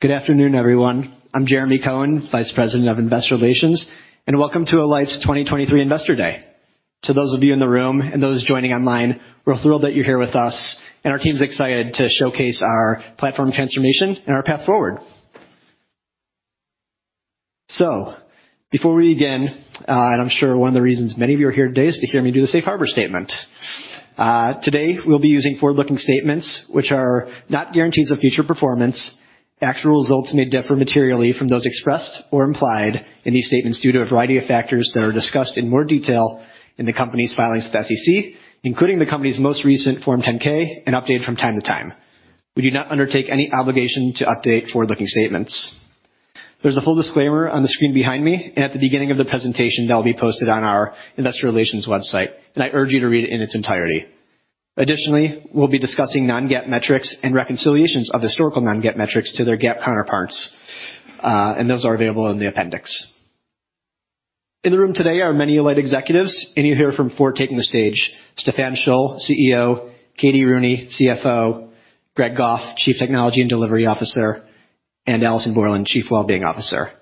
Good afternoon, everyone. I'm Jeremy Cohen, Vice President of Investor Relations, welcome to Alight's 2023 Investor Day. To those of you in the room and those joining online, we're thrilled that you're here with us. Our team's excited to showcase our platform transformation and our path forward. Before we begin, I'm sure one of the reasons many of you are here today is to hear me do the safe harbor statement. Today we'll be using forward-looking statements which are not guarantees of future performance. Actual results may differ materially from those expressed or implied in these statements due to a variety of factors that are discussed in more detail in the company's filings with the SEC, including the company's most recent Form 10-K and updated from time to time. We do not undertake any obligation to update forward-looking statements. There's a full disclaimer on the screen behind me and at the beginning of the presentation that will be posted on our investor relations website, and I urge you to read it in its entirety. Additionally, we'll be discussing non-GAAP metrics and reconciliations of historical non-GAAP metrics to their GAAP counterparts. Those are available in the appendix. In the room today are many Alight executives, and you'll hear from four taking the stage. Stephan Scholl, CEO, Katie Rooney, CFO, Greg Goff, Chief Technology and Delivery Officer, and Alison Borland, Chief Wellbeing Officer.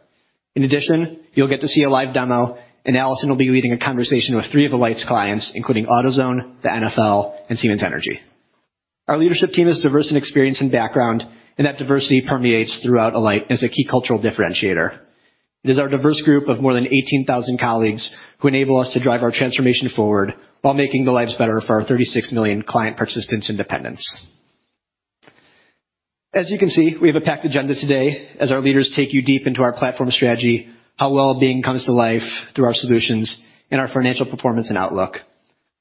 In addition, you'll get to see a live demo, and Alison will be leading a conversation with three of Alight's clients, including AutoZone, the NFL, and Siemens Energy. Our leadership team is diverse in experience and background, and that diversity permeates throughout Alight as a key cultural differentiator. It is our diverse group of more than 18,000 colleagues who enable us to drive our transformation forward while making the lives better for our 36 million client participants and dependents. As you can see, we have a packed agenda today as our leaders take you deep into our platform strategy, how wellbeing comes to life through our solutions and our financial performance and outlook.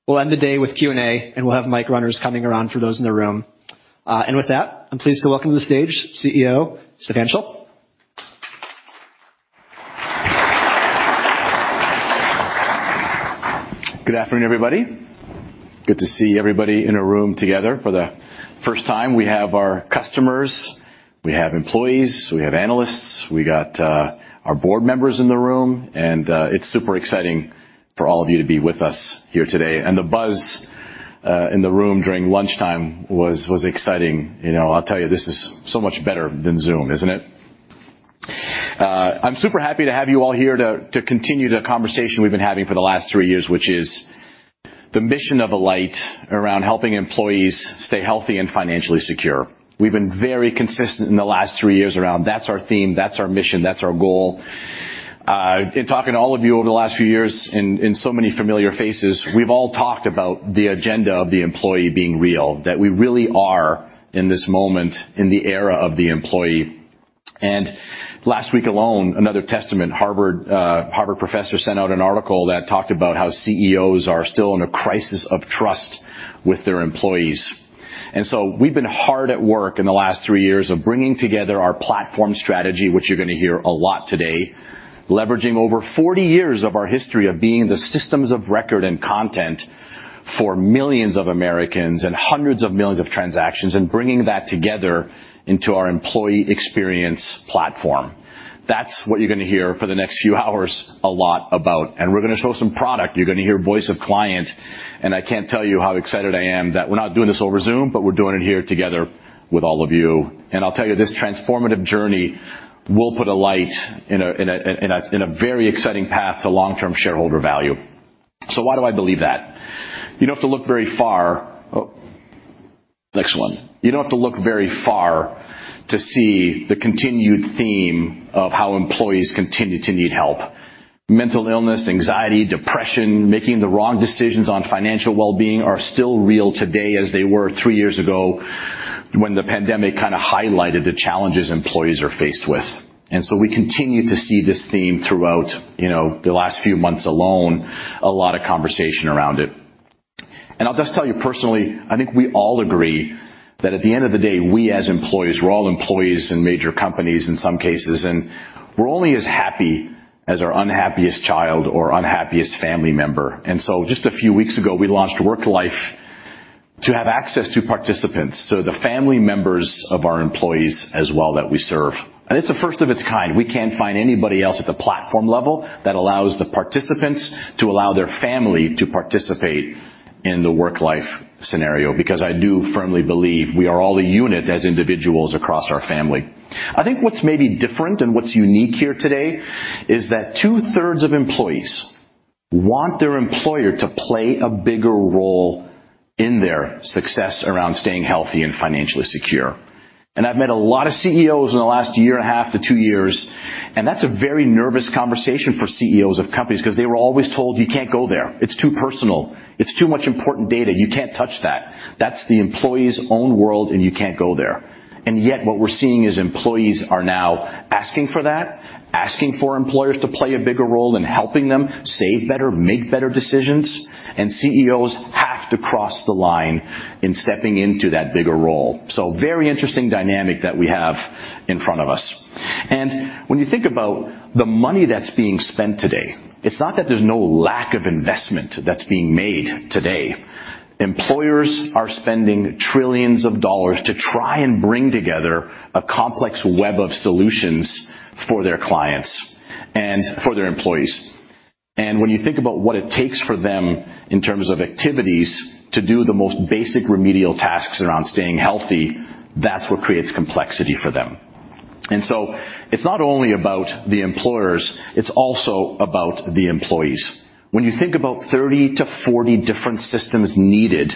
We'll end the day with Q&A, and we'll have mic runners coming around for those in the room. With that, I'm pleased to welcome to the stage CEO Stephan Scholl. Good afternoon, everybody. Good to see everybody in a room together for the first time. We have our customers, we have employees, we have analysts. We got our board members in the room, it's super exciting for all of you to be with us here today. The buzz in the room during lunchtime was exciting. You know, I'll tell you, this is so much better than Zoom, isn't it? I'm super happy to have you all here to continue the conversation we've been having for the last three years, which is the mission of Alight around helping employees stay healthy and financially secure. We've been very consistent in the last three years around that's our theme, that's our mission, that's our goal. In talking to all of you over the last few years and so many familiar faces, we've all talked about the agenda of the employee being real, that we really are in this moment in the era of the employee. Last week alone, another testament, Harvard professor sent out an article that talked about how CEOs are still in a crisis of trust with their employees. We've been hard at work in the last three years of bringing together our platform strategy, which you're going to hear a lot today, leveraging over 40 years of our history of being the systems of record and content for millions of Americans and hundreds of millions of transactions, and bringing that together into our employee experience platform. That's what you're going to hear for the next few hours a lot about. We're going to show some product. You're going to hear voice of client. I can't tell you how excited I am that we're not doing this over Zoom, we're doing it here together with all of you. I'll tell you, this transformative journey will put Alight in a very exciting path to long-term shareholder value. Why do I believe that? You don't have to look very far. Next one. You don't have to look very far to see the continued theme of how employees continue to need help. Mental illness, anxiety, depression, making the wrong decisions on financial well-being are still real today, as they were three years ago when the pandemic kind of highlighted the challenges employees are faced with. We continue to see this theme throughout, you know, the last few months alone, a lot of conversation around it. I'll just tell you personally, I think we all agree that at the end of the day, we as employees, we're all employees in major companies in some cases, and we're only as happy as our unhappiest child or unhappiest family member. Just a few weeks ago, we launched Worklife to have access to participants, so the family members of our employees as well that we serve. It's the first of its kind. We can't find anybody else at the platform level that allows the participants to allow their family to participate in the work life scenario, because I do firmly believe we are all a unit as individuals across our family. I think what's maybe different and what's unique here today is that two-thirds of employees want their employer to play a bigger role in their success around staying healthy and financially secure. I've met a lot of CEOs in the last 1.5-2 years, and that's a very nervous conversation for CEOs of companies because they were always told, "You can't go there. It's too personal. It's too much important data. You can't touch that. That's the employee's own world, and you can't go there." Yet what we're seeing is employees are now asking for that, asking for employers to play a bigger role in helping them save better, make better decisions, and CEOs have to cross the line in stepping into that bigger role. Very interesting dynamic that we have in front of us. When you think about the money that's being spent today, it's not that there's no lack of investment that's being made today. Employers are spending trillions of dollars to try and bring together a complex web of solutions for their clients and for their employees. When you think about what it takes for them in terms of activities to do the most basic remedial tasks around staying healthy, that's what creates complexity for them. It's not only about the employers, it's also about the employees. When you think about 30-40 different systems needed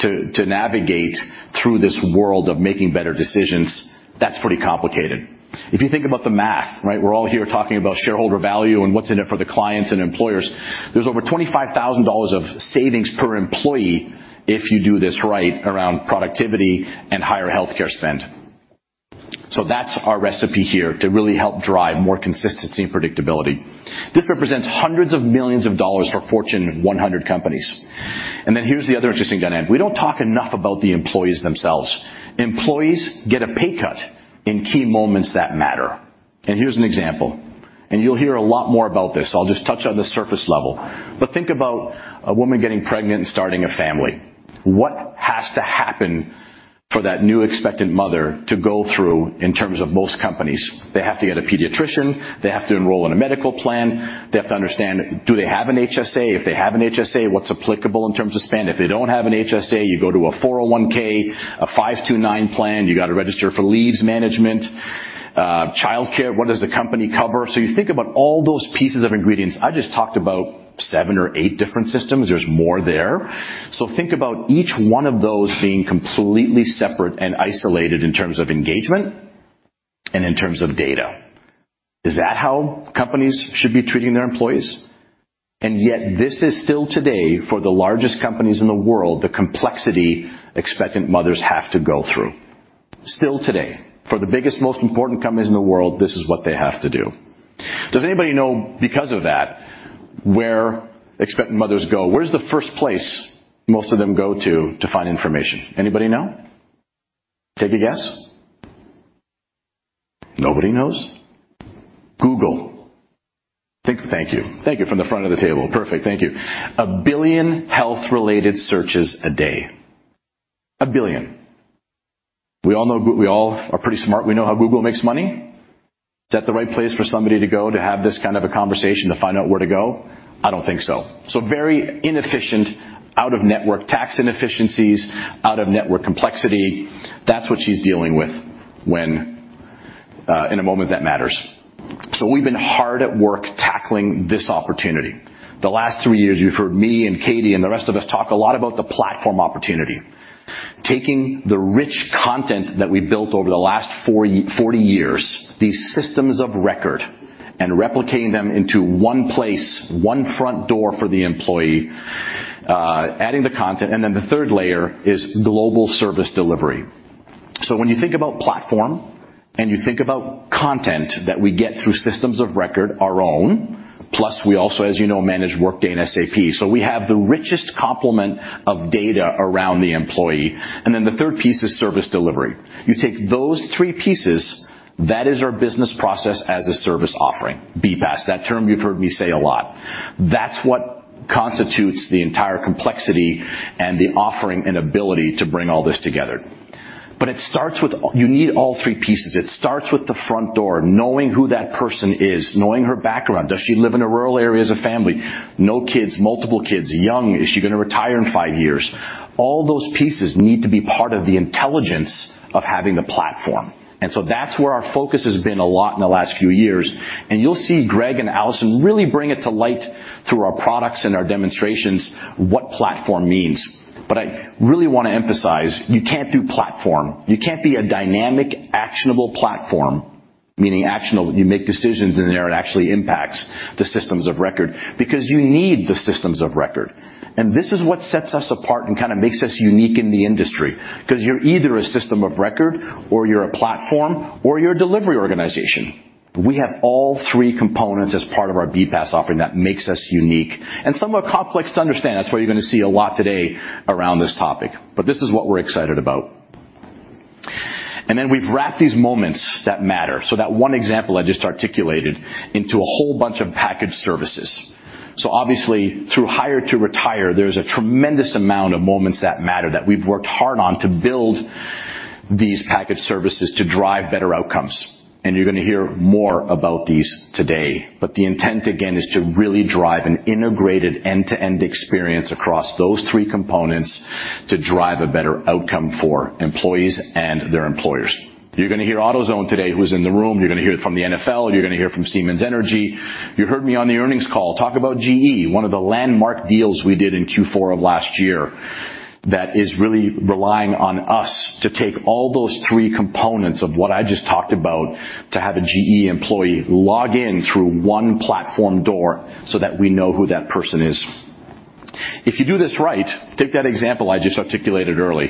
to navigate through this world of making better decisions, that's pretty complicated. If you think about the math, right? We're all here talking about shareholder value and what's in it for the clients and employers. There's over $25,000 of savings per employee if you do this right around productivity and higher healthcare spend. That's our recipe here to really help drive more consistency and predictability. This represents hundreds of millions of dollars for Fortune 100 companies. Here's the other interesting dynamic. We don't talk enough about the employees themselves. Employees get a pay cut in key moments that matter. Here's an example, and you'll hear a lot more about this. I'll just touch on the surface level. Think about a woman getting pregnant and starting a family. What has to happen for that new expectant mother to go through in terms of most companies? They have to get a pediatrician, they have to enroll in a medical plan, they have to understand, do they have an HSA? If they have an HSA, what's applicable in terms of spend? If they don't have an HSA, you go to a 401K, a 529 plan. You got to register for leaves management, childcare. What does the company cover? You think about all those pieces of ingredients. I just talked about seven or eight different systems. There's more there. Think about each one of those being completely separate and isolated in terms of engagement and in terms of data. Is that how companies should be treating their employees? Yet this is still today for the largest companies in the world, the complexity expectant mothers have to go through. Still today, for the biggest, most important companies in the world, this is what they have to do. Does anybody know, because of that, where expectant mothers go? Where's the first place most of them go to to find information? Anybody know? Take a guess. Nobody knows. Google. Thank you. Thank you. From the front of the table. Perfect. Thank you. 1 billion health-related searches a day. 1 billion. We all know. We all are pretty smart. We know how Google makes money. Is that the right place for somebody to go to have this kind of a conversation to find out where to go? I don't think so. Very inefficient out of network tax inefficiencies, out of network complexity. That's what she's dealing with when in a moment that matters. We've been hard at work tackling this opportunity. The last three years, you've heard me and Katie and the rest of us talk a lot about the platform opportunity. Taking the rich content that we built over the last 40 years, these systems of record, and replicating them into one place, one front door for the employee, adding the content. The third layer is global service delivery. When you think about platform and you think about content that we get through systems of record, our own, plus we also, as you know, manage Workday and SAP. We have the richest complement of data around the employee. The third piece is service delivery. You take those three pieces, that is our business process as a service offering, BPaaS. That term you've heard me say a lot. That's what constitutes the entire complexity and the offering and ability to bring all this together. It starts with. You need all three pieces. It starts with the front door, knowing who that person is, knowing her background. Does she live in a rural area as a family? No kids, multiple kids, young. Is she going to retire in five years? All those pieces need to be part of the intelligence of having the platform. That's where our focus has been a lot in the last few years. You'll see Greg and Alison really bring it to light through our products and our demonstrations what platform means. I really want to emphasize, you can't do platform, you can't be a dynamic, actionable platform, meaning actionable, you make decisions in there, it actually impacts the systems of record because you need the systems of record. This is what sets us apart and kind of makes us unique in the industry, because you're either a system of record or you're a platform or you're a delivery organization. We have all three components as part of our BPaaS offering that makes us unique and somewhat complex to understand. That's why you're going to see a lot today around this topic. This is what we're excited about. We've wrapped these moments that matter, so that one example I just articulated, into a whole bunch of packaged services. Obviously, through hire to retire, there's a tremendous amount of moments that matter that we've worked hard on to build these packaged services to drive better outcomes. You're going to hear more about these today. The intent, again, is to really drive an integrated end-to-end experience across those three components to drive a better outcome for employees and their employers. You're going to hear AutoZone today, who's in the room. You're going to hear it from the NFL. You're going to hear from Siemens Energy. You heard me on the earnings call talk about GE, one of the landmark deals we did in Q4 of last year that is really relying on us to take all those three components of what I just talked about to have a GE employee log in through one platform door so that we know who that person is. If you do this right, take that example I just articulated early.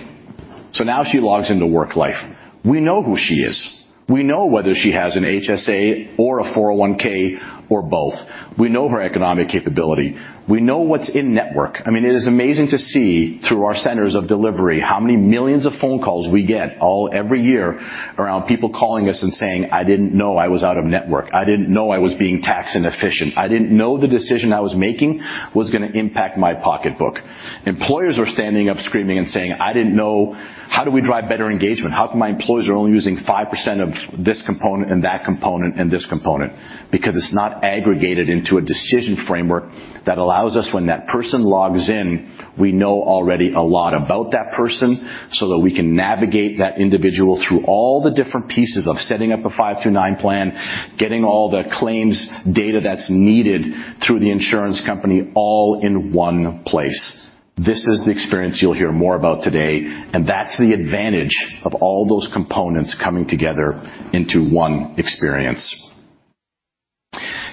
Now she logs into WorkLife. We know who she is. We know whether she has an HSA or a 401 or both. We know her economic capability. We know what's in-network. I mean, it is amazing to see through our centers of delivery how many millions of phone calls we get all every year around people calling us and saying, "I didn't know I was out-of-network. I didn't know I was being tax inefficient. I didn't know the decision I was making was gonna impact my pocketbook." Employers are standing up screaming and saying, "I didn't know. How do we drive better engagement? How come my employees are only using 5% of this component and that component and this component? It's not aggregated into a decision framework that allows us, when that person logs in, we know already a lot about that person so that we can navigate that individual through all the different pieces of setting up a 529 plan, getting all the claims data that's needed through the insurance company all in one place. This is the experience you'll hear more about today, and that's the advantage of all those components coming together into one experience.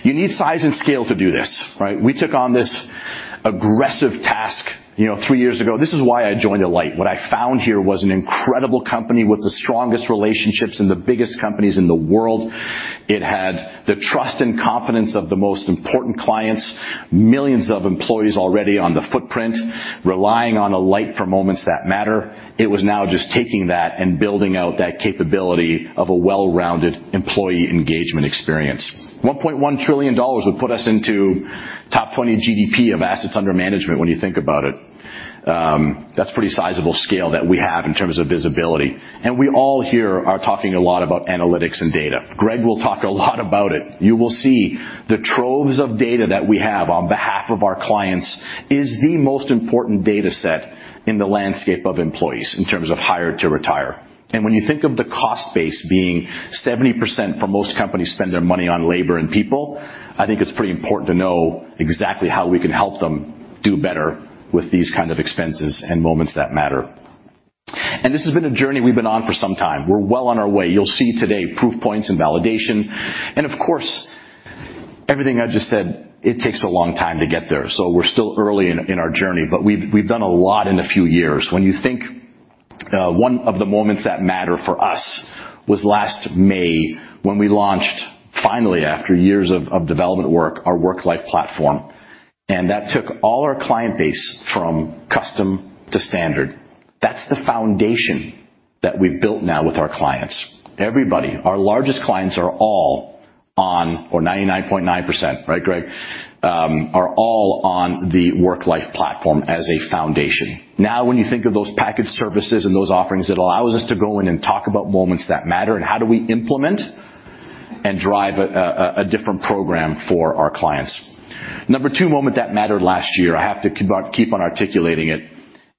You need size and scale to do this, right? We took on this aggressive task, you know, three years ago. This is why I joined Alight. What I found here was an incredible company with the strongest relationships and the biggest companies in the world. It had the trust and confidence of the most important clients, millions of employees already on the footprint, relying on Alight for moments that matter. It was now just taking that and building out that capability of a well-rounded employee engagement experience. $1.1 trillion would put us into top 20 GDP of assets under management when you think about it. That's pretty sizable scale that we have in terms of visibility. We all here are talking a lot about analytics and data. Greg will talk a lot about it. You will see the troves of data that we have on behalf of our clients is the most important data set in the landscape of employees in terms of hire to retire. When you think of the cost base being 70% for most companies spend their money on labor and people, I think it's pretty important to know exactly how we can help them do better with these kind of expenses and moments that matter. This has been a journey we've been on for some time. We're well on our way. You'll see today proof points and validation. Of course, everything I just said, it takes a long time to get there, so we're still early in our journey, but we've done a lot in a few years. When you think, one of the moments that matter for us was last May when we launched, finally, after years of development work, our WorkLife platform, and that took all our client base from custom to standard. That's the foundation that we've built now with our clients. Everybody, our largest clients are all on or 99.9%, right, Greg, are all on the WorkLife platform as a foundation. When you think of those package services and those offerings, it allows us to go in and talk about moments that matter and how do we implement and drive a different program for our clients. Number two moment that mattered last year, I have to keep on articulating it,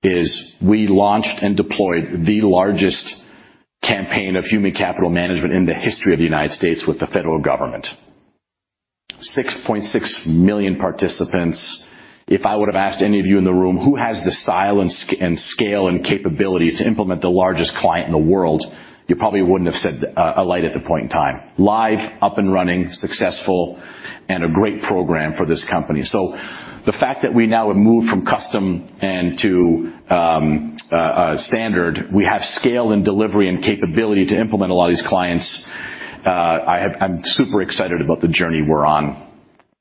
is we launched and deployed the largest campaign of human capital management in the history of the United States with the federal government. 6.6 million participants. If I would have asked any of you in the room, who has the style and scale and capability to implement the largest client in the world, you probably wouldn't have said Alight at the point in time. Live, up and running, successful, and a great program for this company. The fact that we now have moved from custom and to standard, we have scale and delivery and capability to implement a lot of these clients, I'm super excited about the journey we're on.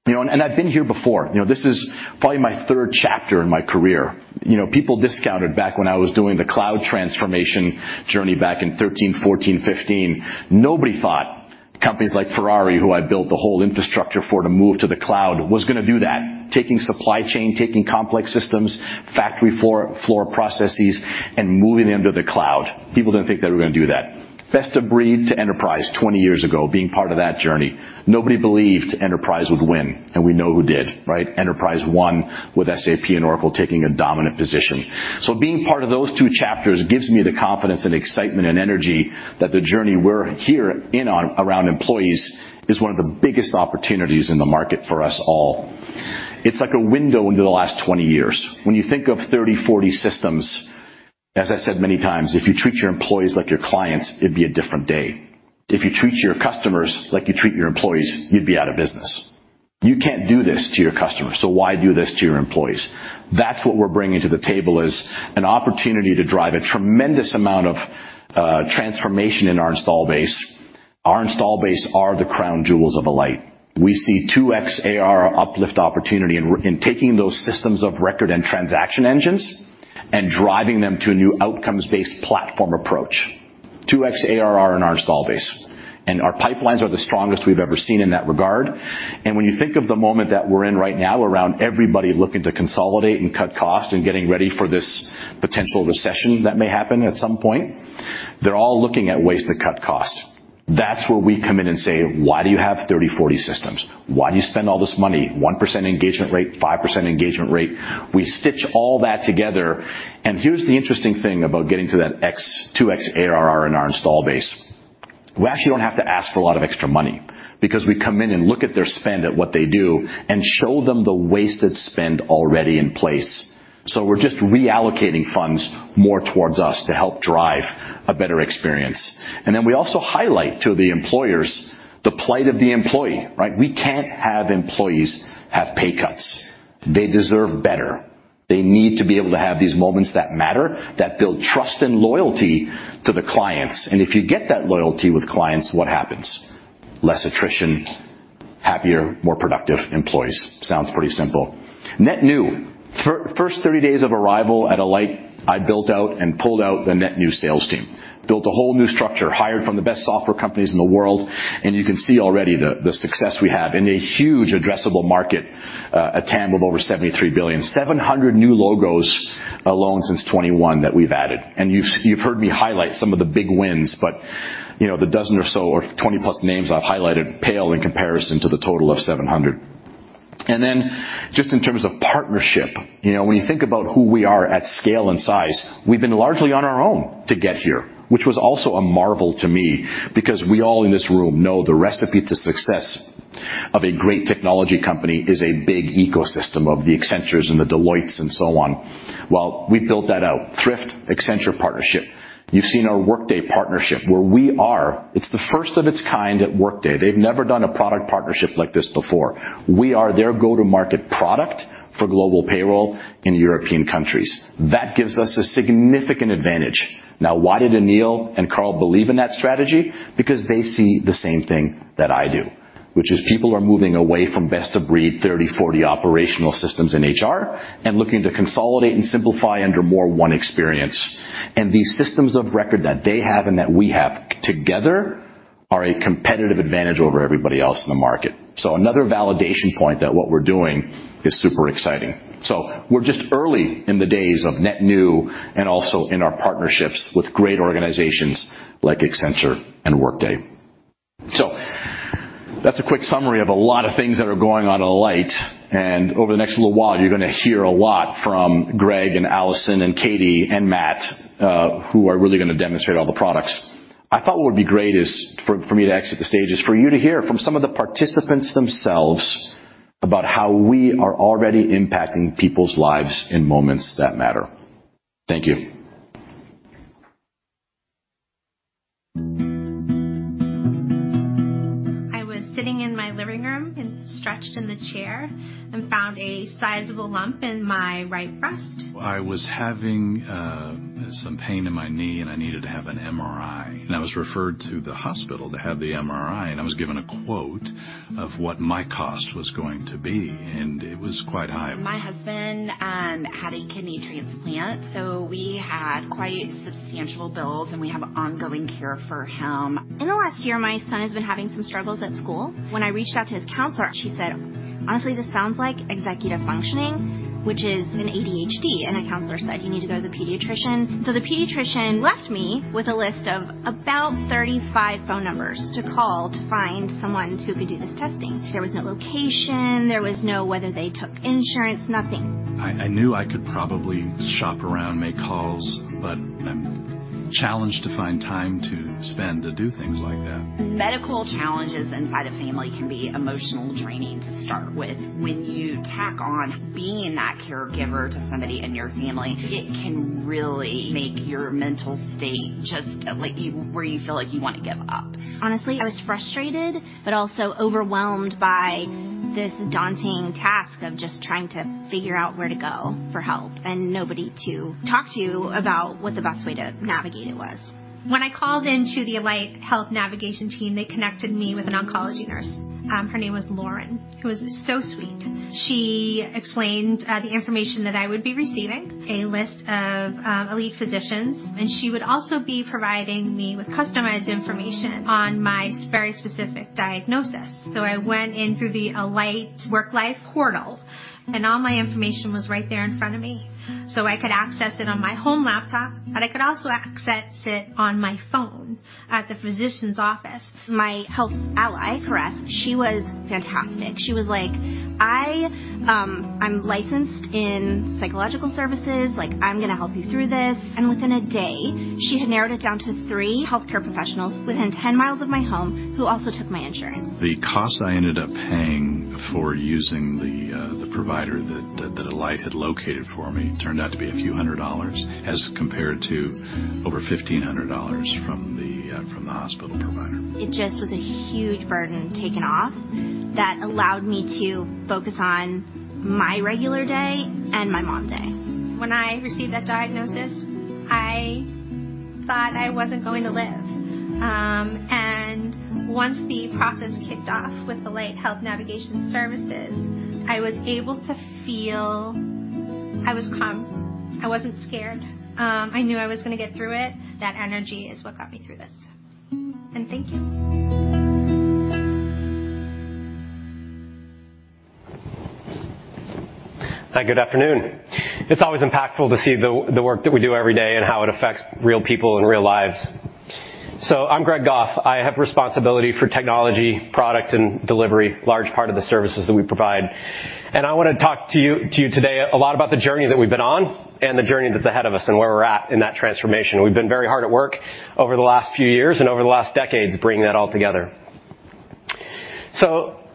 You know, I've been here before. You know, this is probably my third chapter in my career. You know, people discounted back when I was doing the cloud transformation journey back in 2013, 2014, 2015. Nobody thought companies like Ferrari, who I built the whole infrastructure for to move to the cloud, was gonna do that. Taking supply chain, taking complex systems, factory floor processes, and moving them to the cloud. People didn't think they were gonna do that. Best of Breed to Enterprise 20 years ago, being part of that journey, nobody believed Enterprise would win, and we know who did, right? Enterprise won with SAP and Oracle taking a dominant position. Being part of those two chapters gives me the confidence and excitement and energy that the journey we're here in on around employees is one of the biggest opportunities in the market for us all. It's like a window into the last 20 years. When you think of 30, 40 systems, as I said many times, if you treat your employees like your clients, it'd be a different day. If you treat your customers like you treat your employees, you'd be out of business. You can't do this to your customers, so why do this to your employees? That's what we're bringing to the table is an opportunity to drive a tremendous amount of transformation in our install base. Our install base are the crown jewels of Alight. We see 2x AR uplift opportunity in taking those systems of record and transaction engines and driving them to a new outcomes-based platform approach. 2x ARR in our install base, our pipelines are the strongest we've ever seen in that regard. When you think of the moment that we're in right now around everybody looking to consolidate and cut cost and getting ready for this potential recession that may happen at some point, they're all looking at ways to cut cost. That's where we come in and say, "Why do you have 30, 40 systems? Why do you spend all this money? 1% engagement rate, 5% engagement rate." We stitch all that together, here's the interesting thing about getting to that 2x ARR in our install base. We actually don't have to ask for a lot of extra money because we come in and look at their spend at what they do and show them the wasted spend already in place. We're just reallocating funds more towards us to help drive a better experience. We also highlight to the employers the plight of the employee, right? We can't have employees have pay cuts. They deserve better. They need to be able to have these moments that matter, that build trust and loyalty to the clients. If you get that loyalty with clients, what happens? Less attrition, happier, more productive employees. Sounds pretty simple. Net new. First 30 days of arrival at Alight, I built out and pulled out the net new sales team, built a whole new structure, hired from the best software companies in the world, you can see already the success we have in a huge addressable market, a TAM of over $73 billion. 700 new logos alone since 2021 that we've added. You've heard me highlight some of the big wins, but, you know, the dozen or so or 20-plus names I've highlighted pale in comparison to the total of 700. Just in terms of partnership, you know, when you think about who we are at scale and size, we've been largely on our own to get here, which was also a marvel to me because we all in this room know the recipe to success of a great technology company is a big ecosystem of the Accentures and the Deloittes and so on. We built that out. Thrift, Accenture partnership. You've seen our Workday partnership. It's the first of its kind at Workday. They've never done a product partnership like this before. We are their go-to-market product for global payroll in European countries. That gives us a significant advantage. Why did Anil and Carl believe in that strategy? They see the same thing that I do, which is people are moving away from best-of-breed 30, 40 operational systems in HR and looking to consolidate and simplify under more one experience. These systems of record that they have and that we have together are a competitive advantage over everybody else in the market. Another validation point that what we're doing is super exciting. We're just early in the days of net new and also in our partnerships with great organizations like Accenture and Workday. That's a quick summary of a lot of things that are going on at Alight, and over the next little while, you're gonna hear a lot from Greg and Alison and Katie and Matt, who are really gonna demonstrate all the products. I thought what would be great is for me to exit the stage, is for you to hear from some of the participants themselves about how we are already impacting people's lives in moments that matter. Thank you. I was sitting in my living room and stretched in the chair and found a sizable lump in my right breast. I was having some pain in my knee, and I needed to have an MRI. I was referred to the hospital to have the MRI, and I was given a quote of what my cost was going to be, and it was quite high. My husband had a kidney transplant, we had quite substantial bills, and we have ongoing care for him. In the last year, my son has been having some struggles at school. When I reached out to his counselor, she said, "Honestly, this sounds like executive functioning, which is an ADHD." The counselor said, "You need to go to the pediatrician." The pediatrician left me with a list of about 35 phone numbers to call to find someone who could do this testing. There was no location. There was no whether they took insurance, nothing. I knew I could probably shop around, make calls, but I'm challenged to find time to spend to do things like that. Medical challenges inside a family can be emotional draining to start with. When you tack on being that caregiver to somebody in your family, it can really make your mental state just like you, where you feel like you wanna give up. Honestly, I was frustrated but also overwhelmed by this daunting task of just trying to figure out where to go for help and nobody to talk to about what the best way to navigate it was. When I called into the Alight Health Navigation team, they connected me with an oncology nurse. Her name was Lauren, who was so sweet. She explained the information that I would be receiving, a list of elite physicians, and she would also be providing me with customized information on my very specific diagnosis. I went in through the Alight Worklife portal, and all my information was right there in front of me. I could access it on my home laptop, but I could also access it on my phone at the physician's office. My health ally, Caress, she was fantastic. She was like, "I'm licensed in psychological services," like, "I'm gonna help you through this." Within a day, she had narrowed it down to three healthcare professionals within 10 miles of my home who also took my insurance. The cost I ended up paying for using the the provider that Alight had located for me turned out to be a few hundred dollars as compared to over $1,500 from the from the hospital provider. It just was a huge burden taken off that allowed me to focus on my regular day and my mom day. When I received that diagnosis, I thought I wasn't going to live. Once the process kicked off with Alight Healthcare Navigation services, I was able to feel I was calm. I wasn't scared. I knew I was gonna get through it. That energy is what got me through this. Thank you. Hi, good afternoon. It's always impactful to see the work that we do every day and how it affects real people and real lives. I'm Greg Goff. I have responsibility for technology, product, and delivery, large part of the services that we provide. I wanna talk to you today a lot about the journey that we've been on and the journey that's ahead of us and where we're at in that transformation. We've been very hard at work over the last few years and over the last decades, bringing that all together.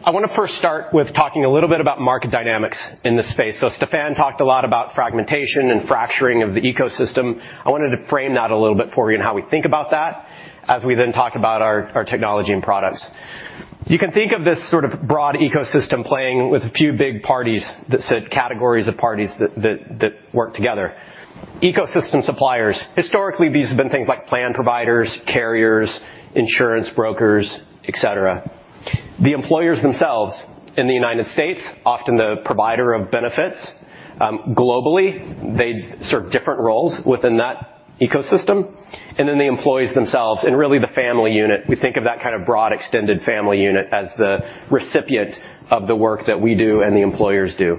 I want to first start with talking a little bit about market dynamics in this space. Stephan talked a lot about fragmentation and fracturing of the ecosystem. I wanted to frame that a little bit for you and how we think about that as we then talk about our technology and products. You can think of this sort of broad ecosystem playing with a few big parties that sit categories of parties that work together. Ecosystem suppliers. Historically, these have been things like plan providers, carriers, insurance brokers, et cetera. The employers themselves in the United States, often the provider of benefits. Globally, they serve different roles within that ecosystem. Then the employees themselves and really the family unit. We think of that kind of broad extended family unit as the recipient of the work that we do and the employers do.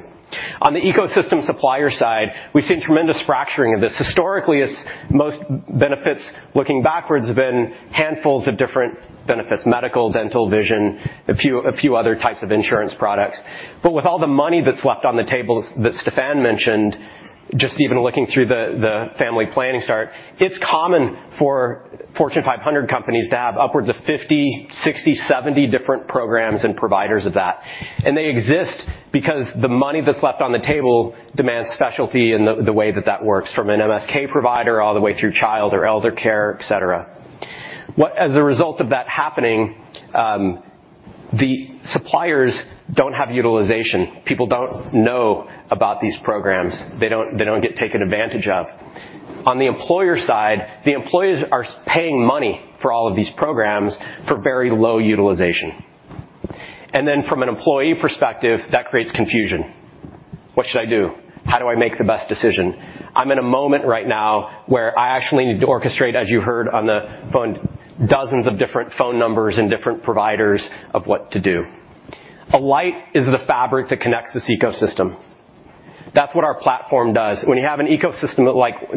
On the ecosystem supplier side, we've seen tremendous fracturing of this. Historically, as most benefits looking backwards have been handfuls of different benefits, medical, dental, vision, a few other types of insurance products. With all the money that's left on the tables that Stephan mentioned, just even looking through the family planning start, it's common for Fortune 500 companies to have upwards of 50, 60, 70 different programs and providers of that. They exist because the money that's left on the table demands specialty in the way that that works from an MSK provider all the way through child or elder care, et cetera. As a result of that happening, the suppliers don't have utilization. People don't know about these programs. They don't get taken advantage of. On the employer side, the employees are paying money for all of these programs for very low utilization. From an employee perspective, that creates confusion. What should I do? How do I make the best decision? I'm in a moment right now where I actually need to orchestrate, as you heard on the phone, dozens of different phone numbers and different providers of what to do. Alight is the fabric that connects this ecosystem. That's what our platform does. When you have an ecosystem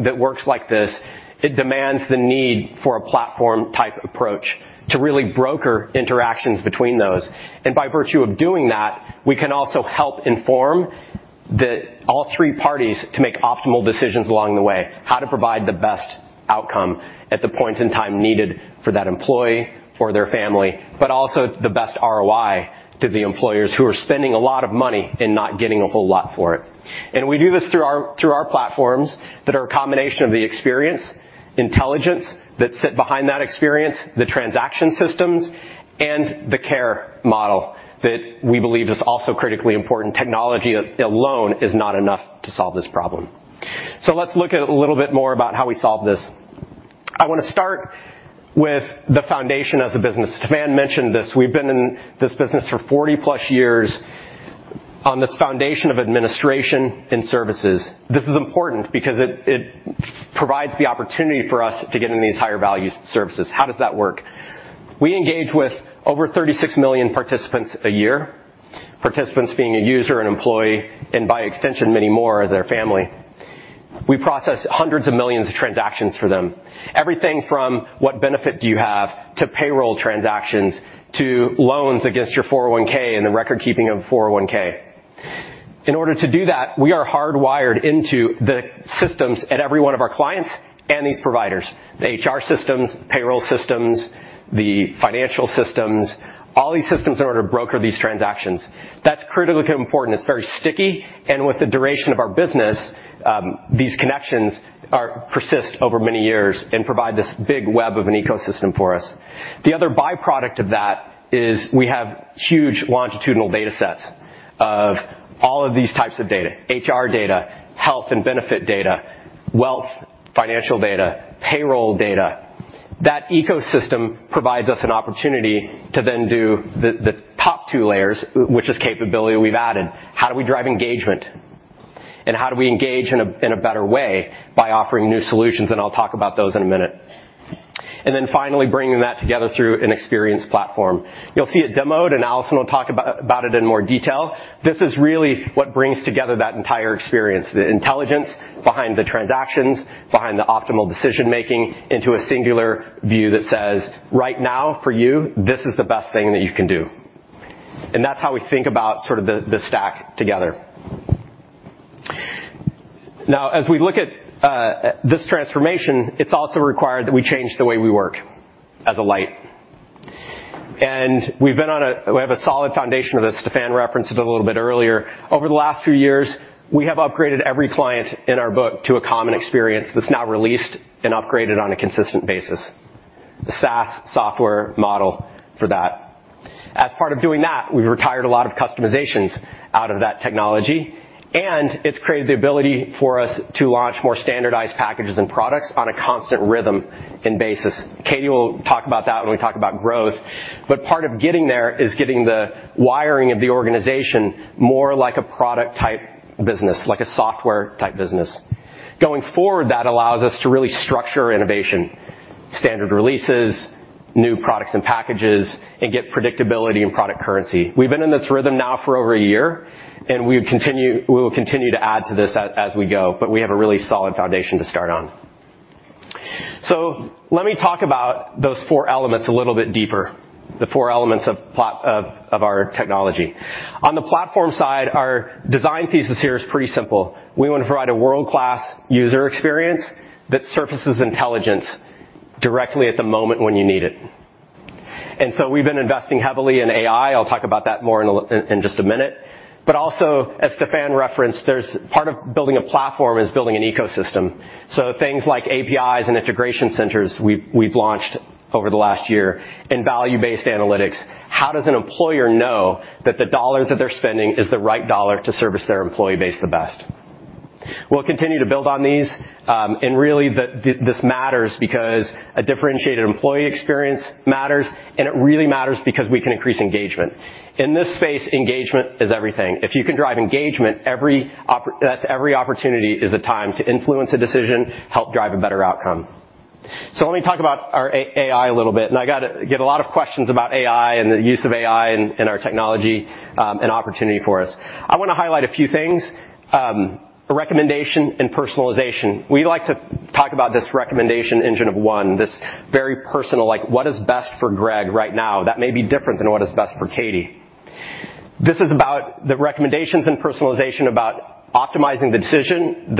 that works like this, it demands the need for a platform type approach to really broker interactions between those. By virtue of doing that, we can also help inform the all three parties to make optimal decisions along the way, how to provide the best outcome at the point in time needed for that employee or their family, but also the best ROI to the employers who are spending a lot of money and not getting a whole lot for it. We do this through our platforms that are a combination of the experience, intelligence that sit behind that experience, the transaction systems, and the care model that we believe is also critically important. Technology alone is not enough to solve this problem. Let's look a little bit more about how we solve this. I want to start with the foundation as a business. Stephan mentioned this. We've been in this business for 40-plus years on this foundation of administration and services. This is important because it provides the opportunity for us to get into these higher value services. How does that work? We engage with over 36 million participants a year. Participants being a user, an employee, and by extension, many more of their family. We process hundreds of millions of transactions for them. Everything from what benefit do you have to payroll transactions to loans against your 401K and the record keeping of 401K. In order to do that, we are hardwired into the systems at every one of our clients and these providers, the HR systems, payroll systems, the financial systems, all these systems in order to broker these transactions. That's critically important. It's very sticky. With the duration of our business, these connections persist over many years and provide this big web of an ecosystem for us. The other byproduct of that is we have huge longitudinal data sets of all of these types of data, HR data, health and benefit data, wealth, financial data, payroll data. That ecosystem provides us an opportunity to then do the top two layers, which is capability we've added. How do we drive engagement? How do we engage in a better way by offering new solutions? I'll talk about those in a minute. Finally bringing that together through an experience platform. You'll see it demoed, Alison will talk about it in more detail. This is really what brings together that entire experience, the intelligence behind the transactions, behind the optimal decision-making into a singular view that says, "Right now for you, this is the best thing that you can do." That's how we think about sort of the stack together. As we look at this transformation, it's also required that we change the way we work as Alight. We have a solid foundation of this. Stephan referenced it a little bit earlier. Over the last few years, we have upgraded every client in our book to a common experience that's now released and upgraded on a consistent basis. The SaaS software model for that. As part of doing that, we've retired a lot of customizations out of that technology, and it's created the ability for us to launch more standardized packages and products on a constant rhythm and basis. Katie will talk about that when we talk about growth. Part of getting there is getting the wiring of the organization more like a product type business, like a software type business. Going forward, that allows us to really structure innovation, standard releases, new products and packages, and get predictability and product currency. We've been in this rhythm now for over a year, and we will continue to add to this as we go, but we have a really solid foundation to start on. Let me talk about those four elements a little bit deeper, the four elements of our technology. On the platform side, our design thesis here is pretty simple. We want to provide a world-class user experience that surfaces intelligence. Directly at the moment when you need it. We've been investing heavily in AI. I'll talk about that more in just a minute. As Stephan referenced, there's part of building a platform is building an ecosystem. Things like APIs and integration centers we've launched over the last year in value-based analytics. How does an employer know that the dollar that they're spending is the right dollar to service their employee base the best? We'll continue to build on these. Really this matters because a differentiated employee experience matters, and it really matters because we can increase engagement. In this space, engagement is everything. If you can drive engagement, every opportunity is a time to influence a decision, help drive a better outcome. Let me talk about our AI a little bit. I get a lot of questions about AI and the use of AI in our technology, and opportunity for us. I wanna highlight a few things. Recommendation and personalization. We like to talk about this recommendation engine of one, this very personal, like what is best for Greg right now. That may be different than what is best for Katie. This is about the recommendations and personalization, about optimizing the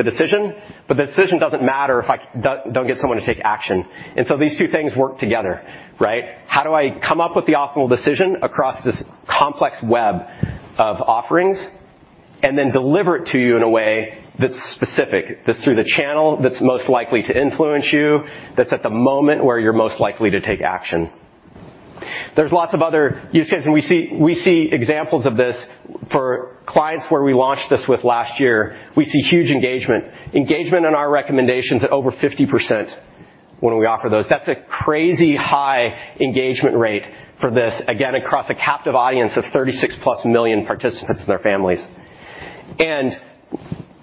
decision, but the decision doesn't matter if I don't get someone to take action. These two things work together, right? How do I come up with the optimal decision across this complex web of offerings and then deliver it to you in a way that's specific, that's through the channel that's most likely to influence you, that's at the moment where you're most likely to take action? There's lots of other use cases, and we see examples of this for clients where we launched this with last year. We see huge engagement. Engagement on our recommendations at over 50% when we offer those. That's a crazy high engagement rate for this, again, across a captive audience of 36+ million participants and their families.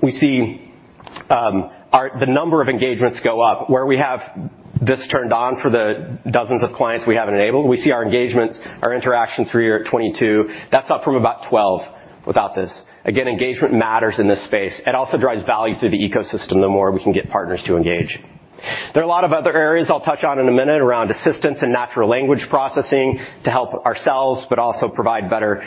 We see the number of engagements go up. Where we have this turned on for the dozens of clients we have enabled, we see our engagements, our interactions three year at 22. That's up from about 12 without this. Again, engagement matters in this space. It also drives value through the ecosystem, the more we can get partners to engage. There are a lot of other areas I'll touch on in a minute around assistance and natural language processing to help ourselves, but also provide better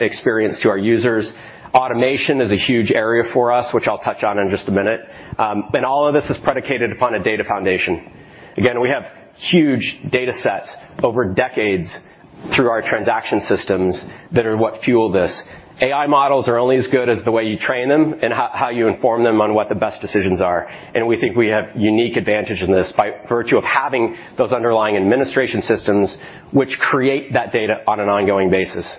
experience to our users. Automation is a huge area for us, which I'll touch on in just a minute. All of this is predicated upon a data foundation. Again, we have huge datasets over decades through our transaction systems that are what fuel this. AI models are only as good as the way you train them and how you inform them on what the best decisions are. We think we have unique advantage in this by virtue of having those underlying administration systems which create that data on an ongoing basis.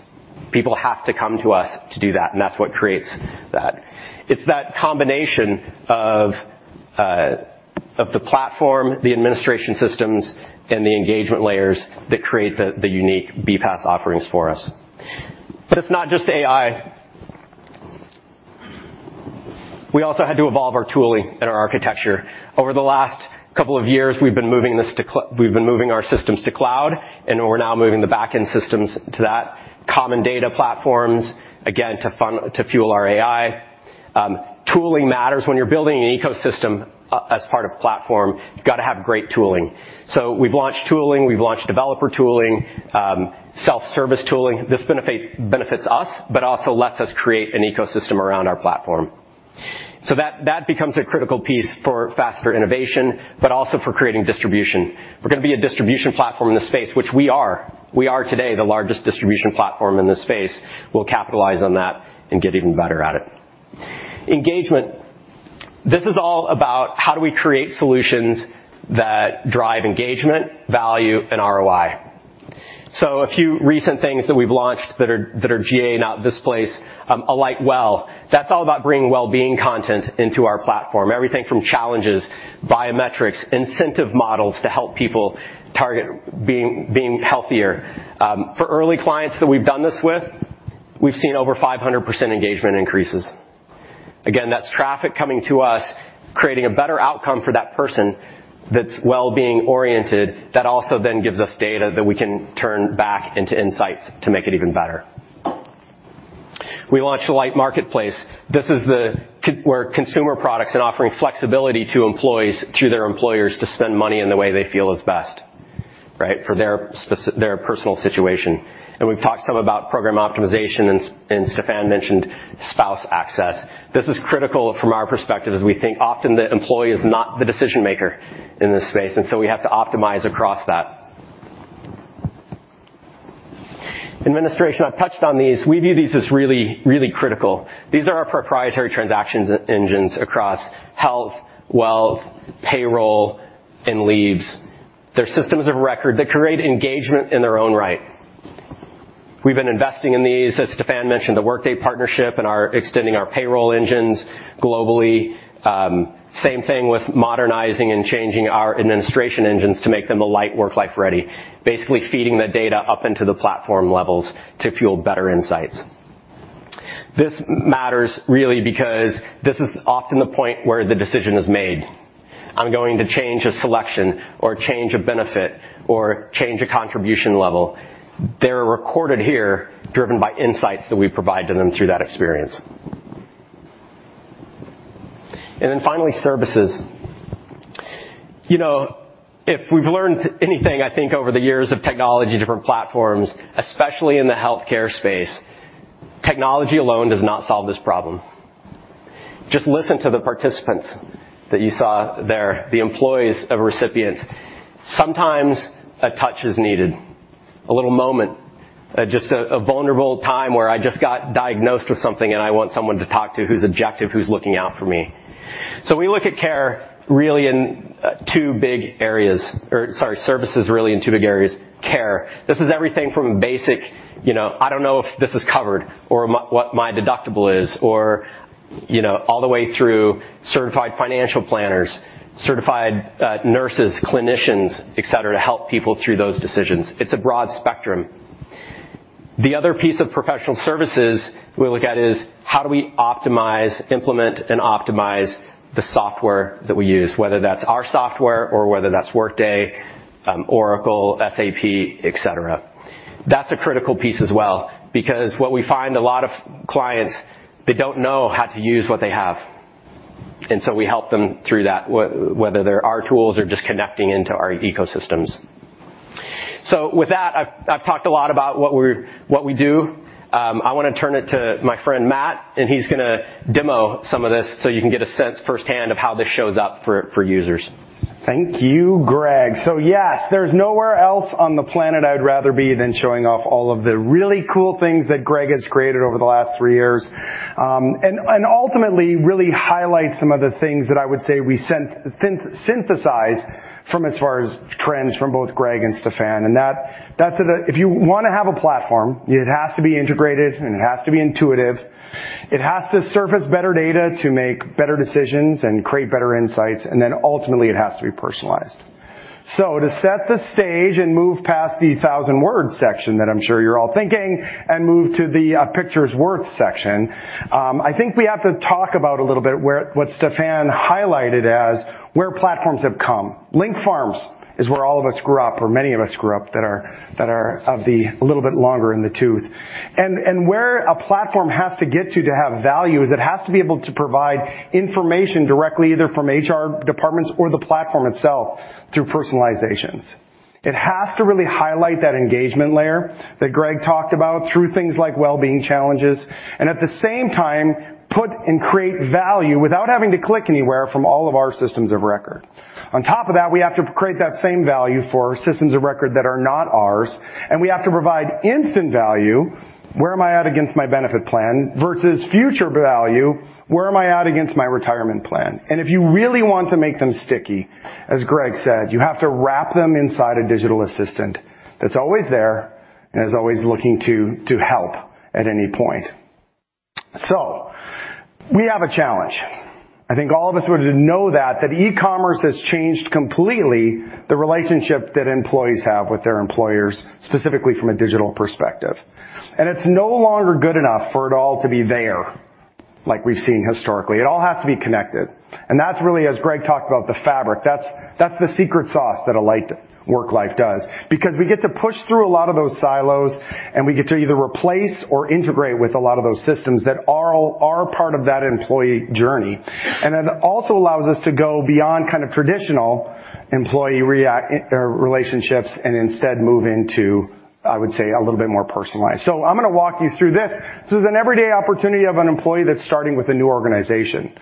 People have to come to us to do that, and that's what creates that. It's that combination of the platform, the administration systems, and the engagement layers that create the unique BPaaS offerings for us. It's not just AI. We also had to evolve our tooling and our architecture. Over the last couple of years, we've been moving our systems to cloud, and we're now moving the back-end systems to that. Common data platforms, again, to fuel our AI. Tooling matters. When you're building an ecosystem as part of platform, you've gotta have great tooling. We've launched tooling, we've launched developer tooling, self-service tooling. This benefits us, but also lets us create an ecosystem around our platform. That becomes a critical piece for faster innovation, but also for creating distribution. We're gonna be a distribution platform in this space, which we are. We are today the largest distribution platform in this space. We'll capitalize on that and get even better at it. Engagement. This is all about how do we create solutions that drive engagement, value, and ROI. A few recent things that we've launched that are GA now at this place, Alight Well. That's all about bringing wellbeing content into our platform. Everything from challenges, biometrics, incentive models to help people target being healthier. For early clients that we've done this with, we've seen over 500% engagement increases. Again, that's traffic coming to us, creating a better outcome for that person that's wellbeing oriented that also then gives us data that we can turn back into insights to make it even better. We launched Alight Marketplace. This is where consumer products and offering flexibility to employees through their employers to spend money in the way they feel is best, right? For their personal situation. We've talked some about program optimization and Stephan mentioned spouse access. This is critical from our perspective, as we think often the employee is not the decision-maker in this space, and so we have to optimize across that. Administration, I've touched on these. We view these as really, really critical. These are our proprietary transactions engines across health, wealth, payroll, and leaves. They're systems of record that create engagement in their own right. We've been investing in these. As Stephan mentioned, the Workday partnership and our extending our payroll engines globally. Same thing with modernizing and changing our administration engines to make them Alight Worklife ready, basically feeding the data up into the platform levels to fuel better insights. This matters really because this is often the point where the decision is made. I'm going to change a selection or change a benefit or change a contribution level. They're recorded here, driven by insights that we provide to them through that experience. Finally, services. You know, if we've learned anything, I think, over the years of technology, different platforms, especially in the healthcare space, technology alone does not solve this problem. Just listen to the participants that you saw there, the employees of recipients. Sometimes a touch is needed, a little moment, just a vulnerable time where I just got diagnosed with something and I want someone to talk to who's objective, who's looking out for me. We look at care really in two big areas. Sorry, services really in two big areas. Care. This is everything from basic, you know, I don't know if this is covered or my... what my deductible is or, you know, all the way through certified financial planners, certified nurses, clinicians, et cetera, to help people through those decisions. It's a broad spectrum. The other piece of professional services we look at is how do we optimize, implement, and optimize the software that we use, whether that's our software or whether that's Workday, Oracle, SAP, et cetera. That's a critical piece as well because what we find a lot of clients, they don't know how to use what they have. We help them through that, whether they're our tools or just connecting into our ecosystems. With that, I've talked a lot about what we do. I wanna turn it to my friend Matt, and he's gonna demo some of this so you can get a sense firsthand of how this shows up for users. Thank you, Greg. Yes, there's nowhere else on the planet I'd rather be than showing off all of the really cool things that Greg has created over the last three years. Ultimately really highlight some of the things that I would say we synthesize from as far as trends from both Greg and Stephan, and that's a... If you wanna have a platform, it has to be integrated, and it has to be intuitive. It has to surface better data to make better decisions and create better insights, and then ultimately it has to be personalized. To set the stage and move past the 1,000 words section that I'm sure you're all thinking and move to the pictures worth section, I think we have to talk about a little bit what Stephan highlighted as where platforms have come. Link Farms is where all of us grew up, or many of us grew up that are, that are of the a little bit longer in the tooth. Where a platform has to get to to have value is it has to be able to provide information directly, either from HR departments or the platform itself through personalizations. It has to really highlight that engagement layer that Greg talked about through things like well-being challenges, and at the same time put and create value without having to click anywhere from all of our systems of record. On top of that, we have to create that same value for systems of record that are not ours, and we have to provide instant value, where am I at against my benefit plan, versus future value, where am I at against my retirement plan? If you really want to make them sticky, as Greg said, you have to wrap them inside a digital assistant that's always there and is always looking to help at any point. We have a challenge. I think all of us would know that e-commerce has changed completely the relationship that employees have with their employers, specifically from a digital perspective. It's no longer good enough for it all to be there, like we've seen historically. It all has to be connected. That's really, as Greg talked about, the fabric. That's the secret sauce that Alight Worklife does. We get to push through a lot of those silos, and we get to either replace or integrate with a lot of those systems that are part of that employee journey. It also allows us to go beyond kind of traditional employee relationships and instead move into, I would say, a little bit more personalized. I'm gonna walk you through this. This is an everyday opportunity of an employee that's starting with a new organization.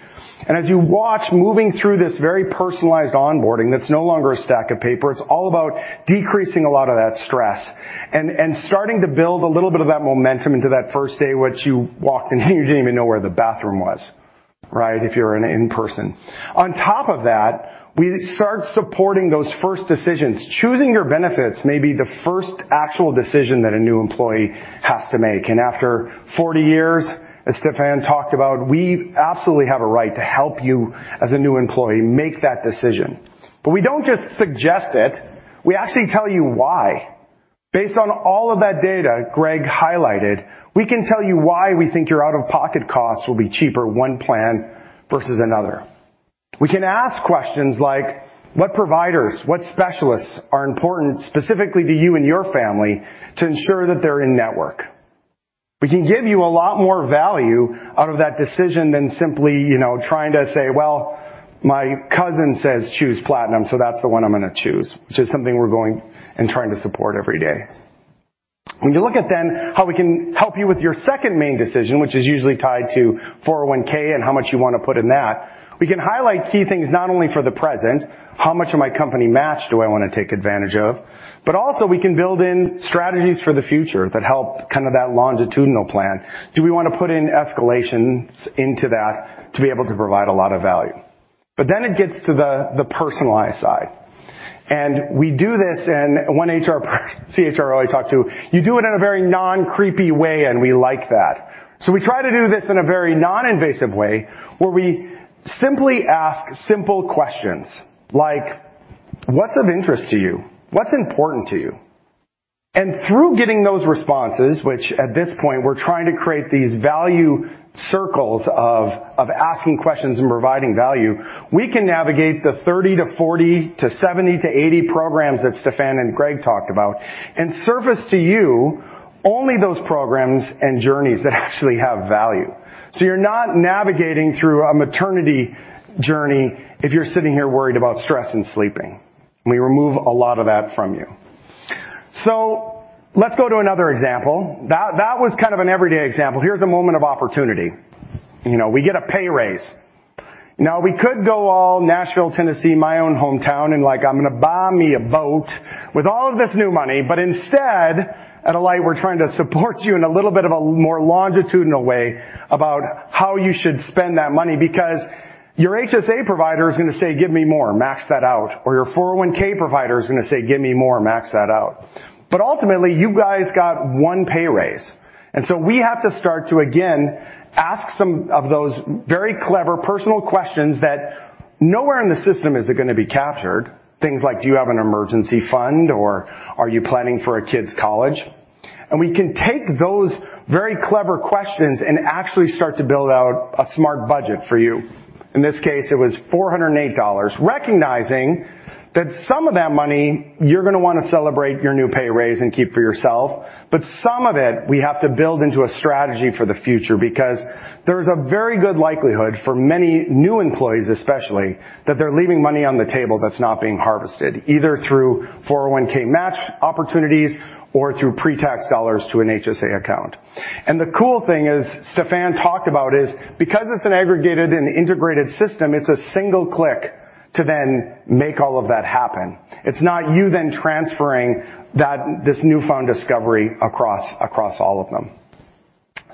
As you watch moving through this very personalized onboarding, that's no longer a stack of paper. It's all about decreasing a lot of that stress and starting to build a little bit of that momentum into that first day, which you walked in, you didn't even know where the bathroom was, right? If you're an in-person. On top of that, we start supporting those first decisions. Choosing your benefits may be the first actual decision that a new employee has to make. After 40 years, as Stephan talked about, we absolutely have a right to help you as a new employee make that decision. We don't just suggest it. We actually tell you why. Based on all of that data Greg highlighted, we can tell you why we think your out-of-pocket costs will be cheaper one plan versus another. We can ask questions like what providers, what specialists are important specifically to you and your family to ensure that they're in network. We can give you a lot more value out of that decision than simply, you know, trying to say, "Well, my cousin says choose Platinum, so that's the one I'm gonna choose," which is something we're going and trying to support every day. When you look at then how we can help you with your second main decision, which is usually tied to 401 and how much you wanna put in that, we can highlight key things not only for the present, how much of my company match do I wanna take advantage of? Also we can build in strategies for the future that help kind of that longitudinal plan. Do we wanna put in escalations into that to be able to provide a lot of value? Then it gets to the personalized side. We do this in one CHRO I talked to, "You do it in a very non-creepy way, and we like that." We try to do this in a very non-invasive way where we simply ask simple questions like what's of interest to you? What's important to you? Through getting those responses, which at this point we're trying to create these value circles of asking questions and providing value, we can navigate the 30 to 40 to 70 to 80 programs that Stephan and Greg talked about and surface to you only those programs and journeys that actually have value. You're not navigating through a maternity journey if you're sitting here worried about stress and sleeping. We remove a lot of that from you. So let's go to another example. That was kind of an everyday example. Here's a moment of opportunity. You know, we get a pay raise. We could go all Nashville, Tennessee, my own hometown, and like, I'm gonna buy me a boat with all of this new money. Instead, at Alight, we're trying to support you in a little bit of a more longitudinal way about how you should spend that money, because your HSA provider is gonna say, "Give me more. Max that out." Your 401 provider is gonna say, "Give me more. Max that out." Ultimately, you guys got one pay raise, so we have to start to again ask some of those very clever personal questions that nowhere in the system is it gonna be captured. Things like, do you have an emergency fund or are you planning for a kid's college? We can take those very clever questions and actually start to build out a smart budget for you. In this case, it was $408. Recognizing that some of that money you're gonna wanna celebrate your new pay raise and keep for yourself, but some of it we have to build into a strategy for the future because there's a very good likelihood for many new employees especially, that they're leaving money on the table that's not being harvested, either through 401 match opportunities or through pre-tax dollars to an HSA account. The cool thing is, Stephan talked about is because it's an aggregated and integrated system, it's a single click to then make all of that happen. It's not you then transferring this newfound discovery across all of them.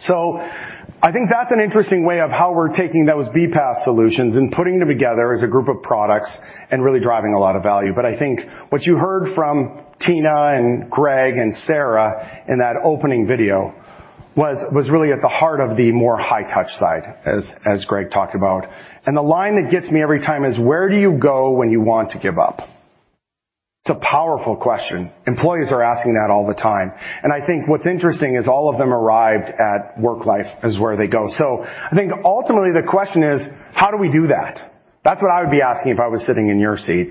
I think that's an interesting way of how we're taking those BPaaS solutions and putting them together as a group of products and really driving a lot of value. I think what you heard from Tina and Greg and Sarah in that opening video was really at the heart of the more high touch side as Greg talked about. The line that gets me every time is: Where do you go when you want to give up? It's a powerful question. Employees are asking that all the time. I think what's interesting is all of them arrived at Worklife as where they go. I think ultimately the question is: How do we do that? That's what I would be asking if I was sitting in your seat.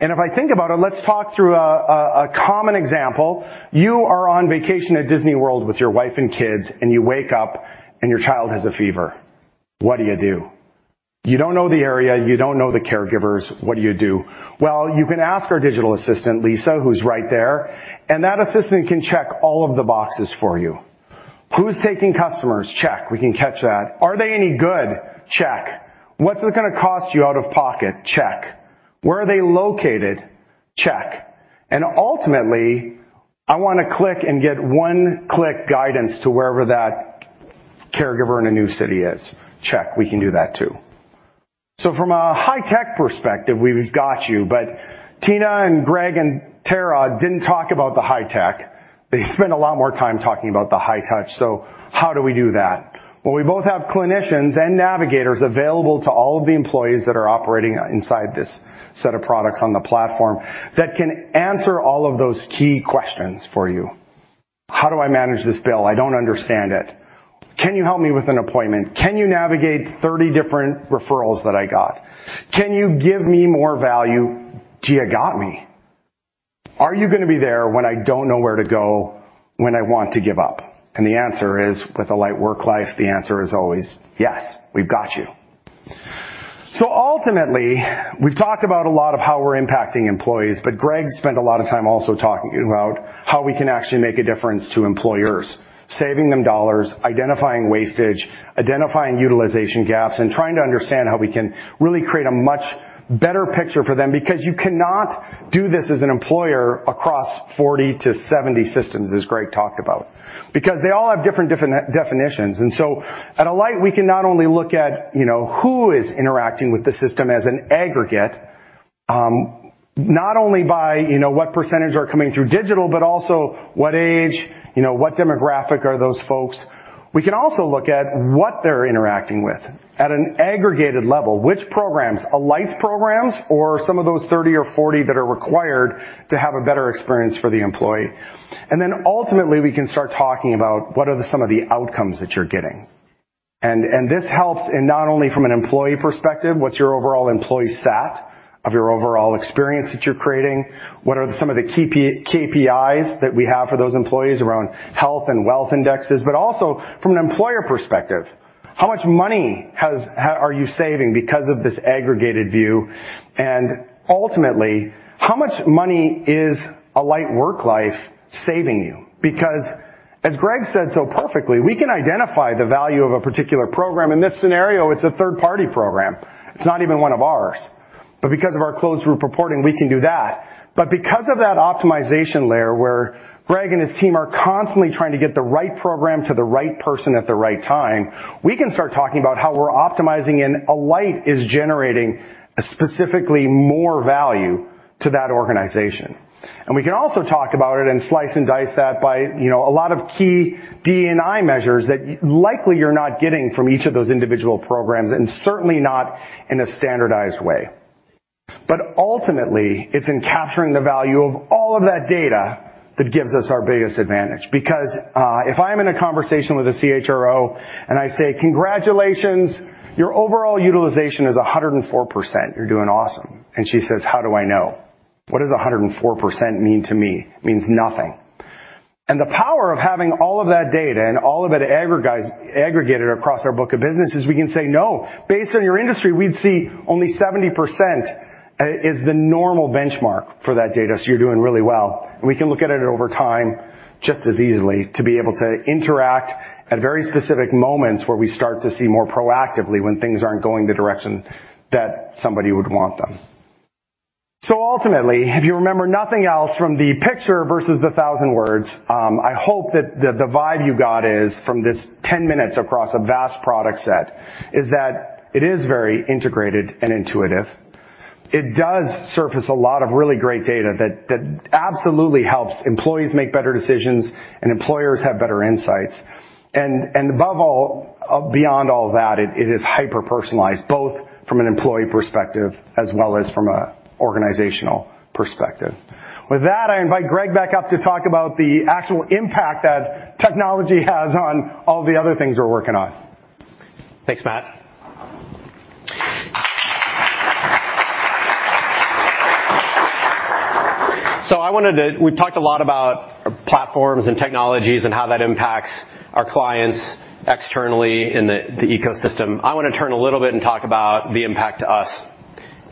If I think about it, let's talk through a common example. You are on vacation at Disney World with your wife and kids, and you wake up and your child has a fever. What do you do? You don't know the area. You don't know the caregivers. What do you do? Well, you can ask our digital assistant, Lisa, who's right there, and that assistant can check all of the boxes for you. Who's taking customers? Check. We can catch that. Are they any good? Check. What's it gonna cost you out of pocket? Check. Where are they located? Check. Ultimately, I wanna click and get one-click guidance to wherever that caregiver in a new city is. Check. We can do that too. From a high-tech perspective, we've got you. Tina and Greg and Tara didn't talk about the high tech. They spent a lot more time talking about the high touch. How do we do that? Well, we both have clinicians and navigators available to all of the employees that are operating inside this set of products on the platform that can answer all of those key questions for you. How do I manage this bill? I don't understand it. Can you help me with an appointment? Can you navigate 30 different referrals that I got? Can you give me more value? Do you got me? Are you gonna be there when I don't know where to go when I want to give up? The answer is, with Alight Worklife, the answer is always, "Yes, we've got you." Ultimately, we've talked about a lot of how we're impacting employees, but Greg spent a lot of time also talking about how we can actually make a difference to employers, saving them $, identifying wastage, identifying utilization gaps, and trying to understand how we can really create a much better picture for them, because you cannot do this as an employer across 40-70 systems, as Greg talked about. They all have different definitions. At Alight, we can not only look at, you know, who is interacting with the system as an aggregate, not only by, you know, what % are coming through digital, but also what age, you know, what demographic are those folks. We can also look at what they're interacting with at an aggregated level. Which programs? Alight's programs or some of those 30 or 40 that are required to have a better experience for the employee. Ultimately, we can start talking about what are some of the outcomes that you're getting. This helps in not only from an employee perspective, what's your overall employee sat of your overall experience that you're creating? What are some of the KPIs that we have for those employees around health and wealth indexes? Also from an employer perspective, how much money are you saving because of this aggregated view? Ultimately, how much money is Alight Worklife saving you? As Greg said so perfectly, we can identify the value of a particular program. In this scenario, it's a third-party program. It's not even one of ours. Because of our closed-loop reporting, we can do that. Because of that optimization layer where Greg and his team are constantly trying to get the right program to the right person at the right time, we can start talking about how we're optimizing and Alight is generating specifically more value to that organization. We can also talk about it and slice and dice that by, you know, a lot of key DE&I measures that likely you're not getting from each of those individual programs, and certainly not in a standardized way. Ultimately, it's in capturing the value of all of that data that gives us our biggest advantage. If I'm in a conversation with a CHRO and I say, "Congratulations, your overall utilization is 104%. You're doing awesome." She says, "How do I know? What does 104% mean to me?" It means nothing. The power of having all of that data and all of it aggregated across our book of business is we can say, "No. Based on your industry, we'd see only 70% is the normal benchmark for that data, so you're doing really well." We can look at it over time just as easily to be able to interact at very specific moments where we start to see more proactively when things aren't going the direction that somebody would want them. Ultimately, if you remember nothing else from the picture versus the thousand words, I hope that the vibe you got is from this 10 minutes across a vast product set is that it is very integrated and intuitive. It does surface a lot of really great data that absolutely helps employees make better decisions and employers have better insights. Above all, beyond all that, it is hyper-personalized, both from an employee perspective as well as from a organizational perspective. With that, I invite Greg back up to talk about the actual impact that technology has on all the other things we're working on. Thanks, Matt. I wanted to... We've talked a lot about platforms and technologies and how that impacts our clients externally in the ecosystem. I wanna turn a little bit and talk about the impact to us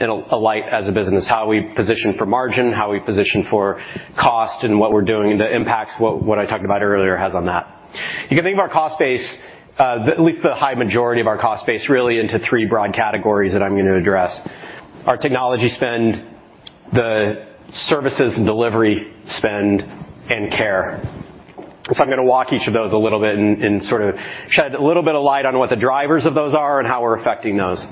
in Alight as a business, how we position for margin, how we position for cost, and what we're doing, and the impacts what I talked about earlier has on that. You can think of our cost base, at least the high majority of our cost base really into three broad categories that I'm gonna address. Our technology spend, the services and delivery spend, and care. I'm gonna walk each of those a little bit and sort of shed a little bit of light on what the drivers of those are and how we're affecting those.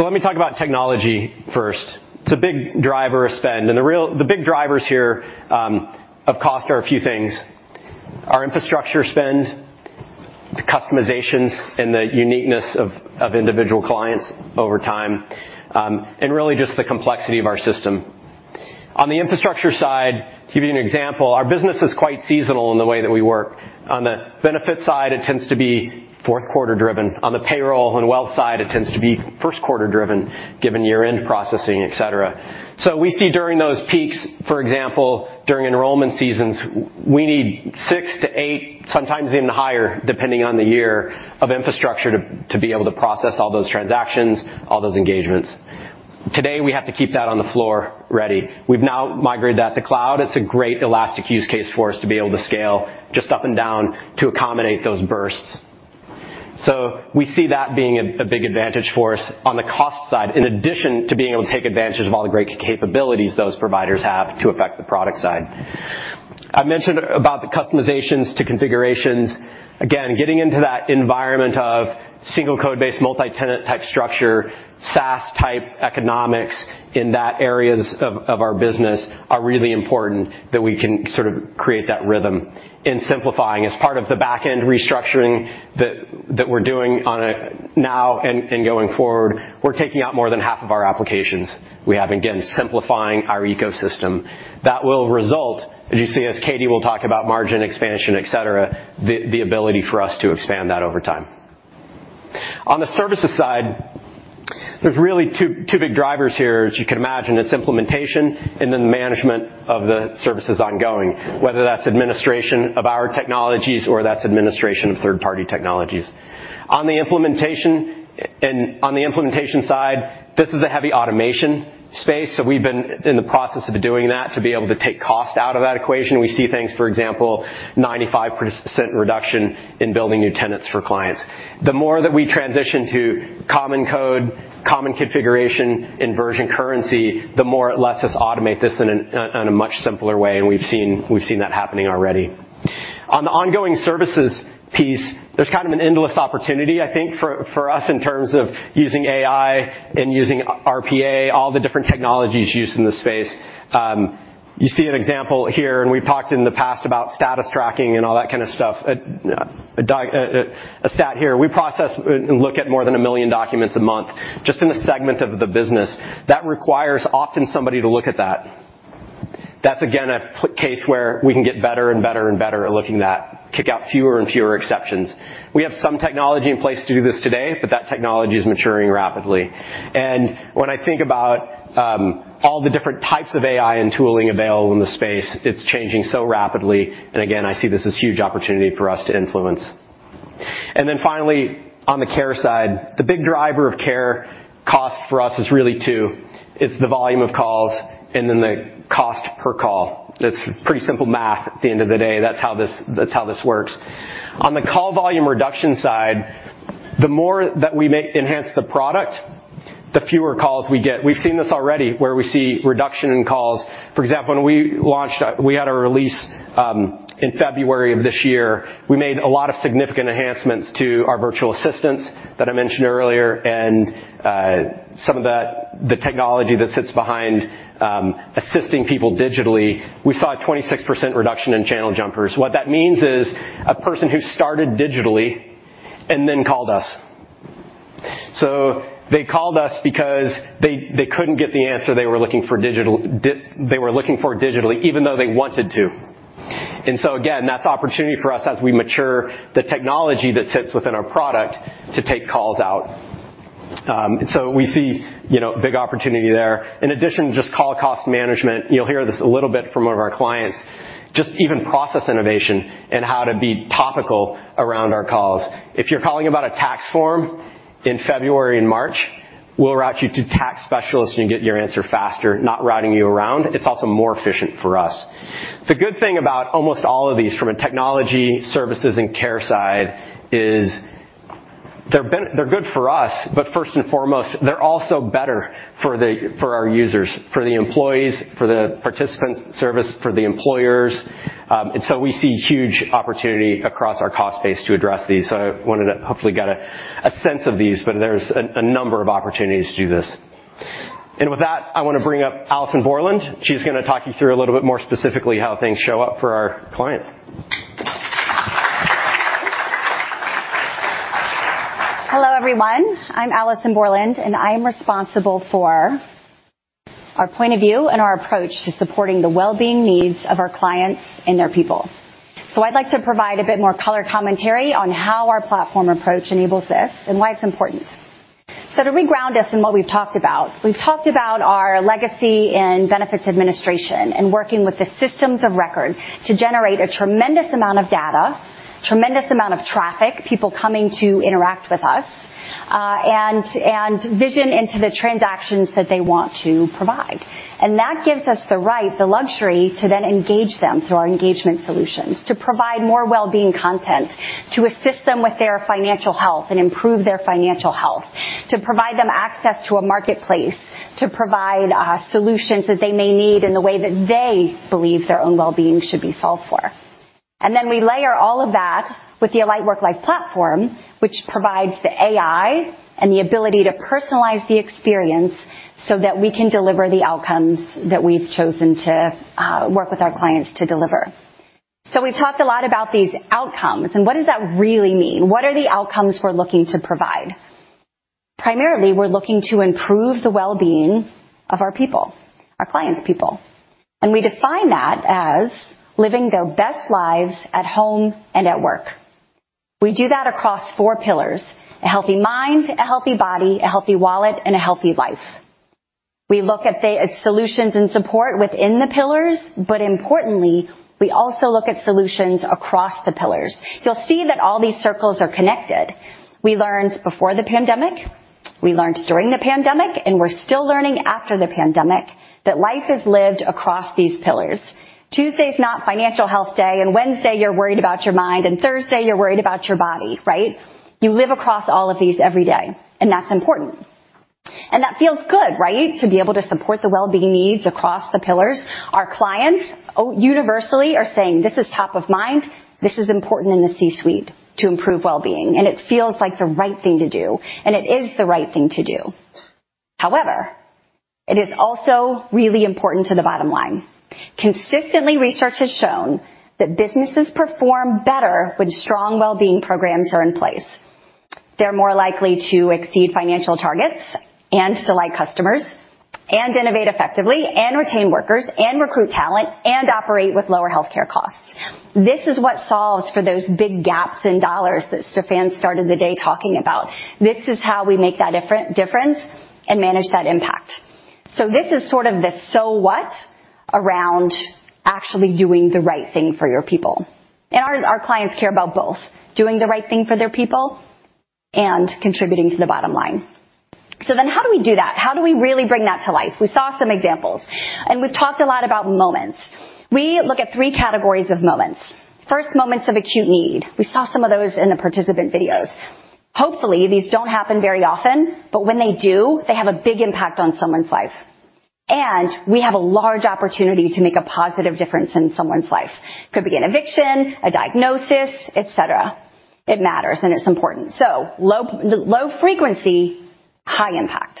Let me talk about technology first. It's a big driver of spend. The big drivers here of cost are a few things. Our infrastructure spend, the customizations, and the uniqueness of individual clients over time, and really just the complexity of our system. On the infrastructure side, to give you an example, our business is quite seasonal in the way that we work. On the benefit side, it tends to be fourth quarter driven. On the payroll and wealth side, it tends to be first quarter driven given year-end processing, et cetera. We see during those peaks, for example, during enrollment seasons, we need 6-8, sometimes even higher, depending on the year, of infrastructure to be able to process all those transactions, all those engagements. Today, we have to keep that on the floor ready. We've now migrated that to cloud. It's a great elastic use case for us to be able to scale just up and down to accommodate those bursts. We see that being a big advantage for us on the cost side, in addition to being able to take advantage of all the great capabilities those providers have to affect the product side. I mentioned about the customizations to configurations. Again, getting into that environment of single code-based, multi-tenant type structure, SaaS type economics in that areas of our business are really important that we can sort of create that rhythm in simplifying. As part of the back-end restructuring that we're doing now and going forward, we're taking out more than half of our applications. Again, simplifying our ecosystem. That will result, as you see, as Katie will talk about margin expansion, et cetera, the ability for us to expand that over time. On the services side, there's really two big drivers here. As you can imagine, it's implementation and then the management of the services ongoing, whether that's administration of our technologies or that's administration of third-party technologies. On the implementation side, this is a heavy automation space, so we've been in the process of doing that to be able to take cost out of that equation. We see things, for example, 95% reduction in building new tenants for clients. The more that we transition to common code, common configuration, and version currency, the more it lets us automate this in a much simpler way, and we've seen that happening already. On the ongoing services piece, there's kind of an endless opportunity, I think, for us in terms of using AI and using RPA, all the different technologies used in the space. You see an example here, and we've talked in the past about status tracking and all that kind of stuff. A stat here. We process and look at more than 1 million documents a month just in a segment of the business. That requires often somebody to look at that. That's again, a case where we can get better and better and better at looking at, kick out fewer and fewer exceptions. We have some technology in place to do this today, but that technology is maturing rapidly. When I think about, all the different types of AI and tooling available in the space, it's changing so rapidly. Again, I see this as huge opportunity for us to influence. Finally, on the care side, the big driver of care cost for us is really two. It's the volume of calls and then the cost per call. It's pretty simple math at the end of the day. That's how this works. On the call volume reduction side, the more that we enhance the product, the fewer calls we get. We've seen this already, where we see reduction in calls. For example, when we launched, we had a release in February of this year. We made a lot of significant enhancements to our virtual assistants that I mentioned earlier and some of that, the technology that sits behind assisting people digitally. We saw a 26% reduction in channel jumpers. What that means is a person who started digitally and then called us. They called us because they couldn't get the answer they were looking for digitally, even though they wanted to. Again, that's opportunity for us as we mature the technology that sits within our product to take calls out. We see, you know, big opportunity there. In addition to just call cost management, you'll hear this a little bit from one of our clients, just even process innovation and how to be topical around our calls. If you're calling about a tax form in February and March, we'll route you to tax specialists so you can get your answer faster, not routing you around. It's also more efficient for us. The good thing about almost all of these from a technology services and care side is they're good for us, but first and foremost, they're also better for our users, for the employees, for the participants service, for the employers. We see huge opportunity across our cost base to address these. I wanted to hopefully get a sense of these, but there's a number of opportunities to do this. With that, I wanna bring up Alison Borland. She's gonna talk you through a little bit more specifically how things show up for our clients. Hello, everyone. I'm Alison Borland. I am responsible for our point of view and our approach to supporting the well-being needs of our clients and their people. I'd like to provide a bit more color commentary on how our platform approach enables this and why it's important. To reground us in what we've talked about, we've talked about our legacy in benefits administration and working with the systems of record to generate a tremendous amount of data, tremendous amount of traffic, people coming to interact with us, and vision into the transactions that they want to provide. That gives us the right, the luxury to then engage them through our engagement solutions, to provide more well-being content, to assist them with their financial health and improve their financial health. To provide them access to a marketplace, to provide solutions that they may need in the way that they believe their own well-being should be solved for. We layer all of that with the Alight Worklife platform, which provides the AI and the ability to personalize the experience so that we can deliver the outcomes that we've chosen to work with our clients to deliver. We've talked a lot about these outcomes and what does that really mean? What are the outcomes we're looking to provide? Primarily, we're looking to improve the well-being of our people, our clients' people, and we define that as living their best lives at home and at work. We do that across four pillars: a healthy mind, a healthy body, a healthy wallet, and a healthy life. We look at the solutions and support within the pillars, but importantly, we also look at solutions across the pillars. You'll see that all these circles are connected. We learned before the pandemic, we learned during the pandemic, and we're still learning after the pandemic that life is lived across these pillars. Tuesday's not financial health day and Wednesday you're worried about your mind, and Thursday you're worried about your body, right? You live across all of these every day, and that's important. That feels good, right? To be able to support the well-being needs across the pillars. Our clients universally are saying, "This is top of mind. This is important in the C-suite to improve well-being." It feels like the right thing to do, and it is the right thing to do. However, it is also really important to the bottom line. Consistently, research has shown that businesses perform better when strong well-being programs are in place. They're more likely to exceed financial targets and delight customers, and innovate effectively, and retain workers, and recruit talent, and operate with lower healthcare costs. This is what solves for those big gaps in dollars that Stephan started the day talking about. This is how we make that difference and manage that impact. This is sort of the so what around actually doing the right thing for your people. Our clients care about both doing the right thing for their people and contributing to the bottom line. How do we do that? How do we really bring that to life? We saw some examples, we've talked a lot about moments. We look at three categories of moments. First, moments of acute need. We saw some of those in the participant videos. Hopefully, these don't happen very often, but when they do, they have a big impact on someone's life. We have a large opportunity to make a positive difference in someone's life. Could be an eviction, a diagnosis, et cetera. It matters, and it's important. Low, low frequency, high impact.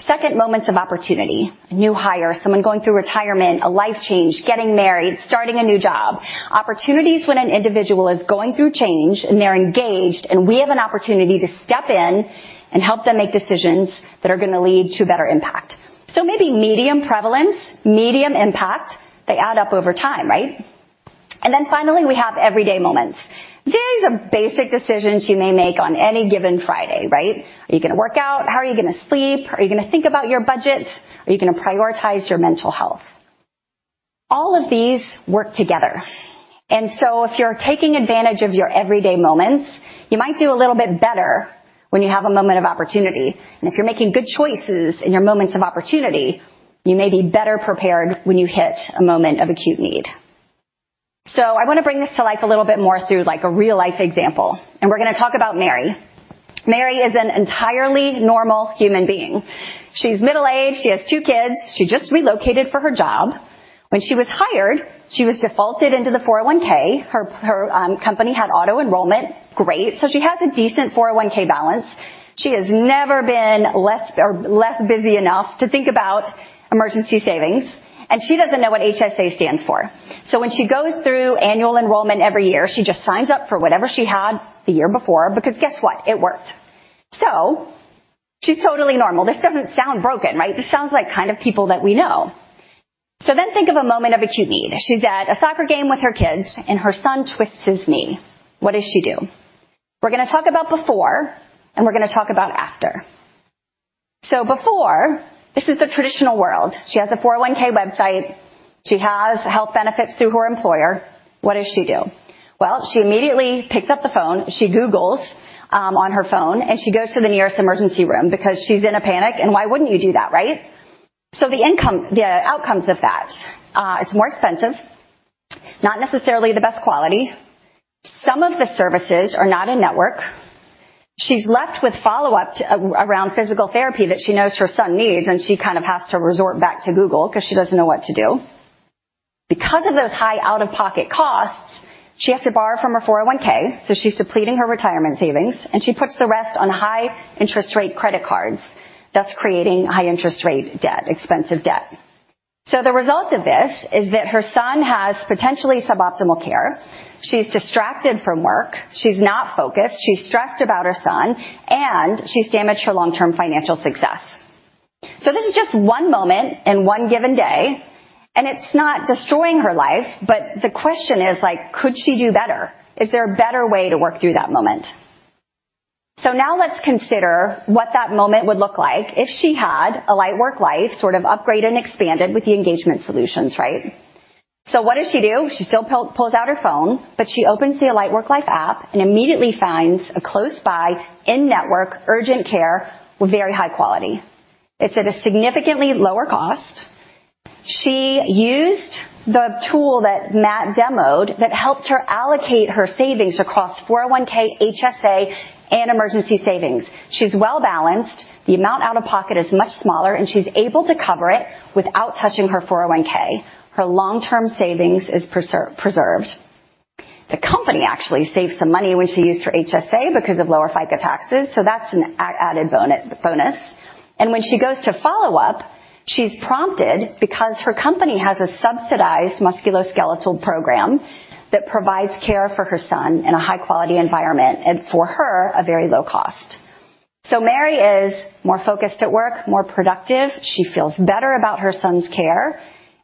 Second, moments of opportunity. A new hire, someone going through retirement, a life change, getting married, starting a new job. Opportunities when an individual is going through change and they're engaged, and we have an opportunity to step in and help them make decisions that are gonna lead to better impact. Maybe medium prevalence, medium impact, they add up over time, right? Finally, we have everyday moments. These are basic decisions you may make on any given Friday, right? Are you gonna work out? How are you gonna sleep? Are you gonna think about your budget? Are you gonna prioritize your mental health? All of these work together. If you're taking advantage of your everyday moments, you might do a little bit better when you have a moment of opportunity. If you're making good choices in your moments of opportunity, you may be better prepared when you hit a moment of acute need. I wanna bring this to life a little bit more through, like, a real-life example, and we're gonna talk about Mary. Mary is an entirely normal human being. She's middle-aged, she has two kids. She just relocated for her job. When she was hired, she was defaulted into the 401. Her company had auto-enrollment. Great. She has a decent 401 balance. She has never been less busy enough to think about emergency savings, and she doesn't know what HSA stands for. When she goes through annual enrollment every year, she just signs up for whatever she had the year before because guess what? It worked. She's totally normal. This doesn't sound broken, right? This sounds like kind of people that we know. Think of a moment of acute need. She's at a soccer game with her kids, and her son twists his knee. What does she do? We're gonna talk about before, and we're gonna talk about after. Before, this is the traditional world. She has a 401 website. She has health benefits through her employer. What does she do? Well, she immediately picks up the phone. She Googles on her phone, she goes to the nearest emergency room because she's in a panic. Why wouldn't you do that, right? The outcomes of that, it's more expensive, not necessarily the best quality. Some of the services are not in-network. She's left with follow-up around physical therapy that she knows her son needs, she kind of has to resort back to Google 'cause she doesn't know what to do. Because of those high out-of-pocket costs, she has to borrow from her 401K, she's depleting her retirement savings, she puts the rest on high interest rate credit cards, thus creating high interest rate debt, expensive debt. The result of this is that her son has potentially suboptimal care. She's distracted from work. She's not focused. She's stressed about her son, she's damaged her long-term financial success. This is just one moment in one given day, and it's not destroying her life, but the question is, like, could she do better? Is there a better way to work through that moment? Now let's consider what that moment would look like if she had Alight Worklife sort of upgraded and expanded with the engagement solutions, right? What does she do? She still pulls out her phone, but she opens the Alight Worklife app and immediately finds a close by, in-network urgent care with very high quality. It's at a significantly lower cost. She used the tool that Matt demoed that helped her allocate her savings across 401, HSA, and emergency savings. She's well-balanced. The amount out-of-pocket is much smaller, and she's able to cover it without touching her 401. Her long-term savings is preserved. The company actually saved some money when she used her HSA because of lower FICA taxes, so that's an added bone-bonus. When she goes to follow up, she's prompted because her company has a subsidized musculoskeletal program that provides care for her son in a high-quality environment and for her, a very low cost. Mary is more focused at work, more productive. She feels better about her son's care,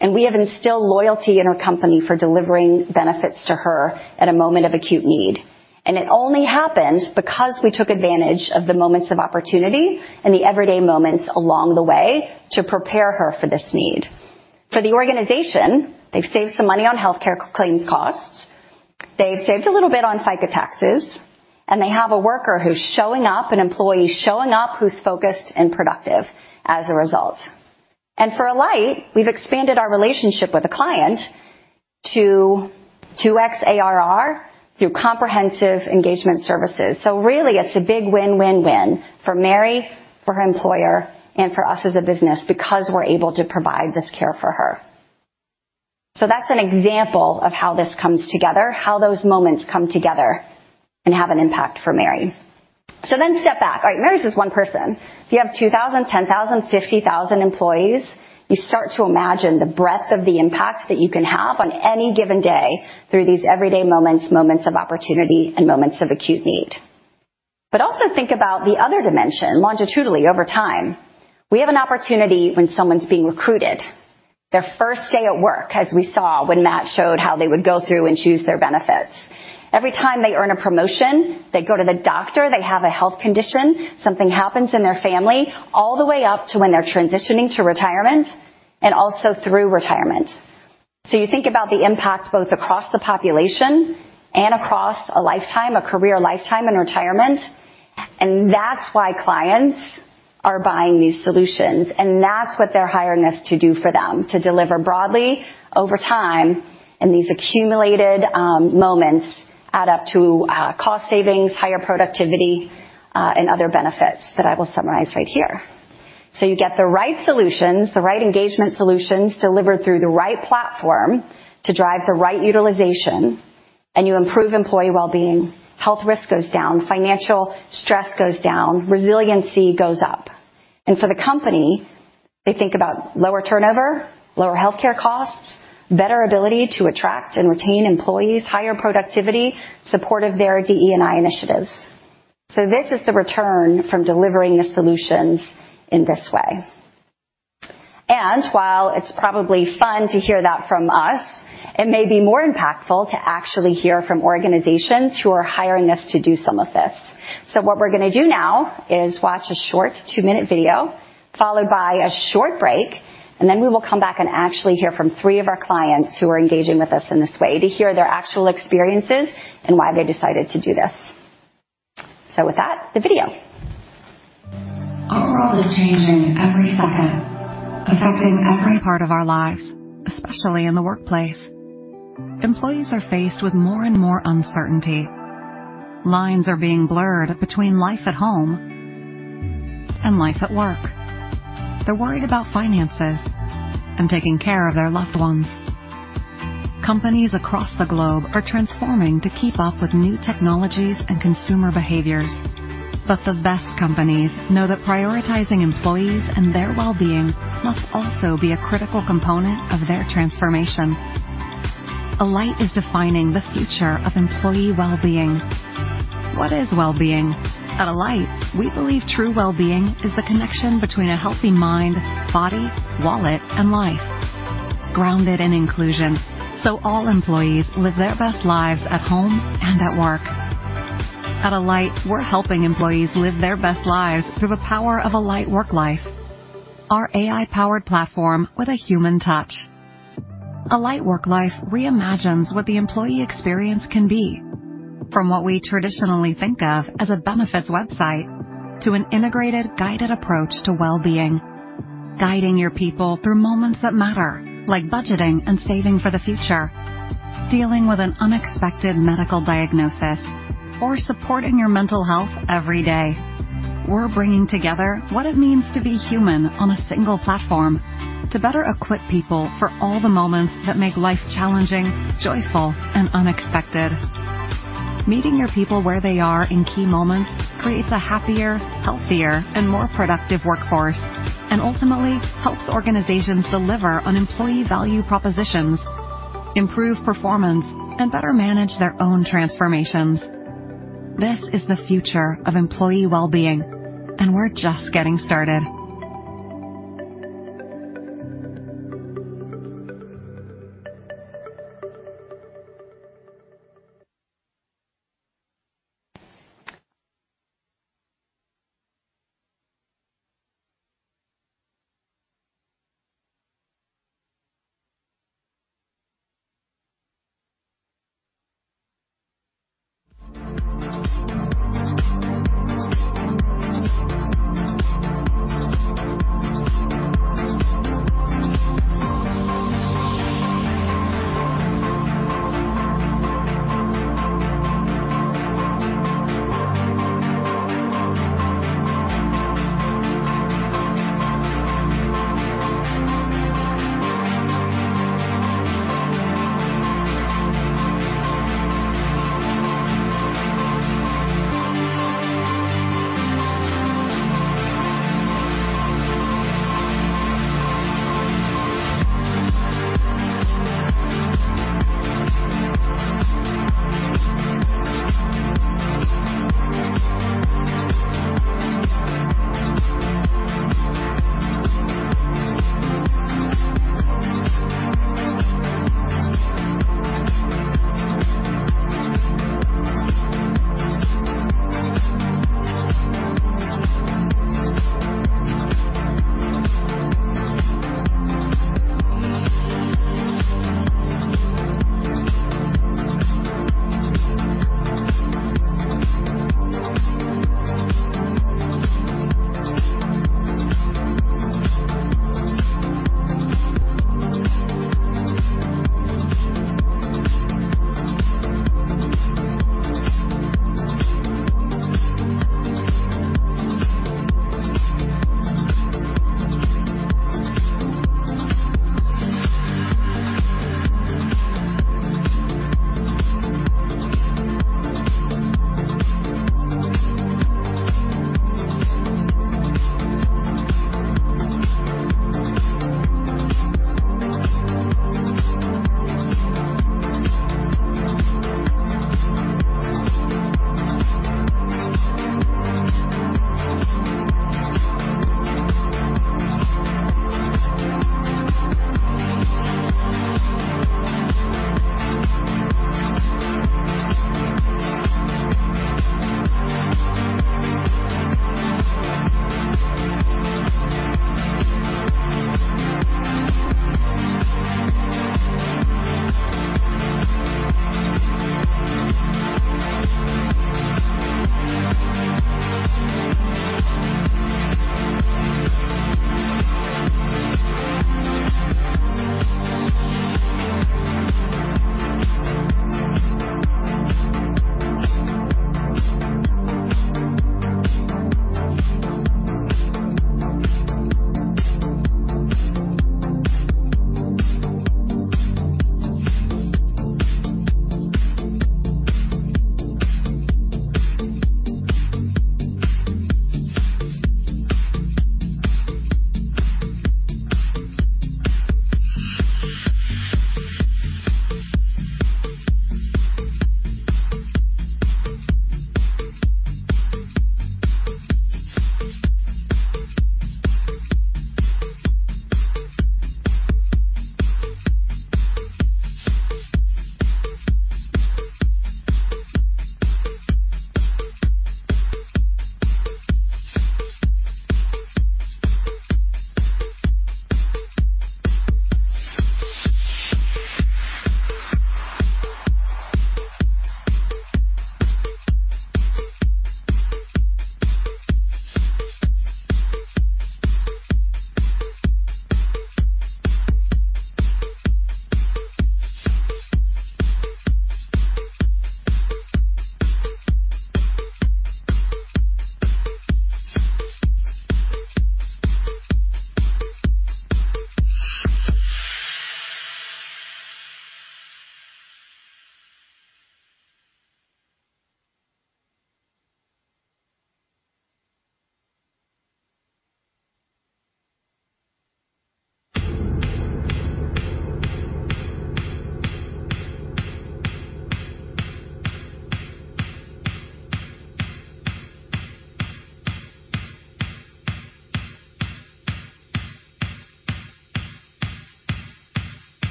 and we have instilled loyalty in her company for delivering benefits to her at a moment of acute need. It only happened because we took advantage of the moments of opportunity and the everyday moments along the way to prepare her for this need. For the organization, they've saved some money on healthcare claims costs, they've saved a little bit on FICA taxes. They have a worker who's showing up, an employee showing up who's focused and productive as a result. For Alight, we've expanded our relationship with the client to 2x ARR through comprehensive engagement services. Really, it's a big win-win-win for Mary, for her employer, and for us as a business because we're able to provide this care for her. That's an example of how this comes together, how those moments come together and have an impact for Mary. Step back. All right, Mary's just one person. If you have 2,000, 10,000, 50,000 employees, you start to imagine the breadth of the impact that you can have on any given day through these everyday moments of opportunity, and moments of acute need. Also think about the other dimension, longitudinally over time. We have an opportunity when someone's being recruited, their first day at work, as we saw when Matt showed how they would go through and choose their benefits. Every time they earn a promotion, they go to the doctor, they have a health condition, something happens in their family, all the way up to when they're transitioning to retirement and also through retirement. You think about the impact both across the population and across a lifetime, a career lifetime in retirement, and that's why clients are buying these solutions, and that's what they're hiring us to do for them, to deliver broadly over time. These accumulated moments add up to cost savings, higher productivity, and other benefits that I will summarize right here. You get the right solutions, the right engagement solutions, delivered through the right platform to drive the right utilization, and you improve employee well-being. Health risk goes down, financial stress goes down, resiliency goes up. For the company, they think about lower turnover, lower healthcare costs, better ability to attract and retain employees, higher productivity, support of their DE&I initiatives. This is the return from delivering the solutions in this way. While it's probably fun to hear that from us, it may be more impactful to actually hear from organizations who are hiring us to do some of this. What we're gonna do now is watch a short two-minute video followed by a short break, and then we will come back and actually hear from three of our clients who are engaging with us in this way to hear their actual experiences and why they decided to do this. With that, the video. Our world is changing every second, affecting every part of our lives, especially in the workplace. Employees are faced with more and more uncertainty. Lines are being blurred between life at home and life at work. They're worried about finances and taking care of their loved ones. Companies across the globe are transforming to keep up with new technologies and consumer behaviors. The best companies know that prioritizing employees and their wellbeing must also be a critical component of their transformation. Alight is defining the future of employee wellbeing. What is wellbeing? At Alight, we believe true wellbeing is the connection between a healthy mind, body, wallet, and life, grounded in inclusion so all employees live their best lives at home and at work. At Alight, we're helping employees live their best lives through the power of Alight Worklife, our AI-powered platform with a human touch. Alight Worklife reimagines what the employee experience can be, from what we traditionally think of as a benefits website to an integrated, guided approach to wellbeing, guiding your people through moments that matter, like budgeting and saving for the future, dealing with an unexpected medical diagnosis, or supporting your mental health every day. We're bringing together what it means to be human on a single platform to better equip people for all the moments that make life challenging, joyful, and unexpected. Meeting your people where they are in key moments creates a happier, healthier, and more productive workforce, and ultimately helps organizations deliver on employee value propositions, improve performance, and better manage their own transformations. This is the future of employee wellbeing, and we're just getting started.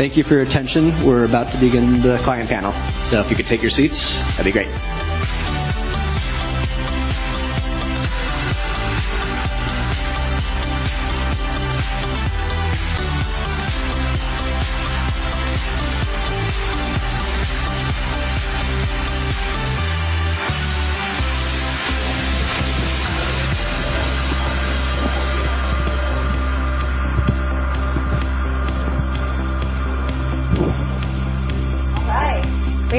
Hello. Thank you for your attention. We're about to begin the client panel, so if you could take your seats, that'd be great.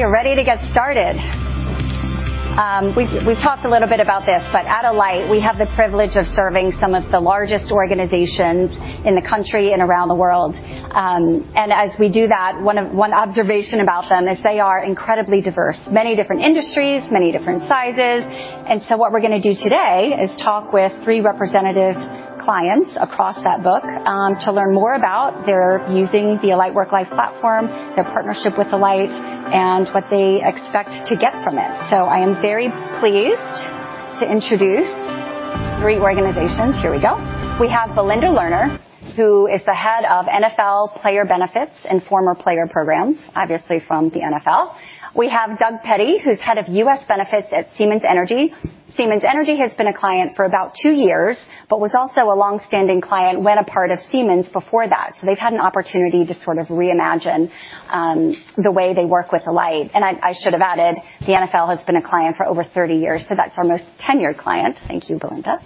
All right. We are ready to get started. We've talked a little bit about this, at Alight we have the privilege of serving some of the largest organizations in the country and around the world. As we do that, one observation about them is they are incredibly diverse. Many different industries, many different sizes. What we're gonna do today is talk with three representative clients across that book to learn more about their using the Alight Worklife platform, their partnership with Alight, and what they expect to get from it. I am very pleased to introduce three organizations. Here we go. We have Belinda Lerner, who is the Head of NFL Player Benefits and Former Player Programs, obviously from the NFL. We have Doug Petty, who's Head of US Benefits at Siemens Energy. Siemens Energy has been a client for about two years, was also a long-standing client when a part of Siemens before that. They've had an opportunity to sort of reimagine the way they work with Alight. I should have added, the NFL has been a client for over 30 years, that's our most tenured client. Thank you, Belinda.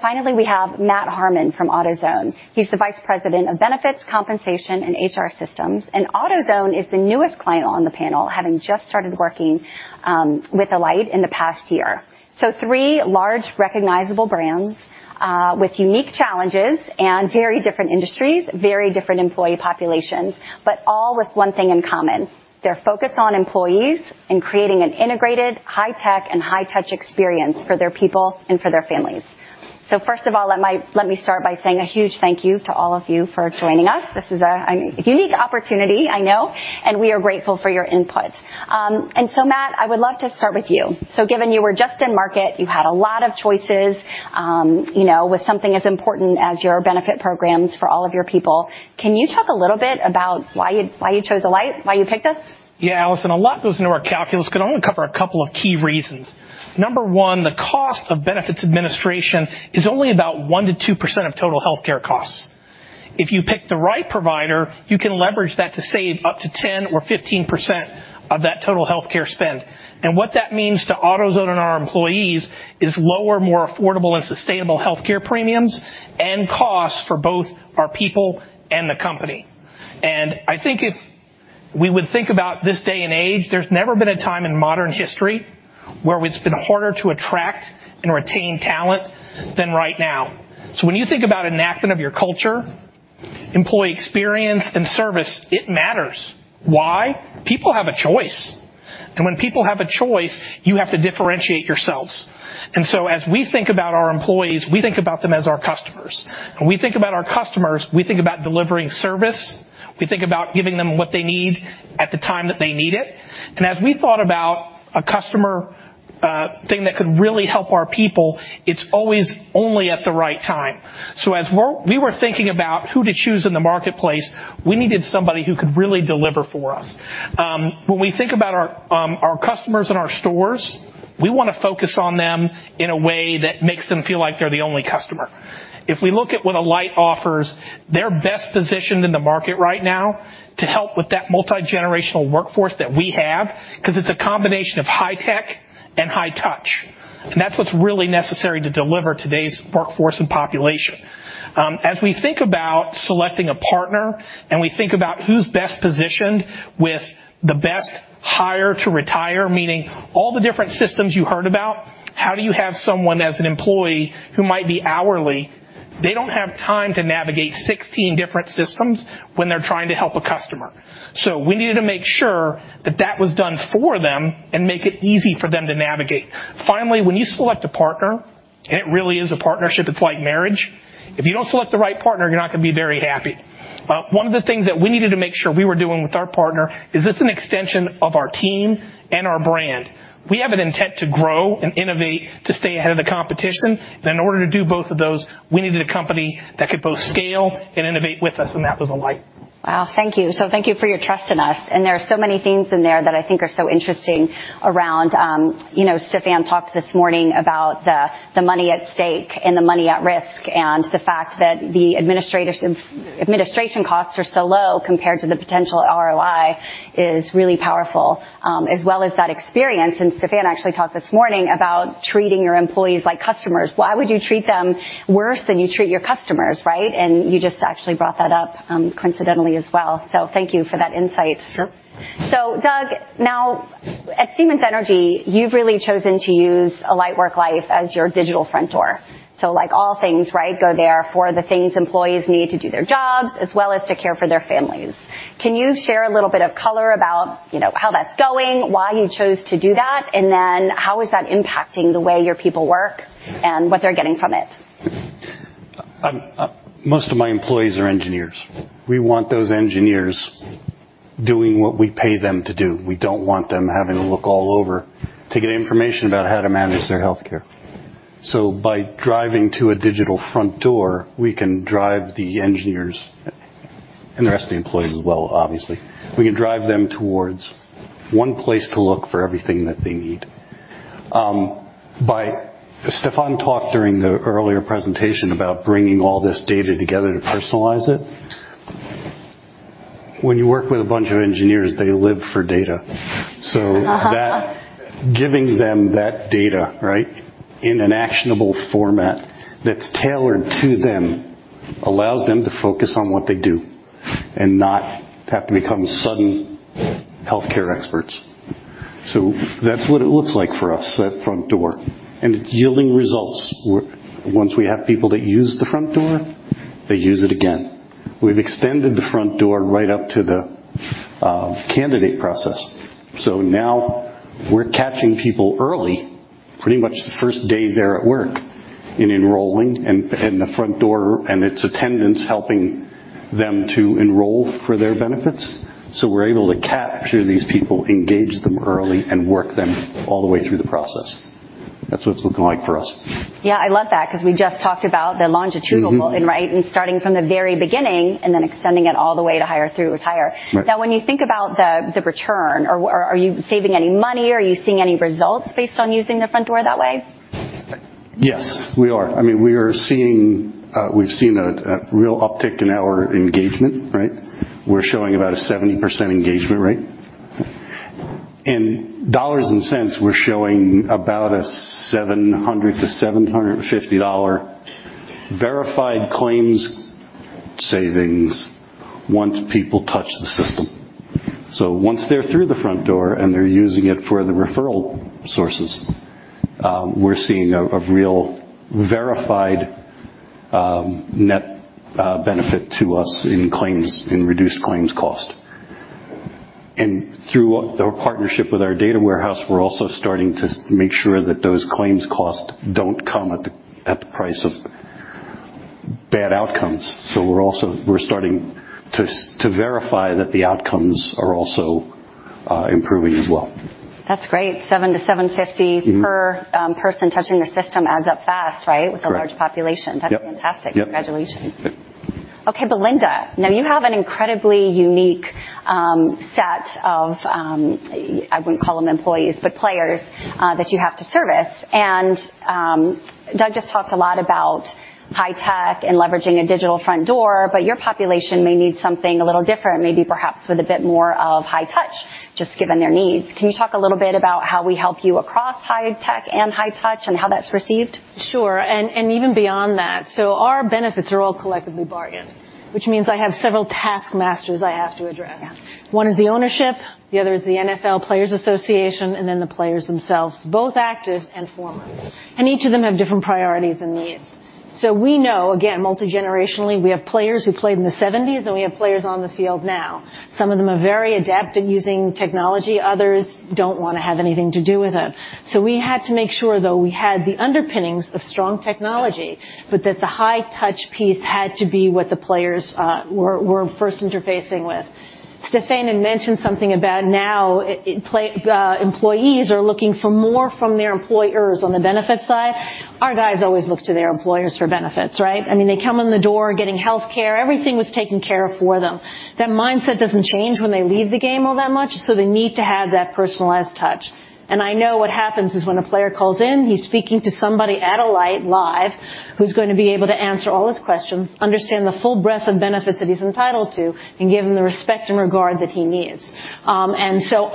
Finally, we have Matt Harmon from AutoZone. He's the vice president of Benefits, Compensation, and HR systems. AutoZone is the newest client on the panel, having just started working with Alight in the past year. Three large, recognizable brands, with unique challenges and very different industries, very different employee populations, but all with one thing in common, their focus on employees and creating an integrated, high-tech and high-touch experience for their people and for their families. First of all, let me start by saying a huge thank you to all of you for joining us. This is a unique opportunity, I know, and we are grateful for your input. Matt, I would love to start with you. Given you were just in market, you had a lot of choices, you know, with something as important as your benefit programs for all of your people, can you talk a little bit about why you chose Alight? Why you picked us? Yeah, Alison, a lot goes into our calculus. Gonna only cover a couple of key reasons. Number one, the cost of benefits administration is only about 1% to 2% of total healthcare costs. If you pick the right provider, you can leverage that to save up to 10% or 15% of that total healthcare spend. What that means to AutoZone and our employees is lower, more affordable and sustainable healthcare premiums and costs for both our people and the company. I think if we would think about this day and age, there's never been a time in modern history where it's been harder to attract and retain talent than right now. When you think about enactment of your culture, employee experience and service, it matters. Why? People have a choice. When people have a choice, you have to differentiate yourselves. As we think about our employees, we think about them as our customers. When we think about our customers, we think about delivering service. We think about giving them what they need at the time that they need it. As we thought about a customer, thing that could really help our people, it's always only at the right time. As we were thinking about who to choose in the marketplace, we needed somebody who could really deliver for us. When we think about our customers in our stores, we wanna focus on them in a way that makes them feel like they're the only customer. If we look at what Alight offers, they're best positioned in the market right now to help with that multigenerational workforce that we have 'cause it's a combination of high tech and high touch, and that's what's really necessary to deliver today's workforce and population. As we think about selecting a partner and we think about who's best positioned with the best hire to retire, meaning all the different systems you heard about, how do you have someone as an employee who might be hourly? They don't have time to navigate 16 different systems when they're trying to help a customer. We needed to make sure that that was done for them and make it easy for them to navigate. Finally, when you select a partner, and it really is a partnership, it's like marriage, if you don't select the right partner, you're not gonna be very happy. One of the things that we needed to make sure we were doing with our partner is it's an extension of our team and our brand. We have an intent to grow and innovate to stay ahead of the competition. In order to do both of those, we needed a company that could both scale and innovate with us, and that was Alight. Wow. Thank you. Thank you for your trust in us. There are so many things in there that I think are so interesting around, you know, Stephan talked this morning about the money at stake and the money at risk and the fact that the administration costs are so low compared to the potential ROI is really powerful, as well as that experience. Stephan actually talked this morning about treating your employees like customers. Why would you treat them worse than you treat your customers, right? You just actually brought that up, coincidentally as well. Thank you for that insight. Sure. Doug, now at Siemens Energy, you've really chosen to use Alight WorkLife as your digital front door. Like all things, right, go there for the things employees need to do their jobs as well as to care for their families. Can you share a little bit of color about, you know, how that's going, why you chose to do that, and then how is that impacting the way your people work and what they're getting from it? Most of my employees are engineers. We want those engineers doing what we pay them to do. We don't want them having to look all over to get information about how to manage their healthcare. By driving to a digital front door, we can drive the engineers and the rest of the employees as well, obviously, we can drive them towards one place to look for everything that they need. Stephan talked during the earlier presentation about bringing all this data together to personalize it. When you work with a bunch of engineers, they live for data. Giving them that data, right, in an actionable format that's tailored to them allows them to focus on what they do and not have to become sudden healthcare experts. That's what it looks like for us, that front door, and it's yielding results. Once we have people that use the front door, they use it again. We've extended the front door right up to the candidate process. Now we're catching people early, pretty much the first day they're at work in enrolling and the front door and its attendants helping them to enroll for their benefits. We're able to capture these people, engage them early, and work them all the way through the process. That's what it's looking like for us. Yeah, I love that 'cause we just talked about the longitudinal- Mm-hmm. Right, and starting from the very beginning and then extending it all the way to hire through retire. Right. When you think about the return, are you saving any money? Are you seeing any results based on using the front door that way? Yes, we are. I mean, we are seeing we've seen a real uptick in our engagement, right? We're showing about a 70% engagement rate. In dollars and cents, we're showing about a $700-$750 verified claims savings once people touch the system. Once they're through the front door and they're using it for the referral sources, we're seeing a real verified net benefit to us in claims, in reduced claims cost. Through our partnership with our data warehouse, we're also starting to make sure that those claims cost don't come at the price of bad outcomes. We're also starting to verify that the outcomes are also improving as well. That's great. $7-$7.50- Mm-hmm. Per person touching the system adds up fast, right? Correct. With the large population. Yep. That's fantastic. Yep. Congratulations. Thank you. Okay, Belinda, now you have an incredibly unique, set of, I wouldn't call them employees, but players, that you have to service. Doug just talked a lot about high tech and leveraging a digital front door, but your population may need something a little different, maybe perhaps with a bit more of high touch, just given their needs. Can you talk a little bit about how we help you across high tech and high touch and how that's received? Sure. Even beyond that. Our benefits are all collectively bargained, which means I have several taskmasters I have to address. Yeah. One is the ownership, the other is the NFL Players Association, and then the players themselves, both active and former. Each of them have different priorities and needs. We know, again, multigenerationally, we have players who played in the seventies, and we have players on the field now. Some of them are very adept at using technology. Others don't wanna have anything to do with it. We had to make sure, though, we had the underpinnings of strong technology, but that the high touch piece had to be what the players were first interfacing with. Stephan had mentioned something about now employees are looking for more from their employers on the benefits side. Our guys always look to their employers for benefits, right? I mean, they come in the door getting healthcare. Everything was taken care of for them. That mindset doesn't change when they leave the game all that much, so they need to have that personalized touch. I know what happens is when a player calls in, he's speaking to somebody at Alight live, who's going to be able to answer all his questions, understand the full breadth of benefits that he's entitled to, and give him the respect and regard that he needs.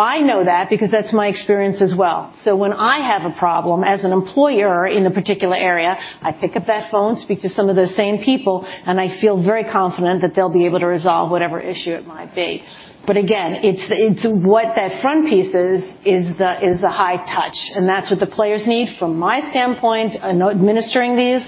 I know that because that's my experience as well. When I have a problem as an employer in a particular area, I pick up that phone, speak to some of those same people, and I feel very confident that they'll be able to resolve whatever issue it might be. Again, it's what that front piece is the high touch, and that's what the players need. From my standpoint, administering these,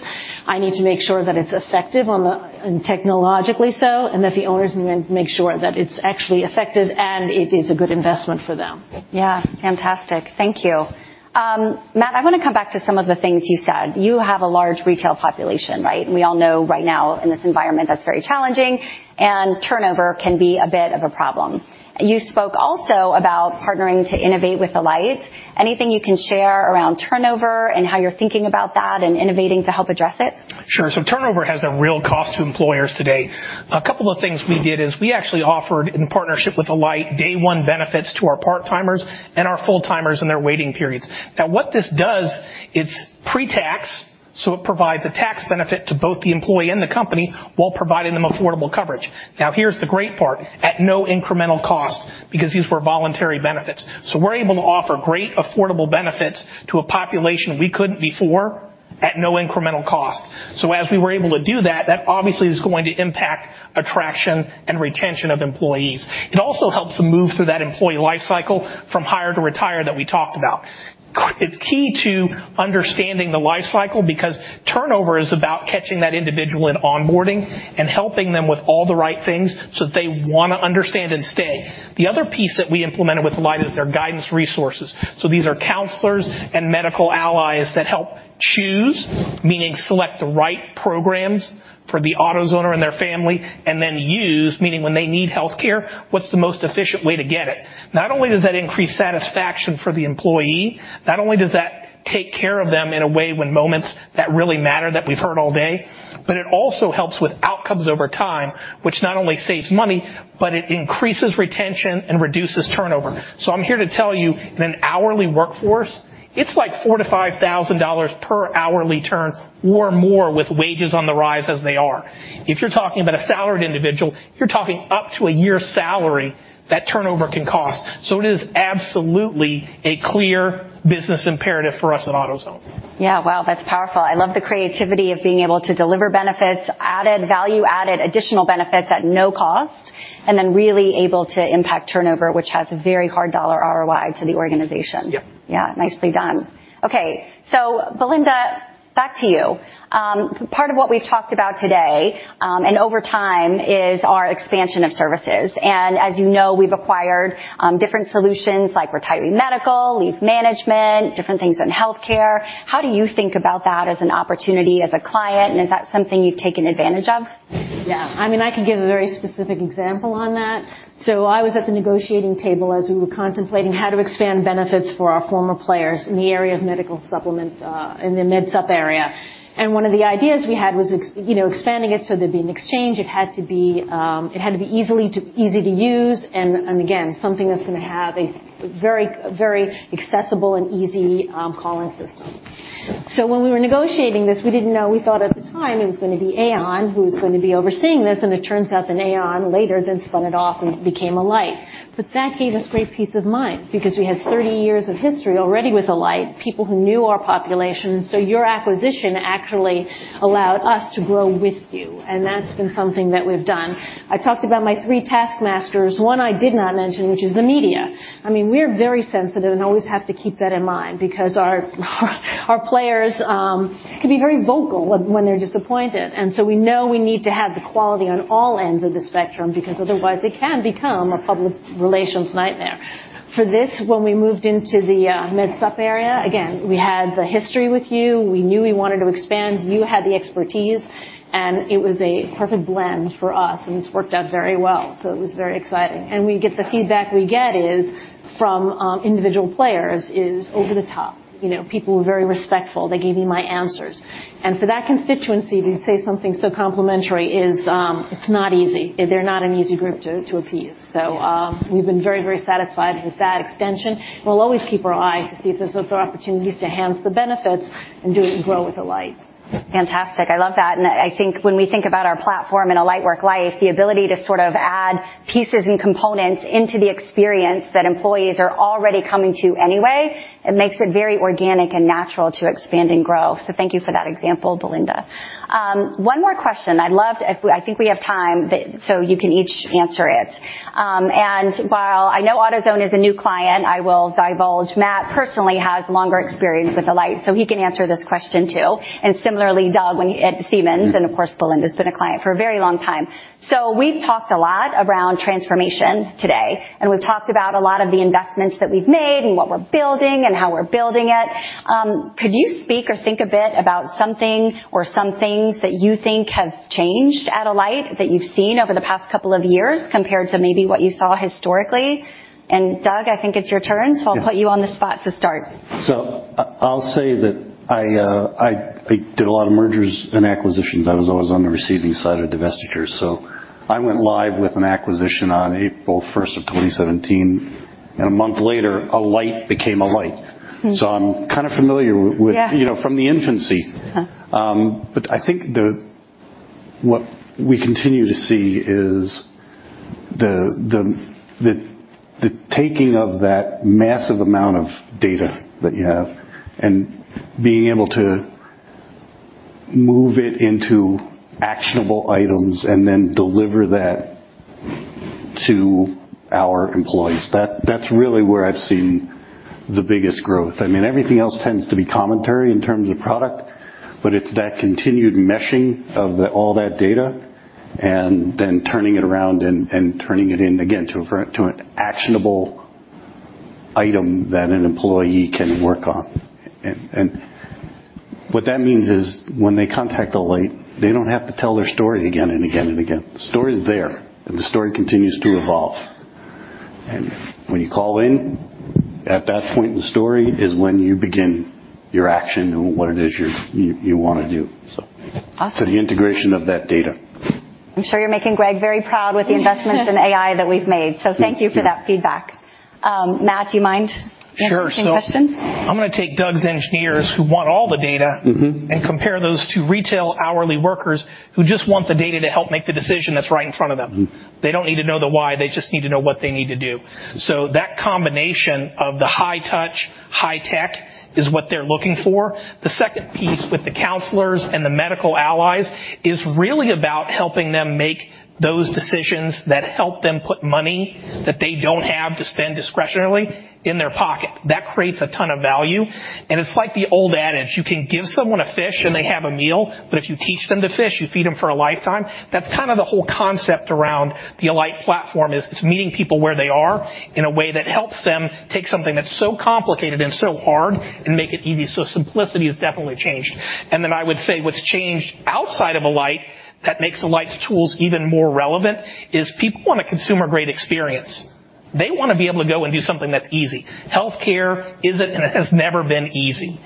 I need to make sure that it's effective and technologically so, and that the owners make sure that it's actually effective and it is a good investment for them. Yeah. Fantastic. Thank you. Matt, I wanna come back to some of the things you said. You have a large retail population, right? We all know right now in this environment, that's very challenging, and turnover can be a bit of a problem. You spoke also about partnering to innovate with Alight. Anything you can share around turnover and how you're thinking about that and innovating to help address it? Sure. Turnover has a real cost to employers today. A couple of things we did is we actually offered, in partnership with Alight, day one benefits to our part-timers and our full-timers in their waiting periods. What this does, it's pretax, so it provides a tax benefit to both the employee and the company while providing them affordable coverage. Here's the great part, at no incremental cost because these were voluntary benefits. We're able to offer great affordable benefits to a population we couldn't before at no incremental cost. As we were able to do that obviously is going to impact attraction and retention of employees. It also helps them move through that employee life cycle from hire to retire that we talked about. It's key to understanding the life cycle because turnover is about catching that individual in onboarding and helping them with all the right things so they wanna understand and stay. The other piece that we implemented with Alight is their guidance resources. These are counselors and medical allies that help choose, meaning select the right programs for the AutoZoner and their family, and then use, meaning when they need healthcare, what's the most efficient way to get it? Not only does that increase satisfaction for the employee, not only does that take care of them in a way when moments that really matter that we've heard all day, but it also helps with outcomes over time, which not only saves money, but it increases retention and reduces turnover. I'm here to tell you, in an hourly workforce, it's like $4,000-$5,000 per hourly turn or more with wages on the rise as they are. If you're talking about a salaried individual, you're talking up to a year's salary that turnover can cost. It is absolutely a clear business imperative for us at AutoZone. Yeah. Wow, that's powerful. I love the creativity of being able to deliver benefits, value-added additional benefits at no cost, and then really able to impact turnover, which has a very hard dollar ROI to the organization. Yeah. Yeah. Nicely done. Okay, so Belinda, back to you. Part of what we've talked about today, and over time is our expansion of services. As you know, we've acquired, different solutions like retiree medical, leave management, different things in healthcare. How do you think about that as an opportunity as a client, and is that something you've taken advantage of? Yeah. I mean, I can give a very specific example on that. I was at the negotiating table as we were contemplating how to expand benefits for our former players in the area of medical supplement, in the MedSupp area. One of the ideas we had was, you know, expanding it so there'd be an exchange. It had to be easy to use and again, something that's gonna have a very, very accessible and easy call-in system. When we were negotiating this, we didn't know. We thought at the time it was gonna be Aon who was gonna be overseeing this, and it turns out that Aon later then spun it off and became Alight. That gave us great peace of mind because we had 30 years of history already with Alight, people who knew our population. Your acquisition actually allowed us to grow with you, and that's been something that we've done. I talked about my three taskmasters. One I did not mention, which is the media. I mean, we're very sensitive and always have to keep that in mind because our players can be very vocal when they're disappointed. We know we need to have the quality on all ends of the spectrum because otherwise it can become a public relations nightmare. For this, when we moved into the MedSupp area, again, we had the history with you. We knew we wanted to expand. You had the expertise, and it was a perfect blend for us, and it's worked out very well, so it was very exciting. The feedback we get is, from individual players, is over the top. You know, "People were very respectful. They gave me my answers." For that constituency to say something so complimentary is, it's not easy. They're not an easy group to appease. We've been very, very satisfied with that extension. We'll always keep our eye to see if there's other opportunities to enhance the benefits and do it and grow with Alight. Fantastic. I love that. I think when we think about our platform in Alight Worklife, the ability to sort of add pieces and components into the experience that employees are already coming to anyway, it makes it very organic and natural to expand and grow. Thank you for that example, Belinda. One more question. I'd love to... I think we have time that... so you can each answer it. While I know AutoZone is a new client, I will divulge, Matt personally has longer experience with Alight, so he can answer this question too. Similarly, Doug, when you... at Siemens, and of course, Belinda's been a client for a very long time. We've talked a lot around transformation today, and we've talked about a lot of the investments that we've made and what we're building and how we're building it. Could you speak or think a bit about something or some things that you think have changed at Alight that you've seen over the past couple of years compared to maybe what you saw historically? Doug, I think it's your turn, so I'll put you on the spot to start. I'll say that I did a lot of mergers and acquisitions. I was always on the receiving side of divestitures, so I went live with an acquisition on April 1st of 2017, and a month later, Alight became Alight. Mm. I'm kind of familiar with. Yeah You know, from the infancy. Uh-huh. I think what we continue to see is the taking of that massive amount of data that you have and being able to move it into actionable items and then deliver that to our employees. That's really where I've seen the biggest growth. I mean, everything else tends to be commentary in terms of product, but it's that continued meshing of all that data and then turning it around and turning it in, again, to an actionable item that an employee can work on. What that means is when they contact Alight, they don't have to tell their story again and again and again. The story's there, and the story continues to evolve. When you call in, at that point in the story is when you begin your action and what it is you wanna do. Awesome. The integration of that data. I'm sure you're making Greg very proud with the investments in AI that we've made. Thank you for that feedback. Matt, do you mind. Sure. Answering the question? I'm gonna take Doug's engineers who want all the data- Mm-hmm compare those to retail hourly workers who just want the data to help make the decision that's right in front of them. Mm-hmm. They don't need to know the why. They just need to know what they need to do. That combination of the high touch, high tech is what they're looking for. The second piece with the counselors and the medical allies is really about helping them make those decisions that help them put money that they don't have to spend discretionarily in their pocket. That creates a ton of value, and it's like the old adage, you can give someone a fish, and they have a meal, but if you teach them to fish, you feed them for a lifetime. That's kind of the whole concept around the Alight platform is it's meeting people where they are in a way that helps them take something that's so complicated and so hard and make it easy. Simplicity has definitely changed. I would say what's changed outside of Alight that makes Alight's tools even more relevant is people want a consumer-grade experience. They wanna be able to go and do something that's easy. Healthcare isn't and has never been easy.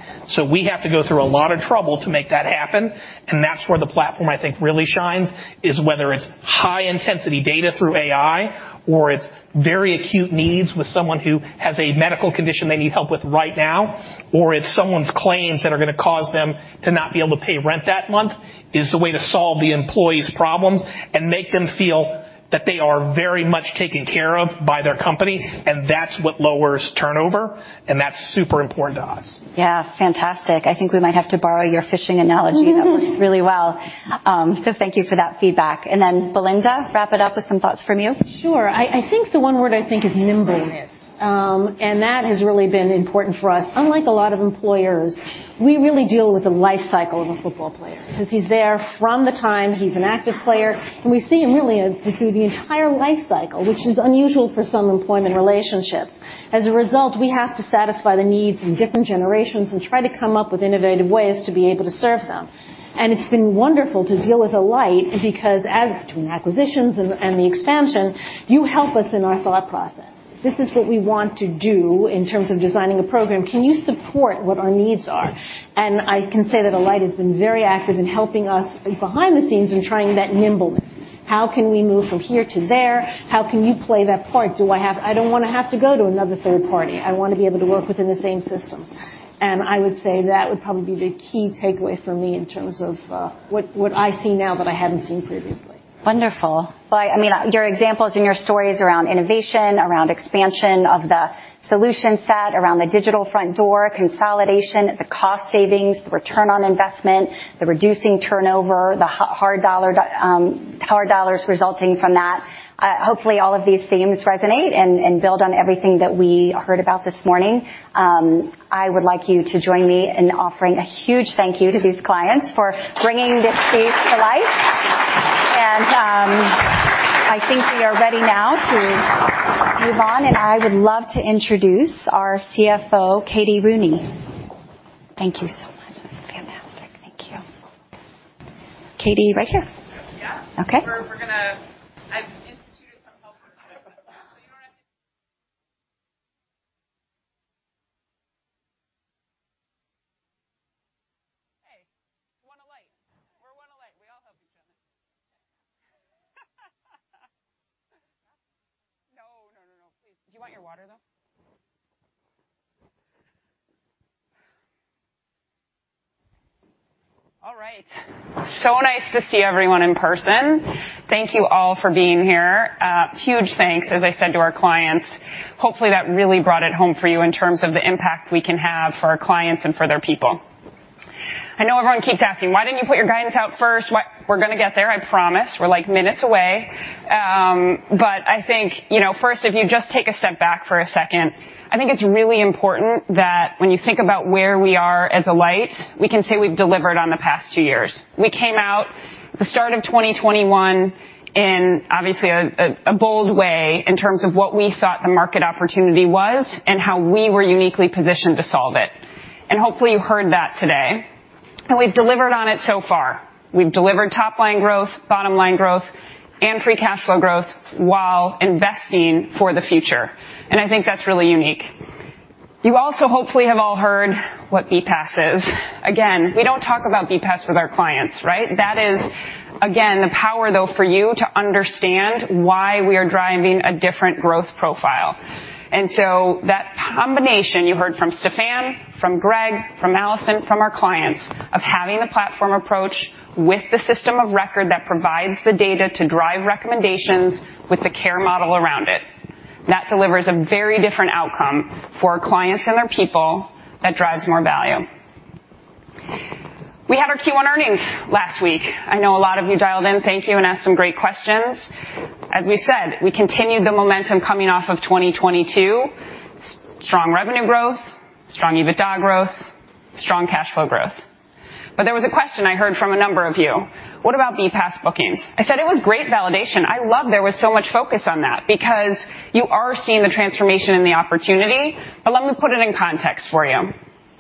We have to go through a lot of trouble to make that happen, and that's where the platform, I think, really shines, is whether it's high-intensity data through AI or it's very acute needs with someone who has a medical condition they need help with right now or it's someone's claims that are gonna cause them to not be able to pay rent that month is the way to solve the employee's problems and make them feel that they are very much taken care of by their company, and that's what lowers turnover, and that's super important to us. Yeah. Fantastic. I think we might have to borrow your fishing analogy. That works really well. Thank you for that feedback. Belinda, wrap it up with some thoughts from you. Sure. I think the one word I think is nimbleness. That has really been important for us. Unlike a lot of employers, we really deal with the life cycle of a football player 'cause he's there from the time he's an active player, and we see him, really, we see the entire life cycle, which is unusual for some employment relationships. As a result, we have to satisfy the needs of different generations and try to come up with innovative ways to be able to serve them. It's been wonderful to deal with Alight because as between acquisitions and the expansion, you help us in our thought process. This is what we want to do in terms of designing a program. Can you support what our needs are? I can say that Alight has been very active in helping us behind the scenes in trying that nimbleness. How can we move from here to there? How can you play that part? I don't wanna have to go to another third party. I wanna be able to work within the same systems. I would say that would probably be the key takeaway for me in terms of what I see now that I hadn't seen previously. Wonderful. Well, I mean, your examples and your stories around innovation, around expansion of the solution set, around the digital front door, consolidation, the cost savings, the return on investment, the reducing turnover, the hard dollars resulting from that, hopefully, all of these themes resonate and build on everything that we heard about this morning. I would like you to join me in offering a huge thank you to these clients for bringing this case to life. I think we are ready now to move on, and I would love to introduce our CFO, Katie Rooney. Thank you so much. That's fantastic. Thank you. Katie, right here. Yeah. Okay. We're gonna. I've instituted some helpful tips. You don't have to. Hey, we're one Alight. We're one Alight. We all help each other. No, no, no, please. Do you want your water, though? All right. Nice to see everyone in person. Thank you all for being here. Huge thanks, as I said to our clients. Hopefully, that really brought it home for you in terms of the impact we can have for our clients and for their people. I know everyone keeps asking, "Why didn't you put your guidance out first? Why?" We're gonna get there, I promise. We're, like, minutes away. I think, you know, first, if you just take a step back for a second, I think it's really important that when you think about where we are as Alight, we can say we've delivered on the past two years. We came out the start of 2021 in, obviously, a bold way in terms of what we thought the market opportunity was and how we were uniquely positioned to solve it. Hopefully, you heard that today. We've delivered on it so far. We've delivered top-line growth, bottom-line growth, and free cash flow growth while investing for the future, and I think that's really unique. You also hopefully have all heard what BPaaS is. Again, we don't talk about BPaaS with our clients, right? That is, again, the power, though, for you to understand why we are driving a different growth profile. That combination you heard from Stephan, from Greg, from Alison, from our clients of having the platform approach with the system of record that provides the data to drive recommendations with the care model around it, that delivers a very different outcome for our clients and their people that drives more value. We had our Q1 earnings last week. I know a lot of you dialed in. Thank you, and asked some great questions. As we said, we continued the momentum coming off of 2022. Strong revenue growth, strong EBITDA growth, strong cash flow growth. There was a question I heard from a number of you: What about BPaaS bookings? I said it was great validation. I love there was so much focus on that because you are seeing the transformation and the opportunity. Let me put it in context for you.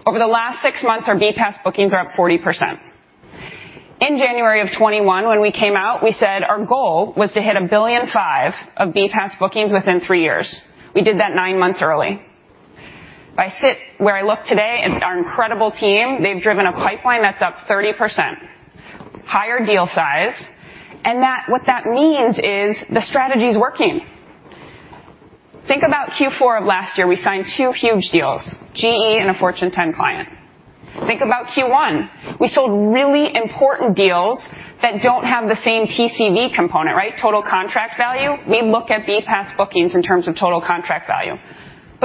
Over the last six months, our BPaaS bookings are up 40%. In January 2021, when we came out, we said our goal was to hit $1.5 billion of BPaaS bookings within three years. We did that nine months early. If I sit where I look today at our incredible team, they've driven a pipeline that's up 30%, higher deal size, what that means is the strategy's working. Think about Q4 of last year. We signed two huge deals, GE and a Fortune 10 client. Think about Q1. We sold really important deals that don't have the same TCV component, right? Total contract value. We look at BPaaS bookings in terms of total contract value.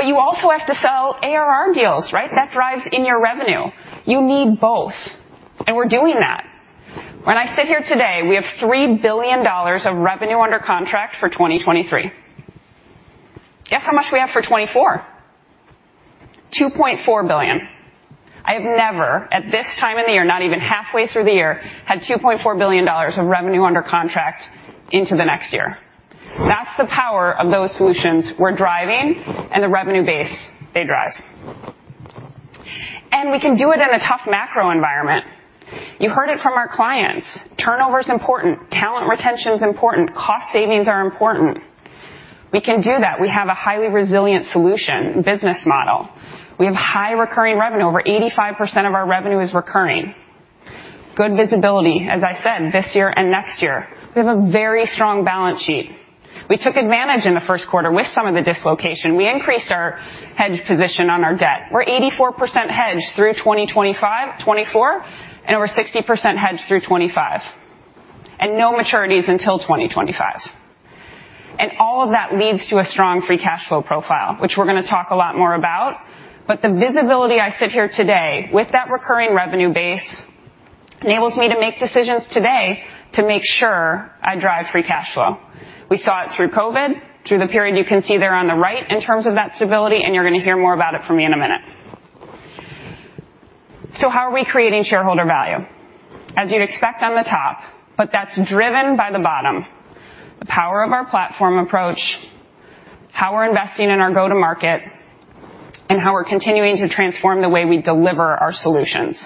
You also have to sell ARR deals, right? That drives in your revenue. You need both, we're doing that. When I sit here today, we have $3 billion of revenue under contract for 2023. Guess how much we have for 2024? $2.4 billion. I have never, at this time in the year, not even halfway through the year, had $2.4 billion of revenue under contract into the next year. That's the power of those solutions we're driving and the revenue base they drive. We can do it in a tough macro environment. You heard it from our clients. Turnover is important. Talent retention is important. Cost savings are important. We can do that. We have a highly resilient solution business model. We have high recurring revenue. Over 85% of our revenue is recurring. Good visibility, as I said, this year and next year. We have a very strong balance sheet. We took advantage in the first quarter with some of the dislocation. We increased our hedge position on our debt. We're 84% hedged through 2024, and we're 60% hedged through 2025, and no maturities until 2025. All of that leads to a strong free cash flow profile, which we're going to talk a lot more about. The visibility I sit here today with that recurring revenue base enables me to make decisions today to make sure I drive free cash flow. We saw it through COVID, through the period you can see there on the right in terms of that stability, and you're going to hear more about it from me in a minute. How are we creating shareholder value? As you'd expect on the top, but that's driven by the bottom, the power of our platform approach, how we're investing in our go-to-market, and how we're continuing to transform the way we deliver our solutions.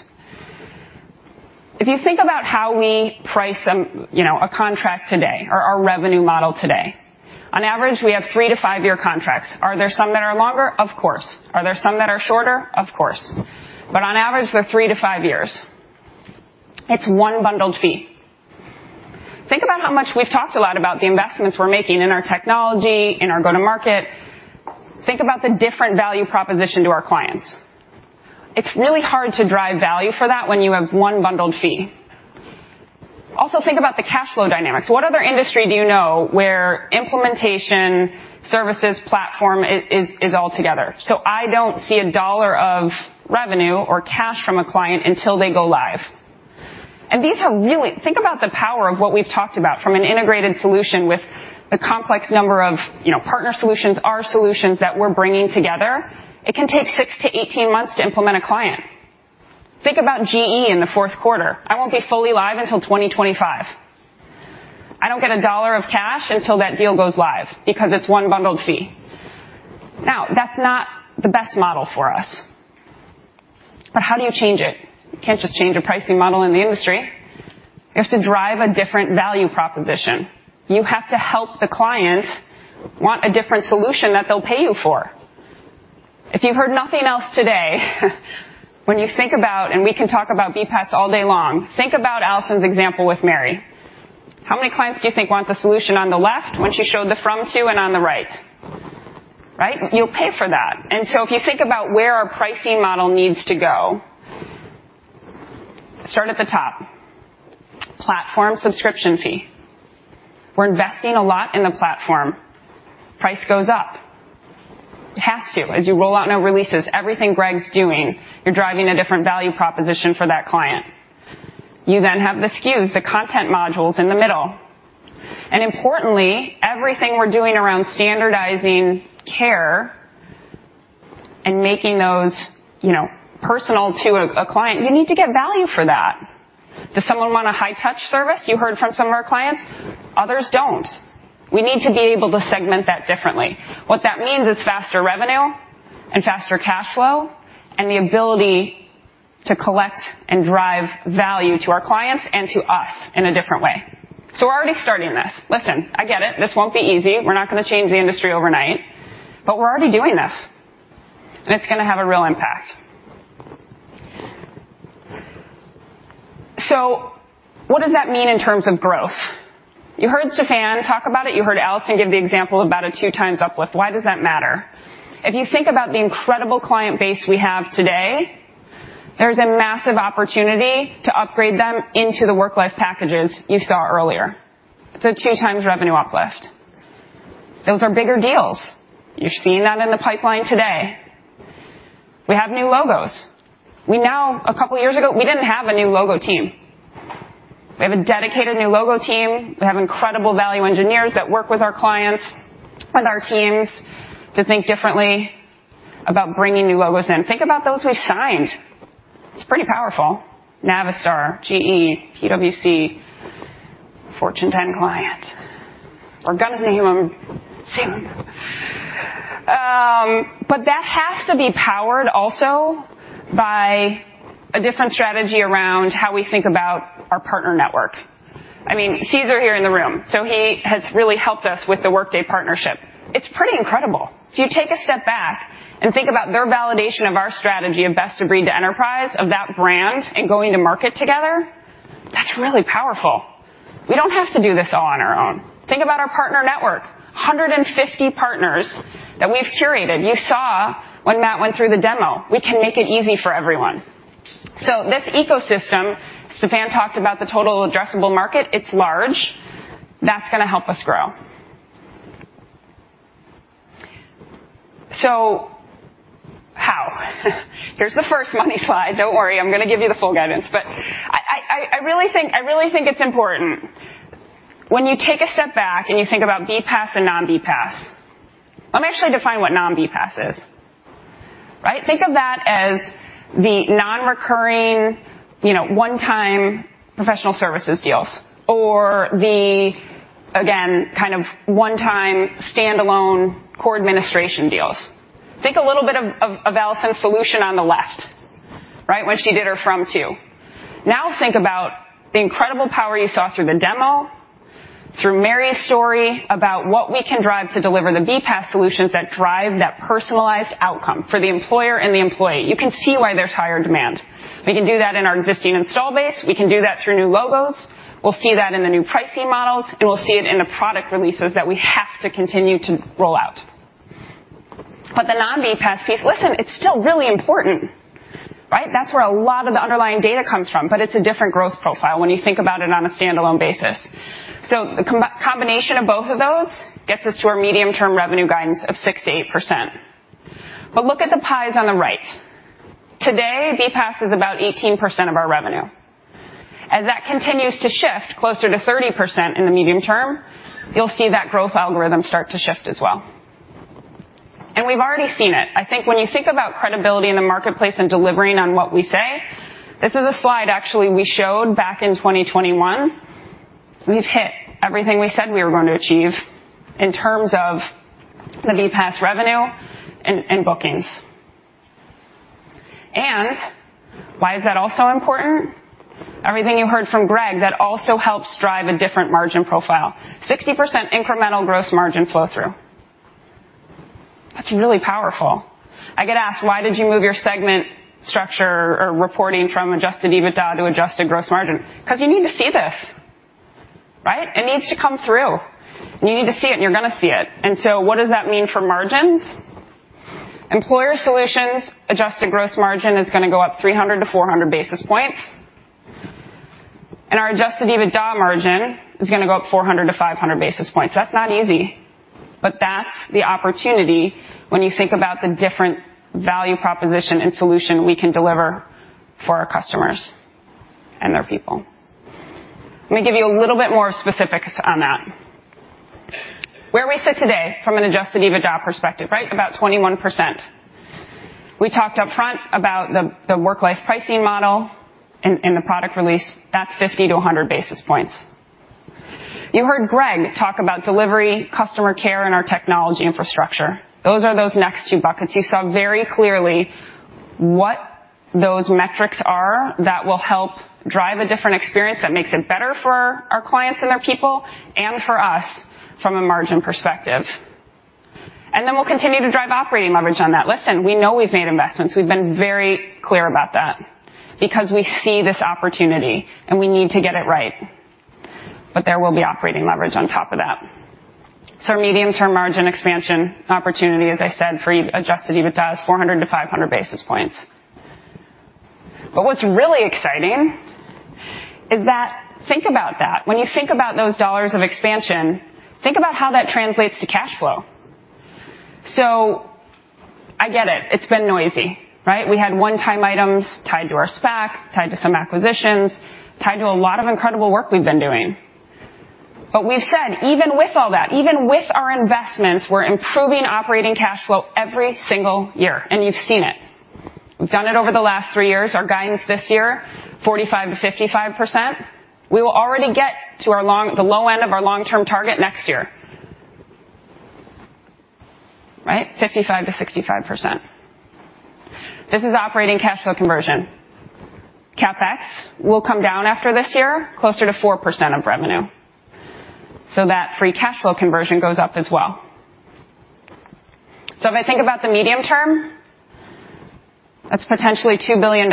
If you think about how we price some, you know, a contract today or our revenue model today. On average, we have three to five year contracts. Are there some that are longer? Of course. Are there some that are shorter? Of course. On average, they're three to five years. It's one bundled fee. Think about how much we've talked a lot about the investments we're making in our technology, in our go-to-market. Think about the different value proposition to our clients. It's really hard to drive value for that when you have one bundled fee. Also, think about the cash flow dynamics. What other industry do you know where implementation, services, platform is all together? I don't see $1 of revenue or cash from a client until they go live. Think about the power of what we've talked about from an integrated solution with the complex number of, you know, partner solutions, our solutions that we're bringing together. It can take 6-18 months to implement a client. Think about GE in the fourth quarter. I won't be fully live until 2025. I don't get $1 of cash until that deal goes live because it's one bundled fee. That's not the best model for us. How do you change it? You can't just change a pricing model in the industry. You have to drive a different value proposition. You have to help the clients want a different solution that they'll pay you for. If you've heard nothing else today, when you think about, we can talk about BPaaS all day long, think about Alison's example with Mary. How many clients do you think want the solution on the left when she showed the from, to, and on the right? Right? You'll pay for that. If you think about where our pricing model needs to go, start at the top. Platform subscription fee. We're investing a lot in the platform. Price goes up. It has to, as you roll out new releases, everything Greg's doing, you're driving a different value proposition for that client. You have the SKUs, the content modules in the middle. Importantly, everything we're doing around standardizing care and making those, you know, personal to a client, you need to get value for that. Does someone want a high-touch service? You heard from some of our clients. Others don't. We need to be able to segment that differently. What that means is faster revenue and faster cash flow and the ability to collect and drive value to our clients and to us in a different way. We're already starting this. Listen, I get it. This won't be easy. We're not gonna change the industry overnight, we're already doing this, and it's gonna have a real impact. What does that mean in terms of growth? You heard Stephan talk about it. You heard Alison give the example about a 2x uplift. Why does that matter? If you think about the incredible client base we have today, there's a massive opportunity to upgrade them into the WorkLife packages you saw earlier. It's a 2x revenue uplift. Those are bigger deals. You're seeing that in the pipeline today. We have new logos. A couple years ago, we didn't have a new logo team. We have a dedicated new logo team. We have incredible value engineers that work with our clients, with our teams to think differently about bringing new logos in. Think about those we've signed. It's pretty powerful. Navistar, GE, PwC, Fortune 10 client. We're gonna name them soon. That has to be powered also by a different strategy around how we think about our partner network. I mean, Cesar here in the room. He has really helped us with the Workday partnership. It's pretty incredible. If you take a step back and think about their validation of our strategy of best-of-breed enterprise, of that brand and going to market together, that's really powerful. We don't have to do this all on our own. Think about our partner network. 150 partners that we've curated. You saw when Matt went through the demo, we can make it easy for everyone. This ecosystem, Stephan talked about the total addressable market. It's large. That's gonna help us grow. How? Here's the first money slide. Don't worry, I'm gonna give you the full guidance, but I really think it's important when you take a step back and you think about BPaaS and non-BPaaS. Let me actually define what non-BPaaS is, right? Think of that as the non-recurring, you know, one-time professional services deals or the, again, kind of one-time standalone core administration deals. Think a little bit of Alison's solution on the left, right? When she did her from two. Now think about the incredible power you saw through the demo, through Mary's story about what we can drive to deliver the BPaaS solutions that drive that personalized outcome for the employer and the employee. You can see why there's higher demand. We can do that in our existing install base. We can do that through new logos. We'll see that in the new pricing models, and we'll see it in the product releases that we have to continue to roll out. Listen, it's still really important, right? That's where a lot of the underlying data comes from, but it's a different growth profile when you think about it on a standalone basis. Combination of both of those gets us to our medium-term revenue guidance of 6%-8%. Look at the pies on the right. Today, BPaaS is about 18% of our revenue. As that continues to shift closer to 30% in the medium term, you'll see that growth algorithm start to shift as well. We've already seen it. I think when you think about credibility in the marketplace and delivering on what we say, this is a slide actually we showed back in 2021. We've hit everything we said we were going to achieve in terms of the BPaaS revenue and bookings. Why is that also important? Everything you heard from Greg, that also helps drive a different margin profile. 60% incremental gross margin flow through. That's really powerful. I get asked, "Why did you move your segment structure or reporting from adjusted EBITDA to adjusted gross margin?" 'Cause you need to see this, right? It needs to come through. You need to see it, and you're gonna see it. What does that mean for margins? Employer Solutions adjusted gross margin is gonna go up 300-400 basis points, and our adjusted EBITDA margin is gonna go up 400-500 basis points. That's not easy, but that's the opportunity when you think about the different value proposition and solution we can deliver for our customers and their people. Let me give you a little bit more specifics on that. Where we sit today from an adjusted EBITDA perspective, right about 21%. We talked up front about the WorkLife pricing model and the product release. That's 50 to 100 basis points. You heard Greg talk about delivery, customer care, and our technology infrastructure. Those are those next two buckets. You saw very clearly what those metrics are that will help drive a different experience that makes it better for our clients and their people and for us from a margin perspective. We'll continue to drive operating leverage on that. Listen, we know we've made investments. We've been very clear about that because we see this opportunity, and we need to get it right. There will be operating leverage on top of that. Medium-term margin expansion opportunity, as I said, for adjusted EBITDA is 400 to 500 basis points. What's really exciting is that think about that. When you think about those dollars of expansion, think about how that translates to cash flow. I get it. It's been noisy, right? We had one-time items tied to our SPAC, tied to some acquisitions, tied to a lot of incredible work we've been doing. We've said, even with all that, even with our investments, we're improving operating cash flow every single year, and you've seen it. We've done it over the last three years. Our guidance this year, 45%-55%. We will already get to the low end of our long-term target next year. Right? 55%-65%. This is operating cash flow conversion. CapEx will come down after this year, closer to 4% of revenue, so that free cash flow conversion goes up as well. If I think about the medium term, that's potentially $2 billion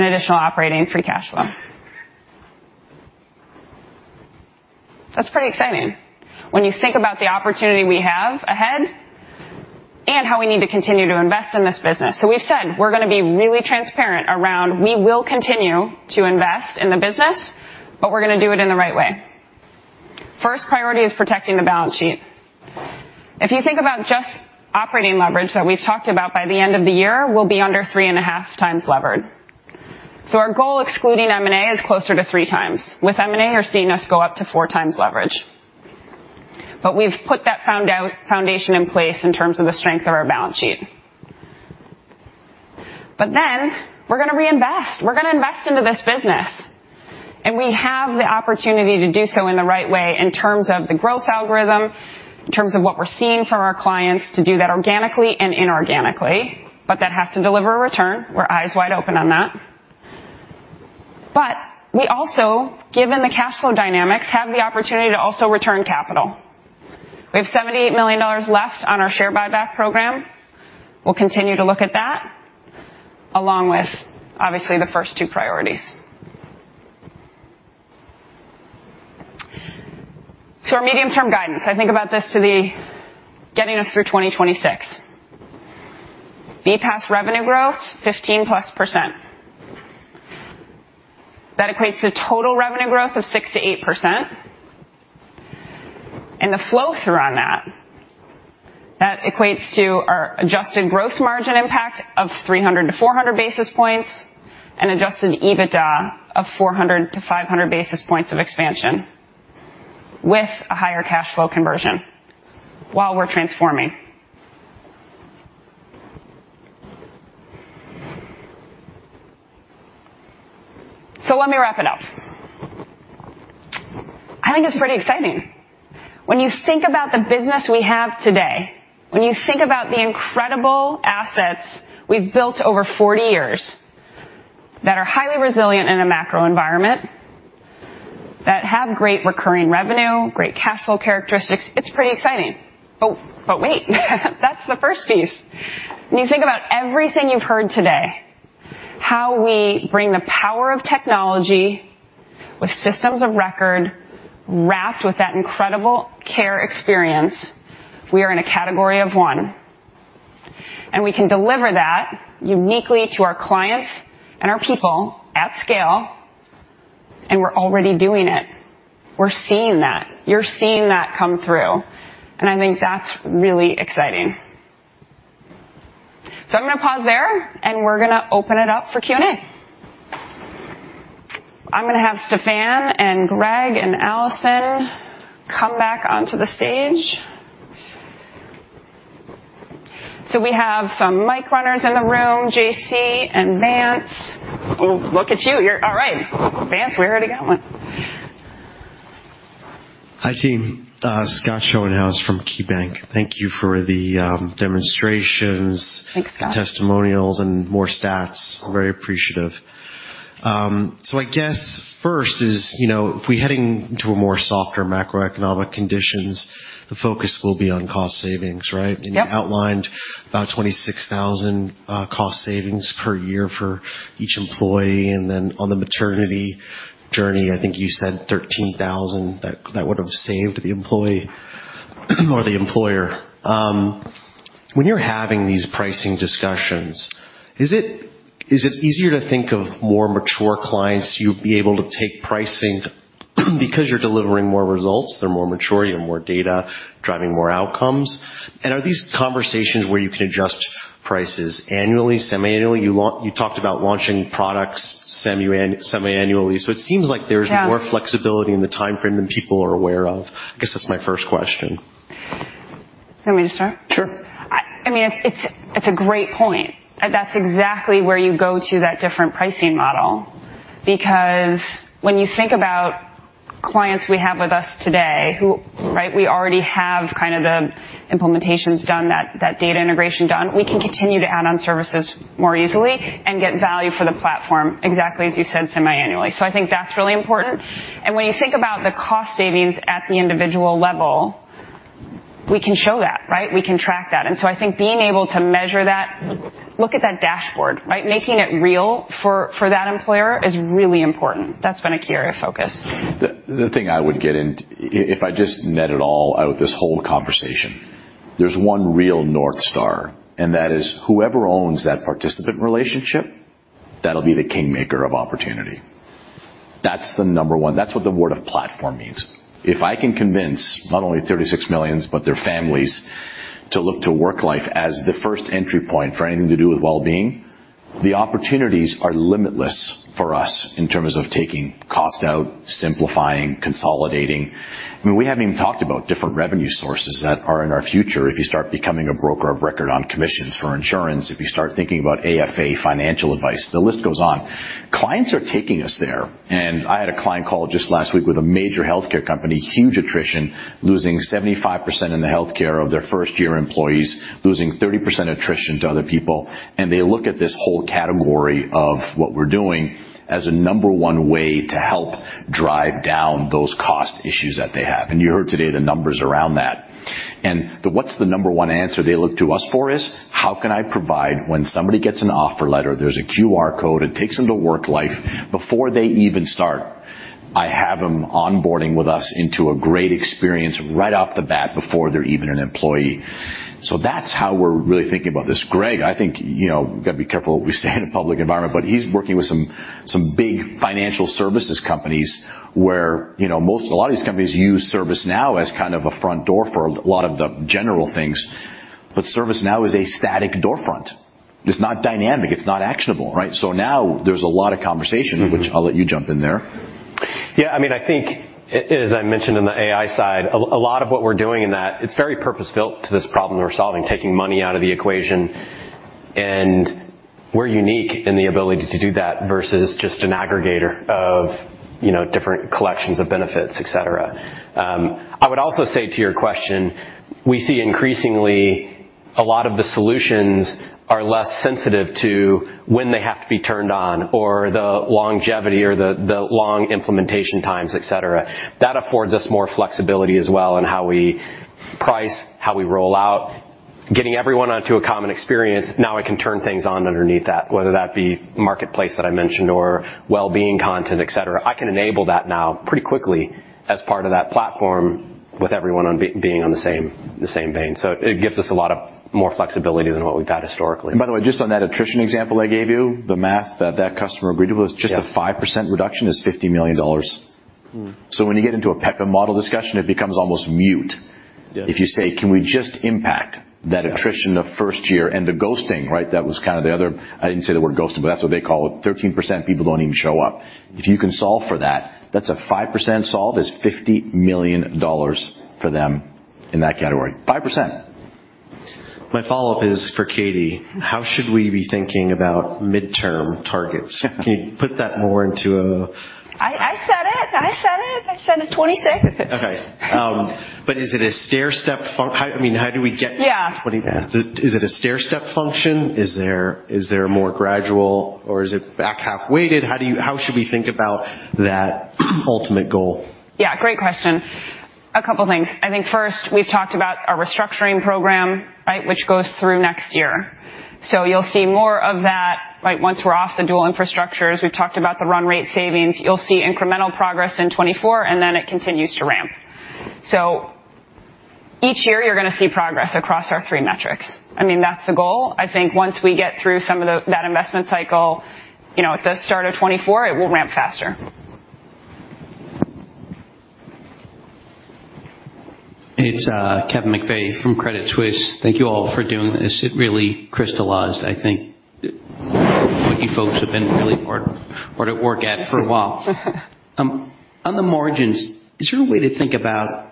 in additional operating free cash flow. That's pretty exciting when you think about the opportunity we have ahead and how we need to continue to invest in this business. We've said we're gonna be really transparent around we will continue to invest in the business, but we're gonna do it in the right way. First priority is protecting the balance sheet. If you think about just operating leverage that we've talked about, by the end of the year, we'll be under 3.5x levered. Our goal, excluding M&A, is closer to 3x. With M&A, you're seeing us go up to 4x leverage. We've put that foundation in place in terms of the strength of our balance sheet. We're gonna reinvest. We're gonna invest into this business, and we have the opportunity to do so in the right way in terms of the growth algorithm, in terms of what we're seeing from our clients to do that organically and inorganically. That has to deliver a return. We're eyes wide open on that. We also, given the cash flow dynamics, have the opportunity to also return capital. We have $78 million left on our share buyback program. We'll continue to look at that along with, obviously, the first two priorities. Our medium-term guidance. I think about this to the getting us through 2026. BPAS revenue growth, 15+%. That equates to total revenue growth of 6%-8%. The flow-through on that equates to our adjusted gross margin impact of 300-400 basis points and adjusted EBITDA of 400-500 basis points of expansion with a higher cash flow conversion while we're transforming. Let me wrap it up. I think it's pretty exciting. When you think about the business we have today, when you think about the incredible assets we've built over 40 years that are highly resilient in a macro environment, that have great recurring revenue, great cash flow characteristics, it's pretty exciting. Oh, wait, that's the first piece. When you think about everything you've heard today, how we bring the power of technology with systems of record wrapped with that incredible care experience, we are in a category of one, and we can deliver that uniquely to our clients and our people at scale, and we're already doing it. We're seeing that. You're seeing that come through, and I think that's really exciting. I'm gonna pause there, and we're gonna open it up for Q&A. I'm gonna have Stephan and Greg and Alison come back onto the stage. We have some mic runners in the room, JC and Vance. Oh, look at you. You're all right. Vance, we already got one. Hi, team. Scott Schoenhaus from KeyBanc. Thank you for the demonstrations- Thanks, Scott. Testimonials and more stats. Very appreciative. I guess first is, you know, if we're heading to a more softer macroeconomic conditions, the focus will be on cost savings, right? Yep. You outlined about $26,000 cost savings per year for each employee. On the maternity journey, I think you said $13,000 that would have saved the employee or the employer. When you're having these pricing discussions, is it easier to think of more mature clients, you'd be able to take pricing because you're delivering more results, they're more mature, you have more data, driving more outcomes? Are these conversations where you can adjust prices annually, semiannually? You talked about launching products semiannually. It seems like there's- Yeah. More flexibility in the timeframe than people are aware of. I guess that's my first question? You want me to start? Sure. I mean, it's a great point. That's exactly where you go to that different pricing model, because when you think about clients we have with us today who, right, we already have kind of the implementations done, that data integration done, we can continue to add on services more easily and get value for the platform, exactly as you said, semiannually. I think that's really important. When you think about the cost savings at the individual level, we can show that, right? We can track that. I think being able to measure that, look at that dashboard, right? Making it real for that employer is really important. That's been a key area of focus. The thing I would get in. If I just net it all out, this whole conversation, there's one real North Star, and that is whoever owns that participant relationship, that'll be the kingmaker of opportunity. That's the number one. That's what the word of platform means. If I can convince not only 36 millions, but their families, to look to Worklife as the first entry point for anything to do with wellbeing, the opportunities are limitless for us in terms of taking cost out, simplifying, consolidating. I mean, we haven't even talked about different revenue sources that are in our future. If you start becoming a broker of record on commissions for insurance, if you start thinking about AFA financial advice, the list goes on. Clients are taking us there. I had a client call just last week with a major healthcare company, huge attrition, losing 75% in the healthcare of their first-year employees, losing 30% attrition to other people. They look at this whole category of what we're doing as a number one way to help drive down those cost issues that they have. You heard today the numbers around that. What's the number one answer they look to us for is, how can I provide when somebody gets an offer letter, there's a QR code, it takes them to Worklife. Before they even start, I have them onboarding with us into a great experience right off the bat before they're even an employee. That's how we're really thinking about this. Greg, I think, you know, we got to be careful what we say in a public environment, but he's working with some big financial services companies where, you know, a lot of these companies use ServiceNow as kind of a front door for a lot of the general things. ServiceNow is a static doorfront. It's not dynamic, it's not actionable, right? Now there's a lot of conversation- Mm-hmm. Which I'll let you jump in there. Yeah, I mean, I think as I mentioned in the AI side, a lot of what we're doing in that, it's very purpose-built to this problem we're solving, taking money out of the equation. We're unique in the ability to do that versus just an aggregator of, you know, different collections of benefits, et cetera. I would also say to your question, we see increasingly a lot of the solutions are less sensitive to when they have to be turned on or the longevity or the long implementation times, et cetera. That affords us more flexibility as well in how we price, how we roll out, getting everyone onto a common experience. Now I can turn things on underneath that, whether that be Marketplace that I mentioned or wellbeing content, et cetera. I can enable that now pretty quickly as part of that platform with everyone on being on the same, the same vein. It gives us a lot of more flexibility than what we've had historically. By the way, just on that attrition example I gave you, the math that that customer agreed with. Yeah. Just a 5% reduction is $50 million. Mm-hmm. When you get into a PEO model discussion, it becomes almost mute. Yeah. If you say, "Can we just impact that attrition the first year?" The ghosting, right? That was kind of the other... I didn't say the word ghosting, but that's what they call it. 13% people don't even show up. If you can solve for that's a 5% solve is $50 million for them in that category. 5%. My follow-up is for Katie. Mm-hmm. How should we be thinking about midterm targets? I said it. I said it. I said in 2026. Okay. is it a stairstep How I mean, how do we get? Yeah. Is it a stairstep function? Is there a more gradual, or is it back half weighted? How should we think about that ultimate goal? Yeah, great question. A couple of things. I think first, we've talked about our restructuring program, right? Which goes through next year. You'll see more of that, right, once we're off the dual infrastructures. We've talked about the run rate savings. You'll see incremental progress in 2024, and then it continues to ramp. Each year, you're gonna see progress across our three metrics. I mean, that's the goal. I think once we get through that investment cycle, you know, at the start of 2024, it will ramp faster. It's Kevin McVeigh from Credit Suisse. Thank you all for doing this. It really crystallized, I think, what you folks have been really hard at work at for a while. On the margins, is there a way to think about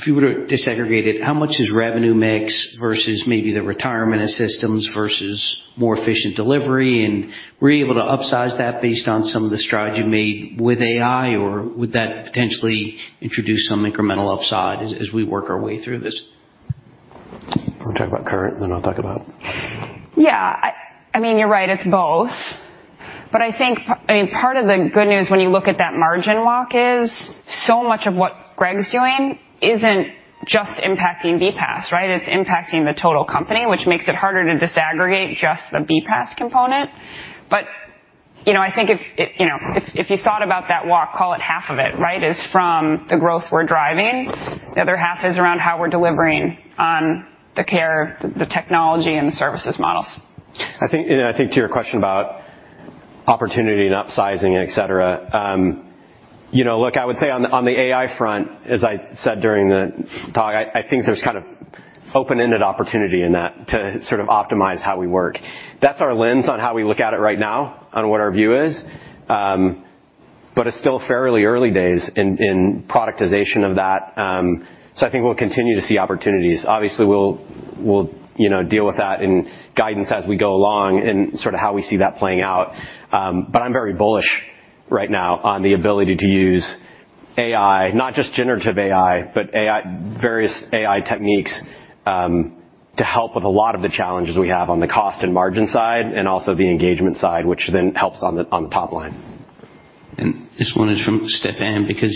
if you were to desegregate it, how much is revenue mix versus maybe the retirement systems versus more efficient delivery? Were you able to upsize that based on some of the strides you made with AI, or would that potentially introduce some incremental upside as we work our way through this? Wanna talk about current, then I'll talk about... Yeah. I mean, you're right, it's both. I think I mean, part of the good news when you look at that margin walk is so much of what Greg's doing isn't just impacting BPaaS, right? It's impacting the total company, which makes it harder to disaggregate just the BPaaS component. You know, I think if, you know, if you thought about that walk, call it half of it, right, is from the growth we're driving. The other half is around how we're delivering on the care, the technology, and the services models. I think, you know, I think to your question about opportunity and upsizing, et cetera, you know, look, I would say on the AI front, as I said during the talk, I think there's kind of open-ended opportunity in that to sort of optimize how we work. That's our lens on how we look at it right now, on what our view is. It's still fairly early days in productization of that. I think we'll continue to see opportunities. Obviously, we'll, you know, deal with that in guidance as we go along and sort of how we see that playing out. I'm very bullish right now on the ability to use AI, not just generative AI, but AI, various AI techniques, to help with a lot of the challenges we have on the cost and margin side and also the engagement side, which then helps on the, on the top line. This one is from Stephan, because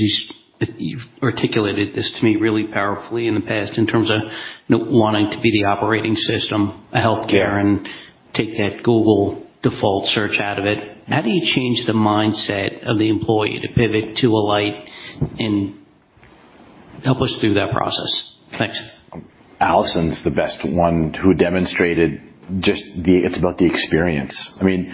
you've articulated this to me really powerfully in the past in terms of wanting to be the operating system of healthcare. Yeah. Take that Google default search out of it. How do you change the mindset of the employee to pivot to Alight and help us through that process? Thanks. Alison's the best one who demonstrated just it's about the experience. I mean,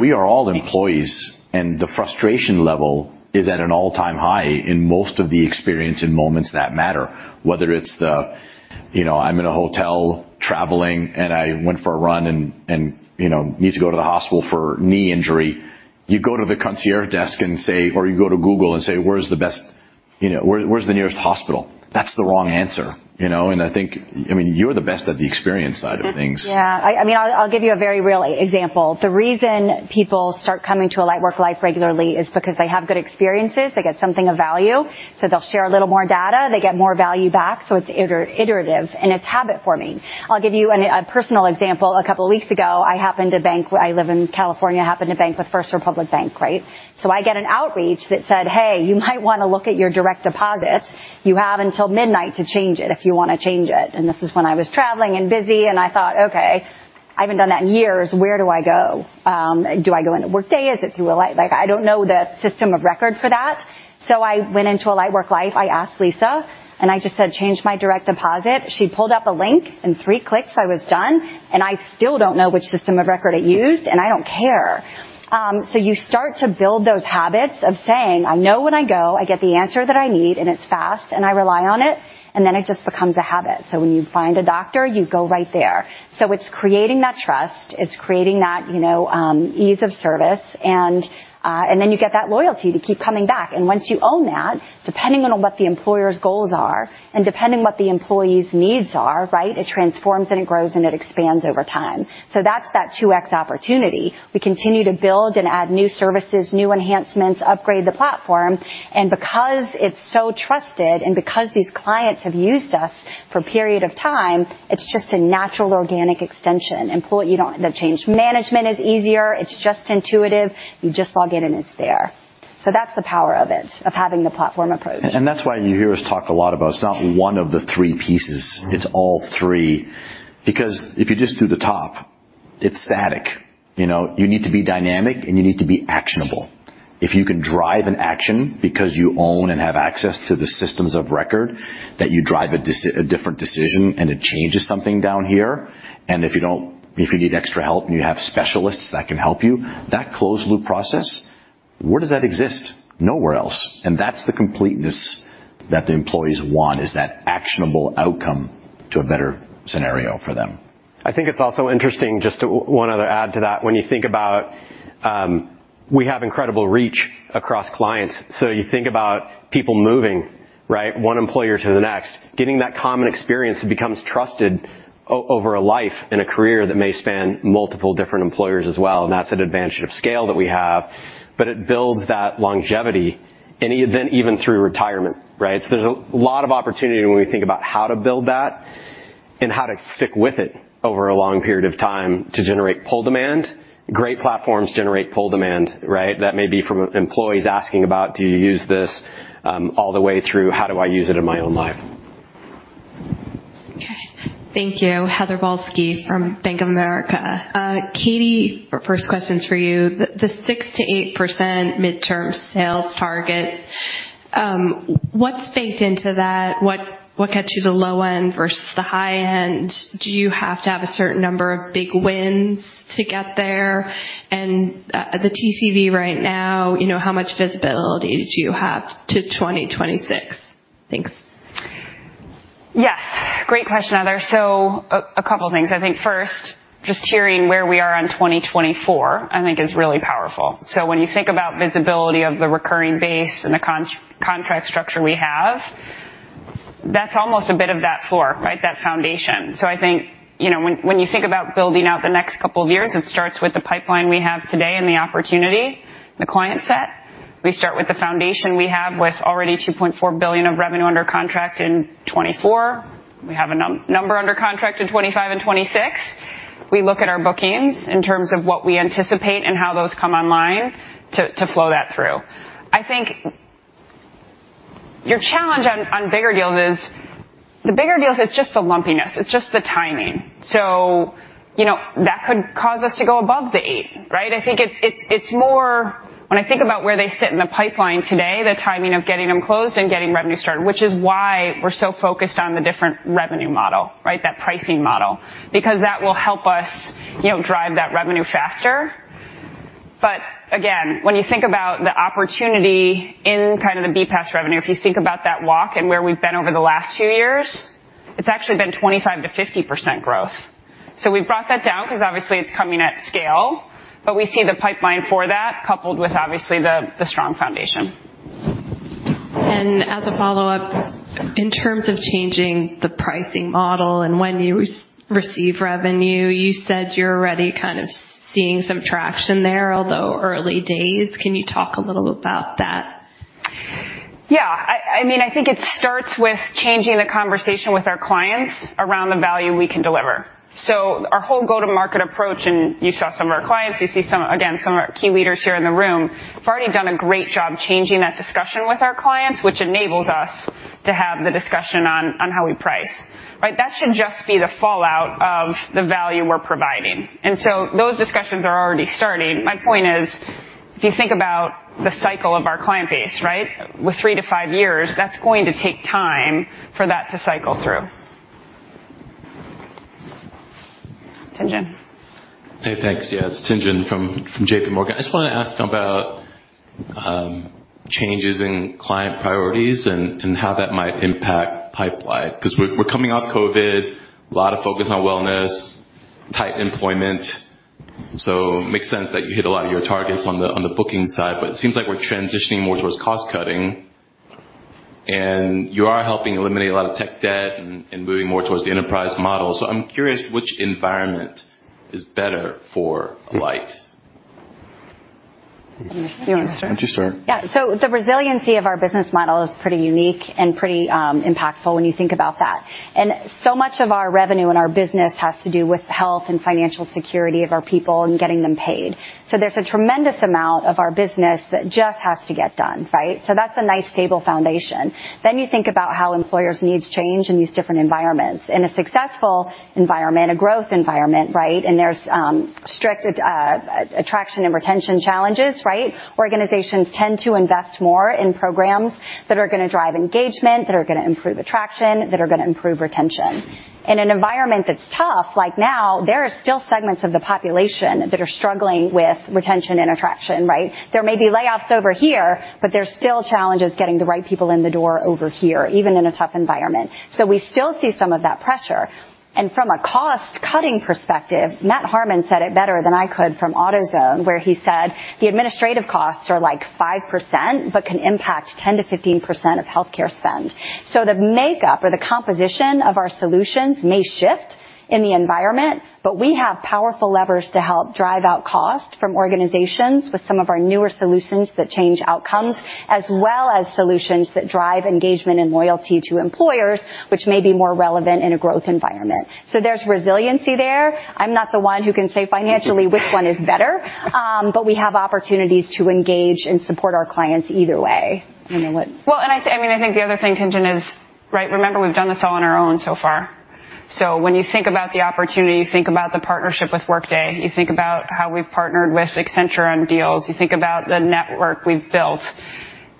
we are all employees, and the frustration level is at an all-time high in most of the experience in moments that matter, whether it's the, you know, I'm in a hotel traveling, and I went for a run and, you know, need to go to the hospital for knee injury. You go to the concierge desk or you go to Google and say, "Where's the best, you know, where's the nearest hospital?" That's the wrong answer, you know? I think, I mean, you're the best at the experience side of things. Yeah. I mean, I'll give you a very real example. The reason people start coming to Alight Worklife regularly is because they have good experiences. They get something of value. They'll share a little more data. They get more value back. It's iterative, it's habit-forming. I'll give you a personal example. A couple of weeks ago, I happened to bank. I live in California, happened to bank with First Republic Bank, right? I get an outreach that said, "Hey, you might wanna look at your direct deposit. You have until midnight to change it if you wanna change it." This is when I was traveling and busy. I thought, "Okay." I haven't done that in years. Where do I go? Do I go into Workday? Is it through Alight? Like, I don't know the system of record for that. I went into Alight Worklife, I asked Lisa, and I just said, "Change my direct deposit." She pulled up a link. In three clicks, I was done, and I still don't know which system of record it used, and I don't care. You start to build those habits of saying, "I know when I go, I get the answer that I need, and it's fast, and I rely on it," and then it just becomes a habit. When you find a doctor, you go right there. It's creating that trust. It's creating that, you know, ease of service, and then you get that loyalty to keep coming back. Once you own that, depending on what the employer's goals are and depending what the employee's needs are, right, it transforms and it grows, and it expands over time. That's that 2x opportunity. We continue to build and add new services, new enhancements, upgrade the platform, and because it's so trusted and because these clients have used us for a period of time, it's just a natural organic extension. Employee, you don't have to change. Management is easier. It's just intuitive. You just log in, and it's there. That's the power of it, of having the platform approach. That's why you hear us talk a lot about it's not one of the three pieces. It's all three. If you just do the top, it's static. You know, you need to be dynamic, and you need to be actionable. If you can drive an action because you own and have access to the systems of record, that you drive a different decision, and it changes something down here. If you need extra help, and you have specialists that can help you, that closed loop process, where does that exist? Nowhere else. That's the completeness that the employees want, is that actionable outcome to a better scenario for them. I think it's also interesting just one other add to that. When you think about, we have incredible reach across clients. You think about people moving, right, one employer to the next. Getting that common experience, it becomes trusted over a life and a career that may span multiple different employers as well, and that's an advantage of scale that we have. It builds that longevity and even through retirement, right? There's a lot of opportunity when we think about how to build that and how to stick with it over a long period of time to generate pull demand. Great platforms generate pull demand, right? That may be from employees asking about, "Do you use this?" all the way through, "How do I use it in my own life? Okay. Thank you. Heather Balsky from Bank of America. Katie, first question's for you. The 6%-8% midterm sales targets, what's baked into that? What gets you the low end versus the high end? Do you have to have a certain number of big wins to get there? The TCV right now, you know, how much visibility do you have to 2026? Thanks. Yes. Great question, Heather. A couple things. I think first, just hearing where we are on 2024, I think is really powerful. When you think about visibility of the recurring base and the contract structure we have, that's almost a bit of that floor, right? That foundation. I think, you know, when you think about building out the next couple of years, it starts with the pipeline we have today and the opportunity, the client set. We start with the foundation we have with already $2.4 billion of revenue under contract in 2024. We have a number under contract in 2025 and 2026. We look at our bookings in terms of what we anticipate and how those come online to flow that through. I think your challenge on bigger deals is the bigger deals, it's just the lumpiness. It's just the timing. you know, that could cause us to go above the eight, right? I think it's more when I think about where they sit in the pipeline today, the timing of getting them closed and getting revenue started, which is why we're so focused on the different revenue model, right? That pricing model. that will help us, you know, drive that revenue faster. again, when you think about the opportunity in kind of the BPaaS revenue, if you think about that walk and where we've been over the last two years, it's actually been 25%-50% growth. we've brought that down because obviously it's coming at scale, but we see the pipeline for that coupled with obviously the strong foundation. As a follow-up, in terms of changing the pricing model and when you receive revenue, you said you're already kind of seeing some traction there, although early days. Can you talk a little about that? Yeah. I mean, I think it starts with changing the conversation with our clients around the value we can deliver. Our whole go-to-market approach, and you saw some of our clients, some of our key leaders here in the room, have already done a great job changing that discussion with our clients, which enables us to have the discussion on how we price, right? That should just be the fallout of the value we're providing. Those discussions are already starting. My point is, if you think about the cycle of our client base, right? With three to five years, that's going to take time for that to cycle through. Tien-tsin. Hey, thanks. It's Tien-tsin from JPMorgan. I just want to ask about changes in client priorities and how that might impact pipeline because we're coming off COVID, a lot of focus on wellness, tight employment. It makes sense that you hit a lot of your targets on the booking side, but it seems like we're transitioning more towards cost-cutting. You are helping eliminate a lot of tech debt and moving more towards the enterprise model. I'm curious which environment is better for Alight? Why don't you start? Yeah. The resiliency of our business model is pretty unique and pretty impactful when you think about that. So much of our revenue and our business has to do with health and financial security of our people and getting them paid. There's a tremendous amount of our business that just has to get done, right? That's a nice stable foundation. You think about how employers' needs change in these different environments. In a successful environment, a growth environment, right, there's strict attraction and retention challenges, right? Organizations tend to invest more in programs that are gonna drive engagement, that are gonna improve attraction, that are gonna improve retention. In an environment that's tough, like now, there are still segments of the population that are struggling with retention and attraction, right? There may be layoffs over here, but there's still challenges getting the right people in the door over here, even in a tough environment. We still see some of that pressure. From a cost-cutting perspective, Matt Harmon said it better than I could from AutoZone, where he said, "The administrative costs are, like, 5%, but can impact 10%-15% of healthcare spend." The makeup or the composition of our solutions may shift in the environment, but we have powerful levers to help drive out cost from organizations with some of our newer solutions that change outcomes, as well as solutions that drive engagement and loyalty to employers, which may be more relevant in a growth environment. There's resiliency there. I'm not the one who can say financially which one is better, we have opportunities to engage and support our clients either way. I don't know. I mean, I think the other thing, Tien-tsin, is, right, remember we've done this all on our own so far. When you think about the opportunity, you think about the partnership with Workday, you think about how we've partnered with Accenture on deals, you think about the network we've built,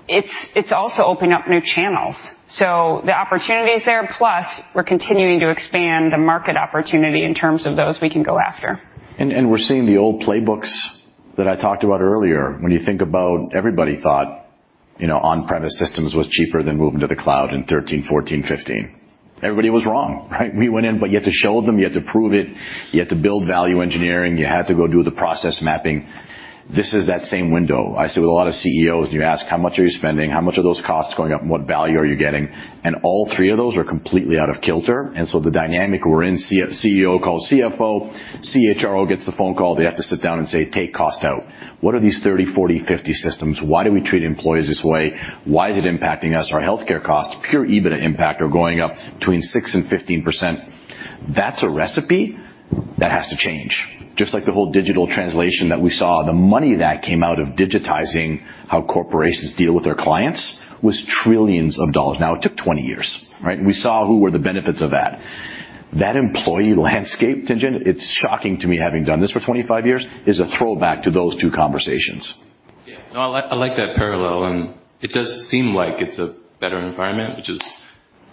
it's also opening up new channels. The opportunity's there. Plus, we're continuing to expand the market opportunity in terms of those we can go after. We're seeing the old playbooks that I talked about earlier. When you think about everybody thought, you know, on-premise systems was cheaper than moving to the cloud in 2013, 2014, 2015. Everybody was wrong, right? We went in, you had to show them, you had to prove it, you had to build value engineering, you had to go do the process mapping. This is that same window. I sit with a lot of CEOs, you ask, "How much are you spending? How much are those costs going up, and what value are you getting?" All three of those are completely out of kilter. The dynamic we're in, CEO calls CFO, CHRO gets the phone call. They have to sit down and say, "Take cost out. What are these 30, 40, 50 systems? Why do we treat employees this way? Why is it impacting us? Our healthcare costs, pure EBITDA impact, are going up between 6% and 15%. That's a recipe that has to change. Just like the whole digital translation that we saw, the money that came out of digitizing how corporations deal with their clients was $ trillions. It took 20 years, right? We saw who were the benefits of that. That employee landscape, Tien-tsin, it's shocking to me, having done this for 25 years, is a throwback to those two conversations. Yeah. No, I like that parallel. It does seem like it's a better environment, which is.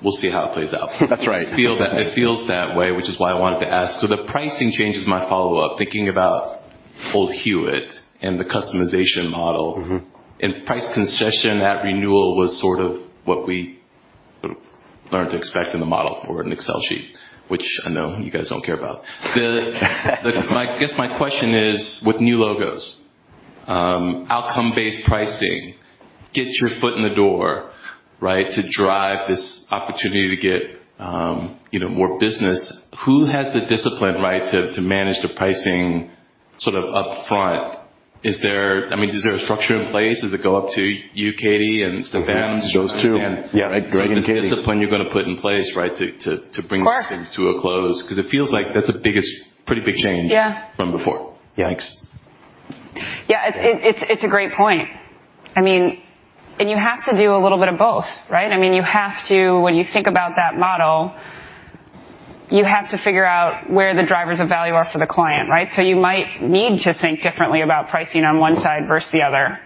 We'll see how it plays out. That's right. It feels that way, which is why I wanted to ask. The pricing change is my follow-up, thinking about old Hewitt and the customization model. Mm-hmm. Price concession at renewal was sort of what we learned to expect in the model or in an Excel sheet, which I know you guys don't care about. I guess my question is, with new logos, outcome-based pricing, get your foot in the door, right, to drive this opportunity to get, you know, more business. Who has the discipline, right, to manage the pricing sort of up front? I mean, is there a structure in place? Does it go up to you, Katie, and Stephan? Mm-hmm. Those two. And- Yeah. Right. Go ahead, Katie. The discipline you're gonna put in place, right, to. Of course. These things to a close, 'cause it feels like that's the pretty big change. Yeah From before. Yeah. Thanks. Yeah. It's a great point. I mean, you have to do a little bit of both, right? I mean, when you think about that model, you have to figure out where the drivers of value are for the client, right? You might need to think differently about pricing on one side versus the other,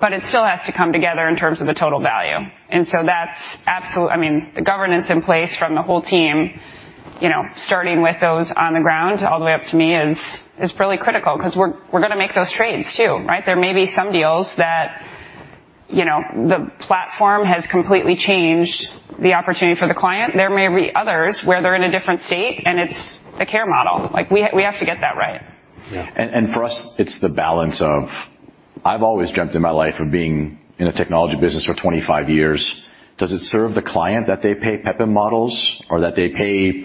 but it still has to come together in terms of the total value. That's. I mean, the governance in place from the whole team, you know, starting with those on the ground all the way up to me is really critical 'cause we're gonna make those trades too, right? There may be some deals that, you know, the platform has completely changed the opportunity for the client. There may be others where they're in a different state, and it's a care model. Like, we have to get that right. Yeah. For us, it's the balance of I've always dreamt in my life of being in a technology business for 25 years. Does it serve the client that they pay PMPM models or that they pay,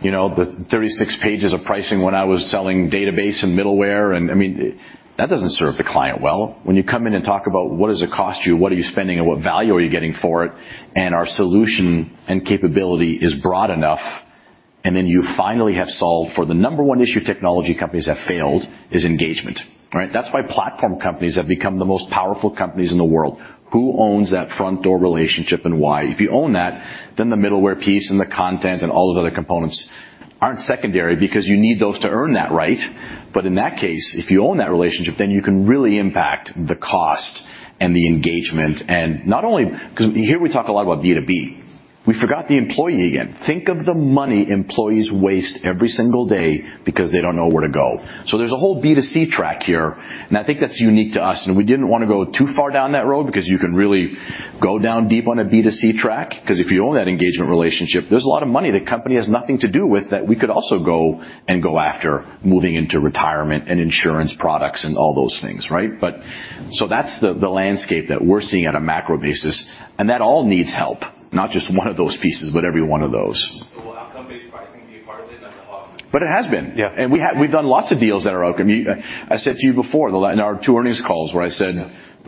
you know, the 36 pages of pricing when I was selling database and middleware? I mean, that doesn't serve the client well. When you come in and talk about what does it cost you, what are you spending, and what value are you getting for it, and our solution and capability is broad enough, and then you finally have solved for the number one issue technology companies have failed is engagement, right? That's why platform companies have become the most powerful companies in the world. Who owns that front door relationship and why? If you own that, the middleware piece and the content and all of the other components aren't secondary because you need those to earn that right. In that case, if you own that relationship, you can really impact the cost and the engagement. 'Cause here we talk a lot about B2B. We forgot the employee again. Think of the money employees waste every single day because they don't know where to go. There's a whole B2C track here, and I think that's unique to us, and we didn't wanna go too far down that road because you can really go down deep on a B2C track. 'Cause if you own that engagement relationship, there's a lot of money the company has nothing to do with that we could also go and go after moving into retirement and insurance products and all those things, right? That's the landscape that we're seeing on a macro basis, and that all needs help. Not just one of those pieces, but every one of those. It has been. Yeah. We've done lots of deals that are out. I mean, I said to you before, our two earnings calls where I said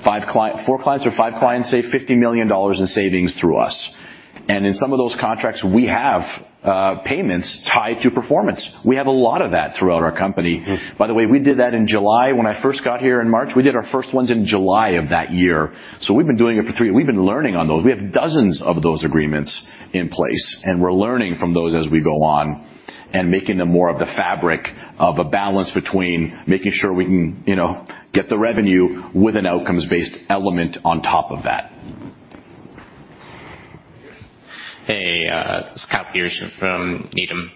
four clients or five clients save $50 million in savings through us. In some of those contracts, we have payments tied to performance. We have a lot of that throughout our company. By the way, we did that in July. When I first got here in March, we did our first ones in July of that year. We've been doing it for three. We've been learning on those. We have dozens of those agreements in place, and we're learning from those as we go on and making them more of the fabric of a balance between making sure we can, you know, get the revenue with an outcomes-based element on top of that. Hey, Kyle Peterson from Needham.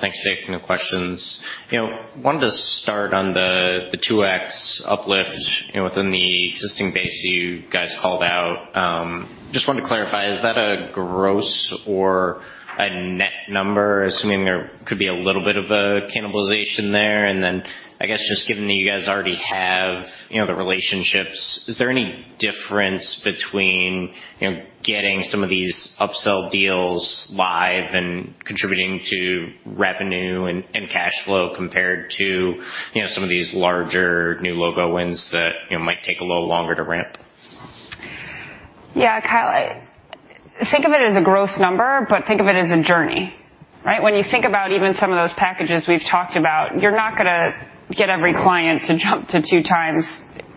Thanks for taking the questions. You know, wanted to start on the 2x uplift, you know, within the existing base you guys called out. Just wanted to clarify, is that a gross or a net number, assuming there could be a little bit of a cannibalization there. Then I guess just given that you guys already have, you know, the relationships, is there any difference between, you know, getting some of these upsell deals live and contributing to revenue and cash flow compared to, you know, some of these larger new logo wins that, you know, might take a little longer to ramp? Yeah. Kyle, think of it as a gross number, think of it as a journey, right? When you think about even some of those packages we've talked about, you're not gonna get every client to jump to 2x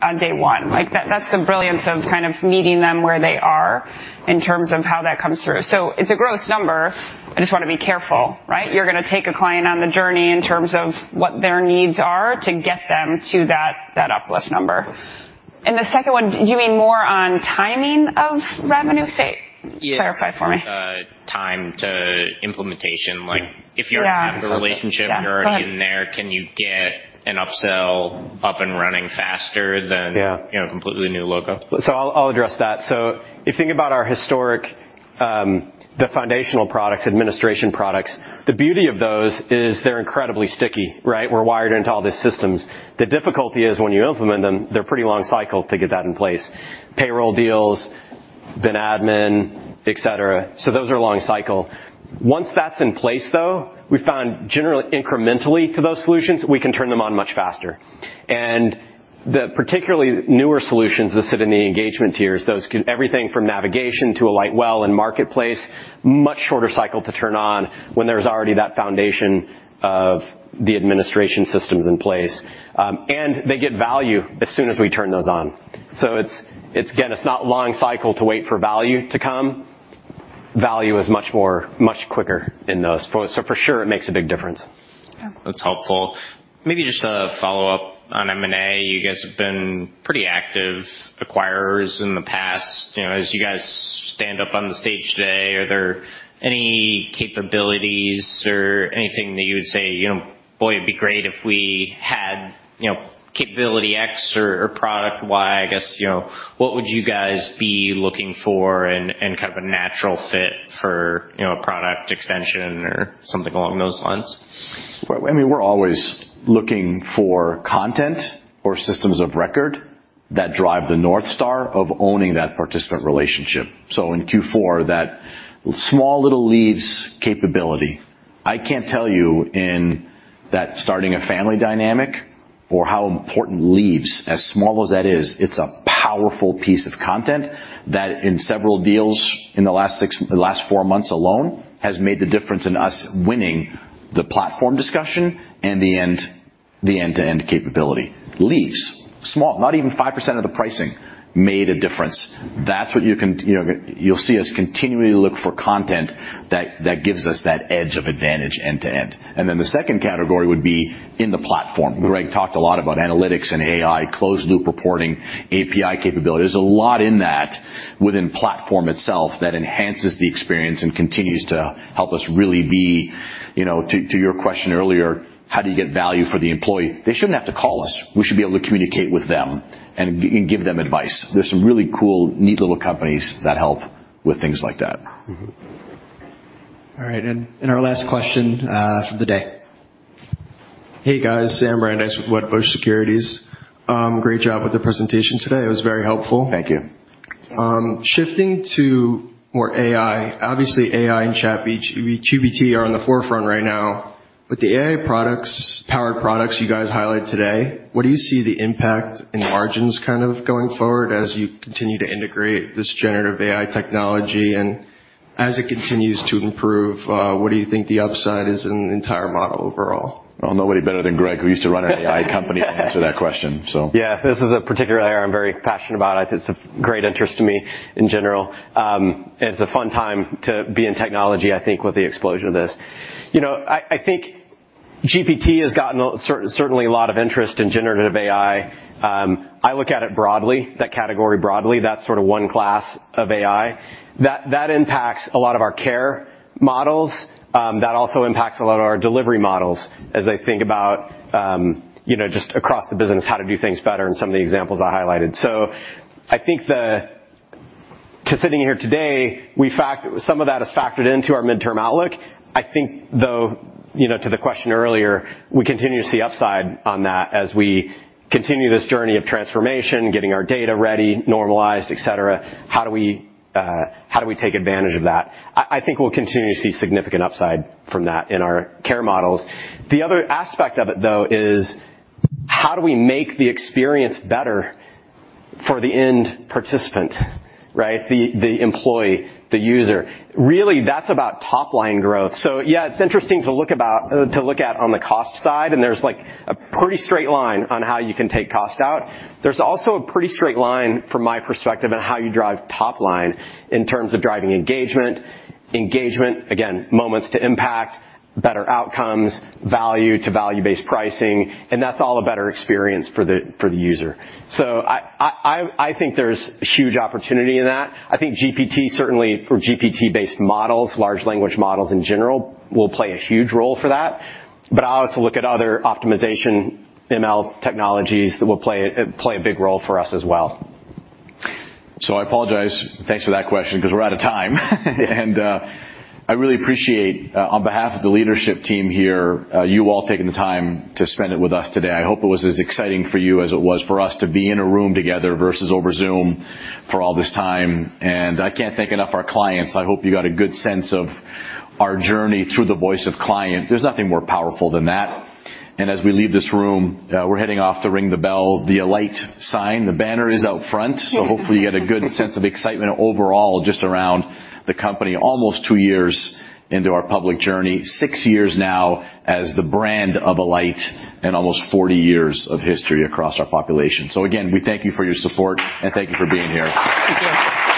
on day one. Like that's the brilliance of kind of meeting them where they are in terms of how that comes through. It's a gross number. I just want to be careful, right? You're gonna take a client on the journey in terms of what their needs are to get them to that uplift number. The second one, do you mean more on timing of revenue sake? Yeah. Clarify for me. The time to implementation. Like if you. Yeah. A relationship, you're already in there, can you get an upsell up and running faster than- Yeah. You know, completely new logo? I'll address that. If you think about our historic, the foundational products, administration products, the beauty of those is they're incredibly sticky, right? We're wired into all the systems. The difficulty is when you implement them, they're pretty long cycle to get that in place. Payroll deals, then admin, et cetera. Those are long cycle. Once that's in place, though, we found generally incrementally to those solutions, we can turn them on much faster. And the particularly newer solutions that sit in the engagement tiers. Everything from navigation to Alight Well and Marketplace, much shorter cycle to turn on when there's already that foundation of the administration systems in place. And they get value as soon as we turn those on. It's, it's again, it's not long cycle to wait for value to come. Value is much more, much quicker in those. For sure, it makes a big difference. Yeah. That's helpful. Maybe just a follow-up on M&A. You guys have been pretty active acquirers in the past. You know, as you guys stand up on the stage today, are there any capabilities or anything that you would say, you know, "Boy, it'd be great if we had, you know, capability X or product Y," I guess, you know? What would you guys be looking for and kind of a natural fit for, you know, a product extension or something along those lines? Well, I mean, we're always looking for content or systems of record that drive the North Star of owning that participant relationship. In Q4, that small little leaves capability. I can't tell you in that starting a family dynamic for how important leaves, as small as that is, it's a powerful piece of content that in several deals in the last four months alone, has made the difference in us winning the platform discussion and the end-to-end capability. Leaves, small, not even 5% of the pricing made a difference. That's what you can, you know, you'll see us continually look for content that gives us that edge of advantage end-to-end. The second category would be in the platform. Greg Goff talked a lot about analytics and AI, closed-loop reporting, API capability. There's a lot in that within platform itself that enhances the experience and continues to help us really be, you know, to your question earlier, how do you get value for the employee? They shouldn't have to call us. We should be able to communicate with them and give them advice. There's some really cool, neat little companies that help with things like that. Mm-hmm. All right. Our last question for the day. Hey, guys. Sam Brandeis with Wedbush Securities. Great job with the presentation today. It was very helpful. Thank you. Shifting to more AI. Obviously, AI and ChatGPT are on the forefront right now. With the AI powered products you guys highlight today, what do you see the impact in margins kind of going forward as you continue to integrate this generative AI technology? As it continues to improve, what do you think the upside is in the entire model overall? Nobody better than Greg, who used to run an AI company to answer that question, so. Yeah. This is a particular area I'm very passionate about. It's of great interest to me in general. It's a fun time to be in technology, I think, with the explosion of this. You know, I think GPT has gotten certainly a lot of interest in generative AI. I look at it broadly, that category broadly. That's sort of one class of AI. That impacts a lot of our care models. That also impacts a lot of our delivery models as I think about, you know, just across the business, how to do things better and some of the examples I highlighted. I think the, to sitting here today, we some of that is factored into our midterm outlook. I think, though, you know, to the question earlier, we continue to see upside on that as we continue this journey of transformation, getting our data ready, normalized, et cetera. How do we take advantage of that? I think we'll continue to see significant upside from that in our care models. The other aspect of it, though, is how do we make the experience better for the end participant, right? The employee, the user. Really, that's about top-line growth. Yeah, it's interesting to look at on the cost side, and there's, like, a pretty straight line on how you can take cost out. There's also a pretty straight line from my perspective on how you drive top line in terms of driving engagement. Engagement, again, moments to impact, better outcomes, value to value-based pricing, that's all a better experience for the user. I think there's huge opportunity in that. I think GPT, certainly for GPT-based models, large language models in general, will play a huge role for that. I also look at other optimization ML technologies that will play a big role for us as well. I apologize. Thanks for that question because we're out of time. I really appreciate on behalf of the leadership team here, you all taking the time to spend it with us today. I hope it was as exciting for you as it was for us to be in a room together versus over Zoom for all this time. I can't thank enough our clients. I hope you got a good sense of our journey through the voice of client. There's nothing more powerful than that. As we leave this room, we're heading off to ring the bell, the Alight sign. The banner is out front. Yes. Hopefully you get a good sense of excitement overall just around the company, almost two years into our public journey, six years now as the brand of Alight, and almost 40 years of history across our population. Again, we thank you for your support, and thank you for being here. Thank you.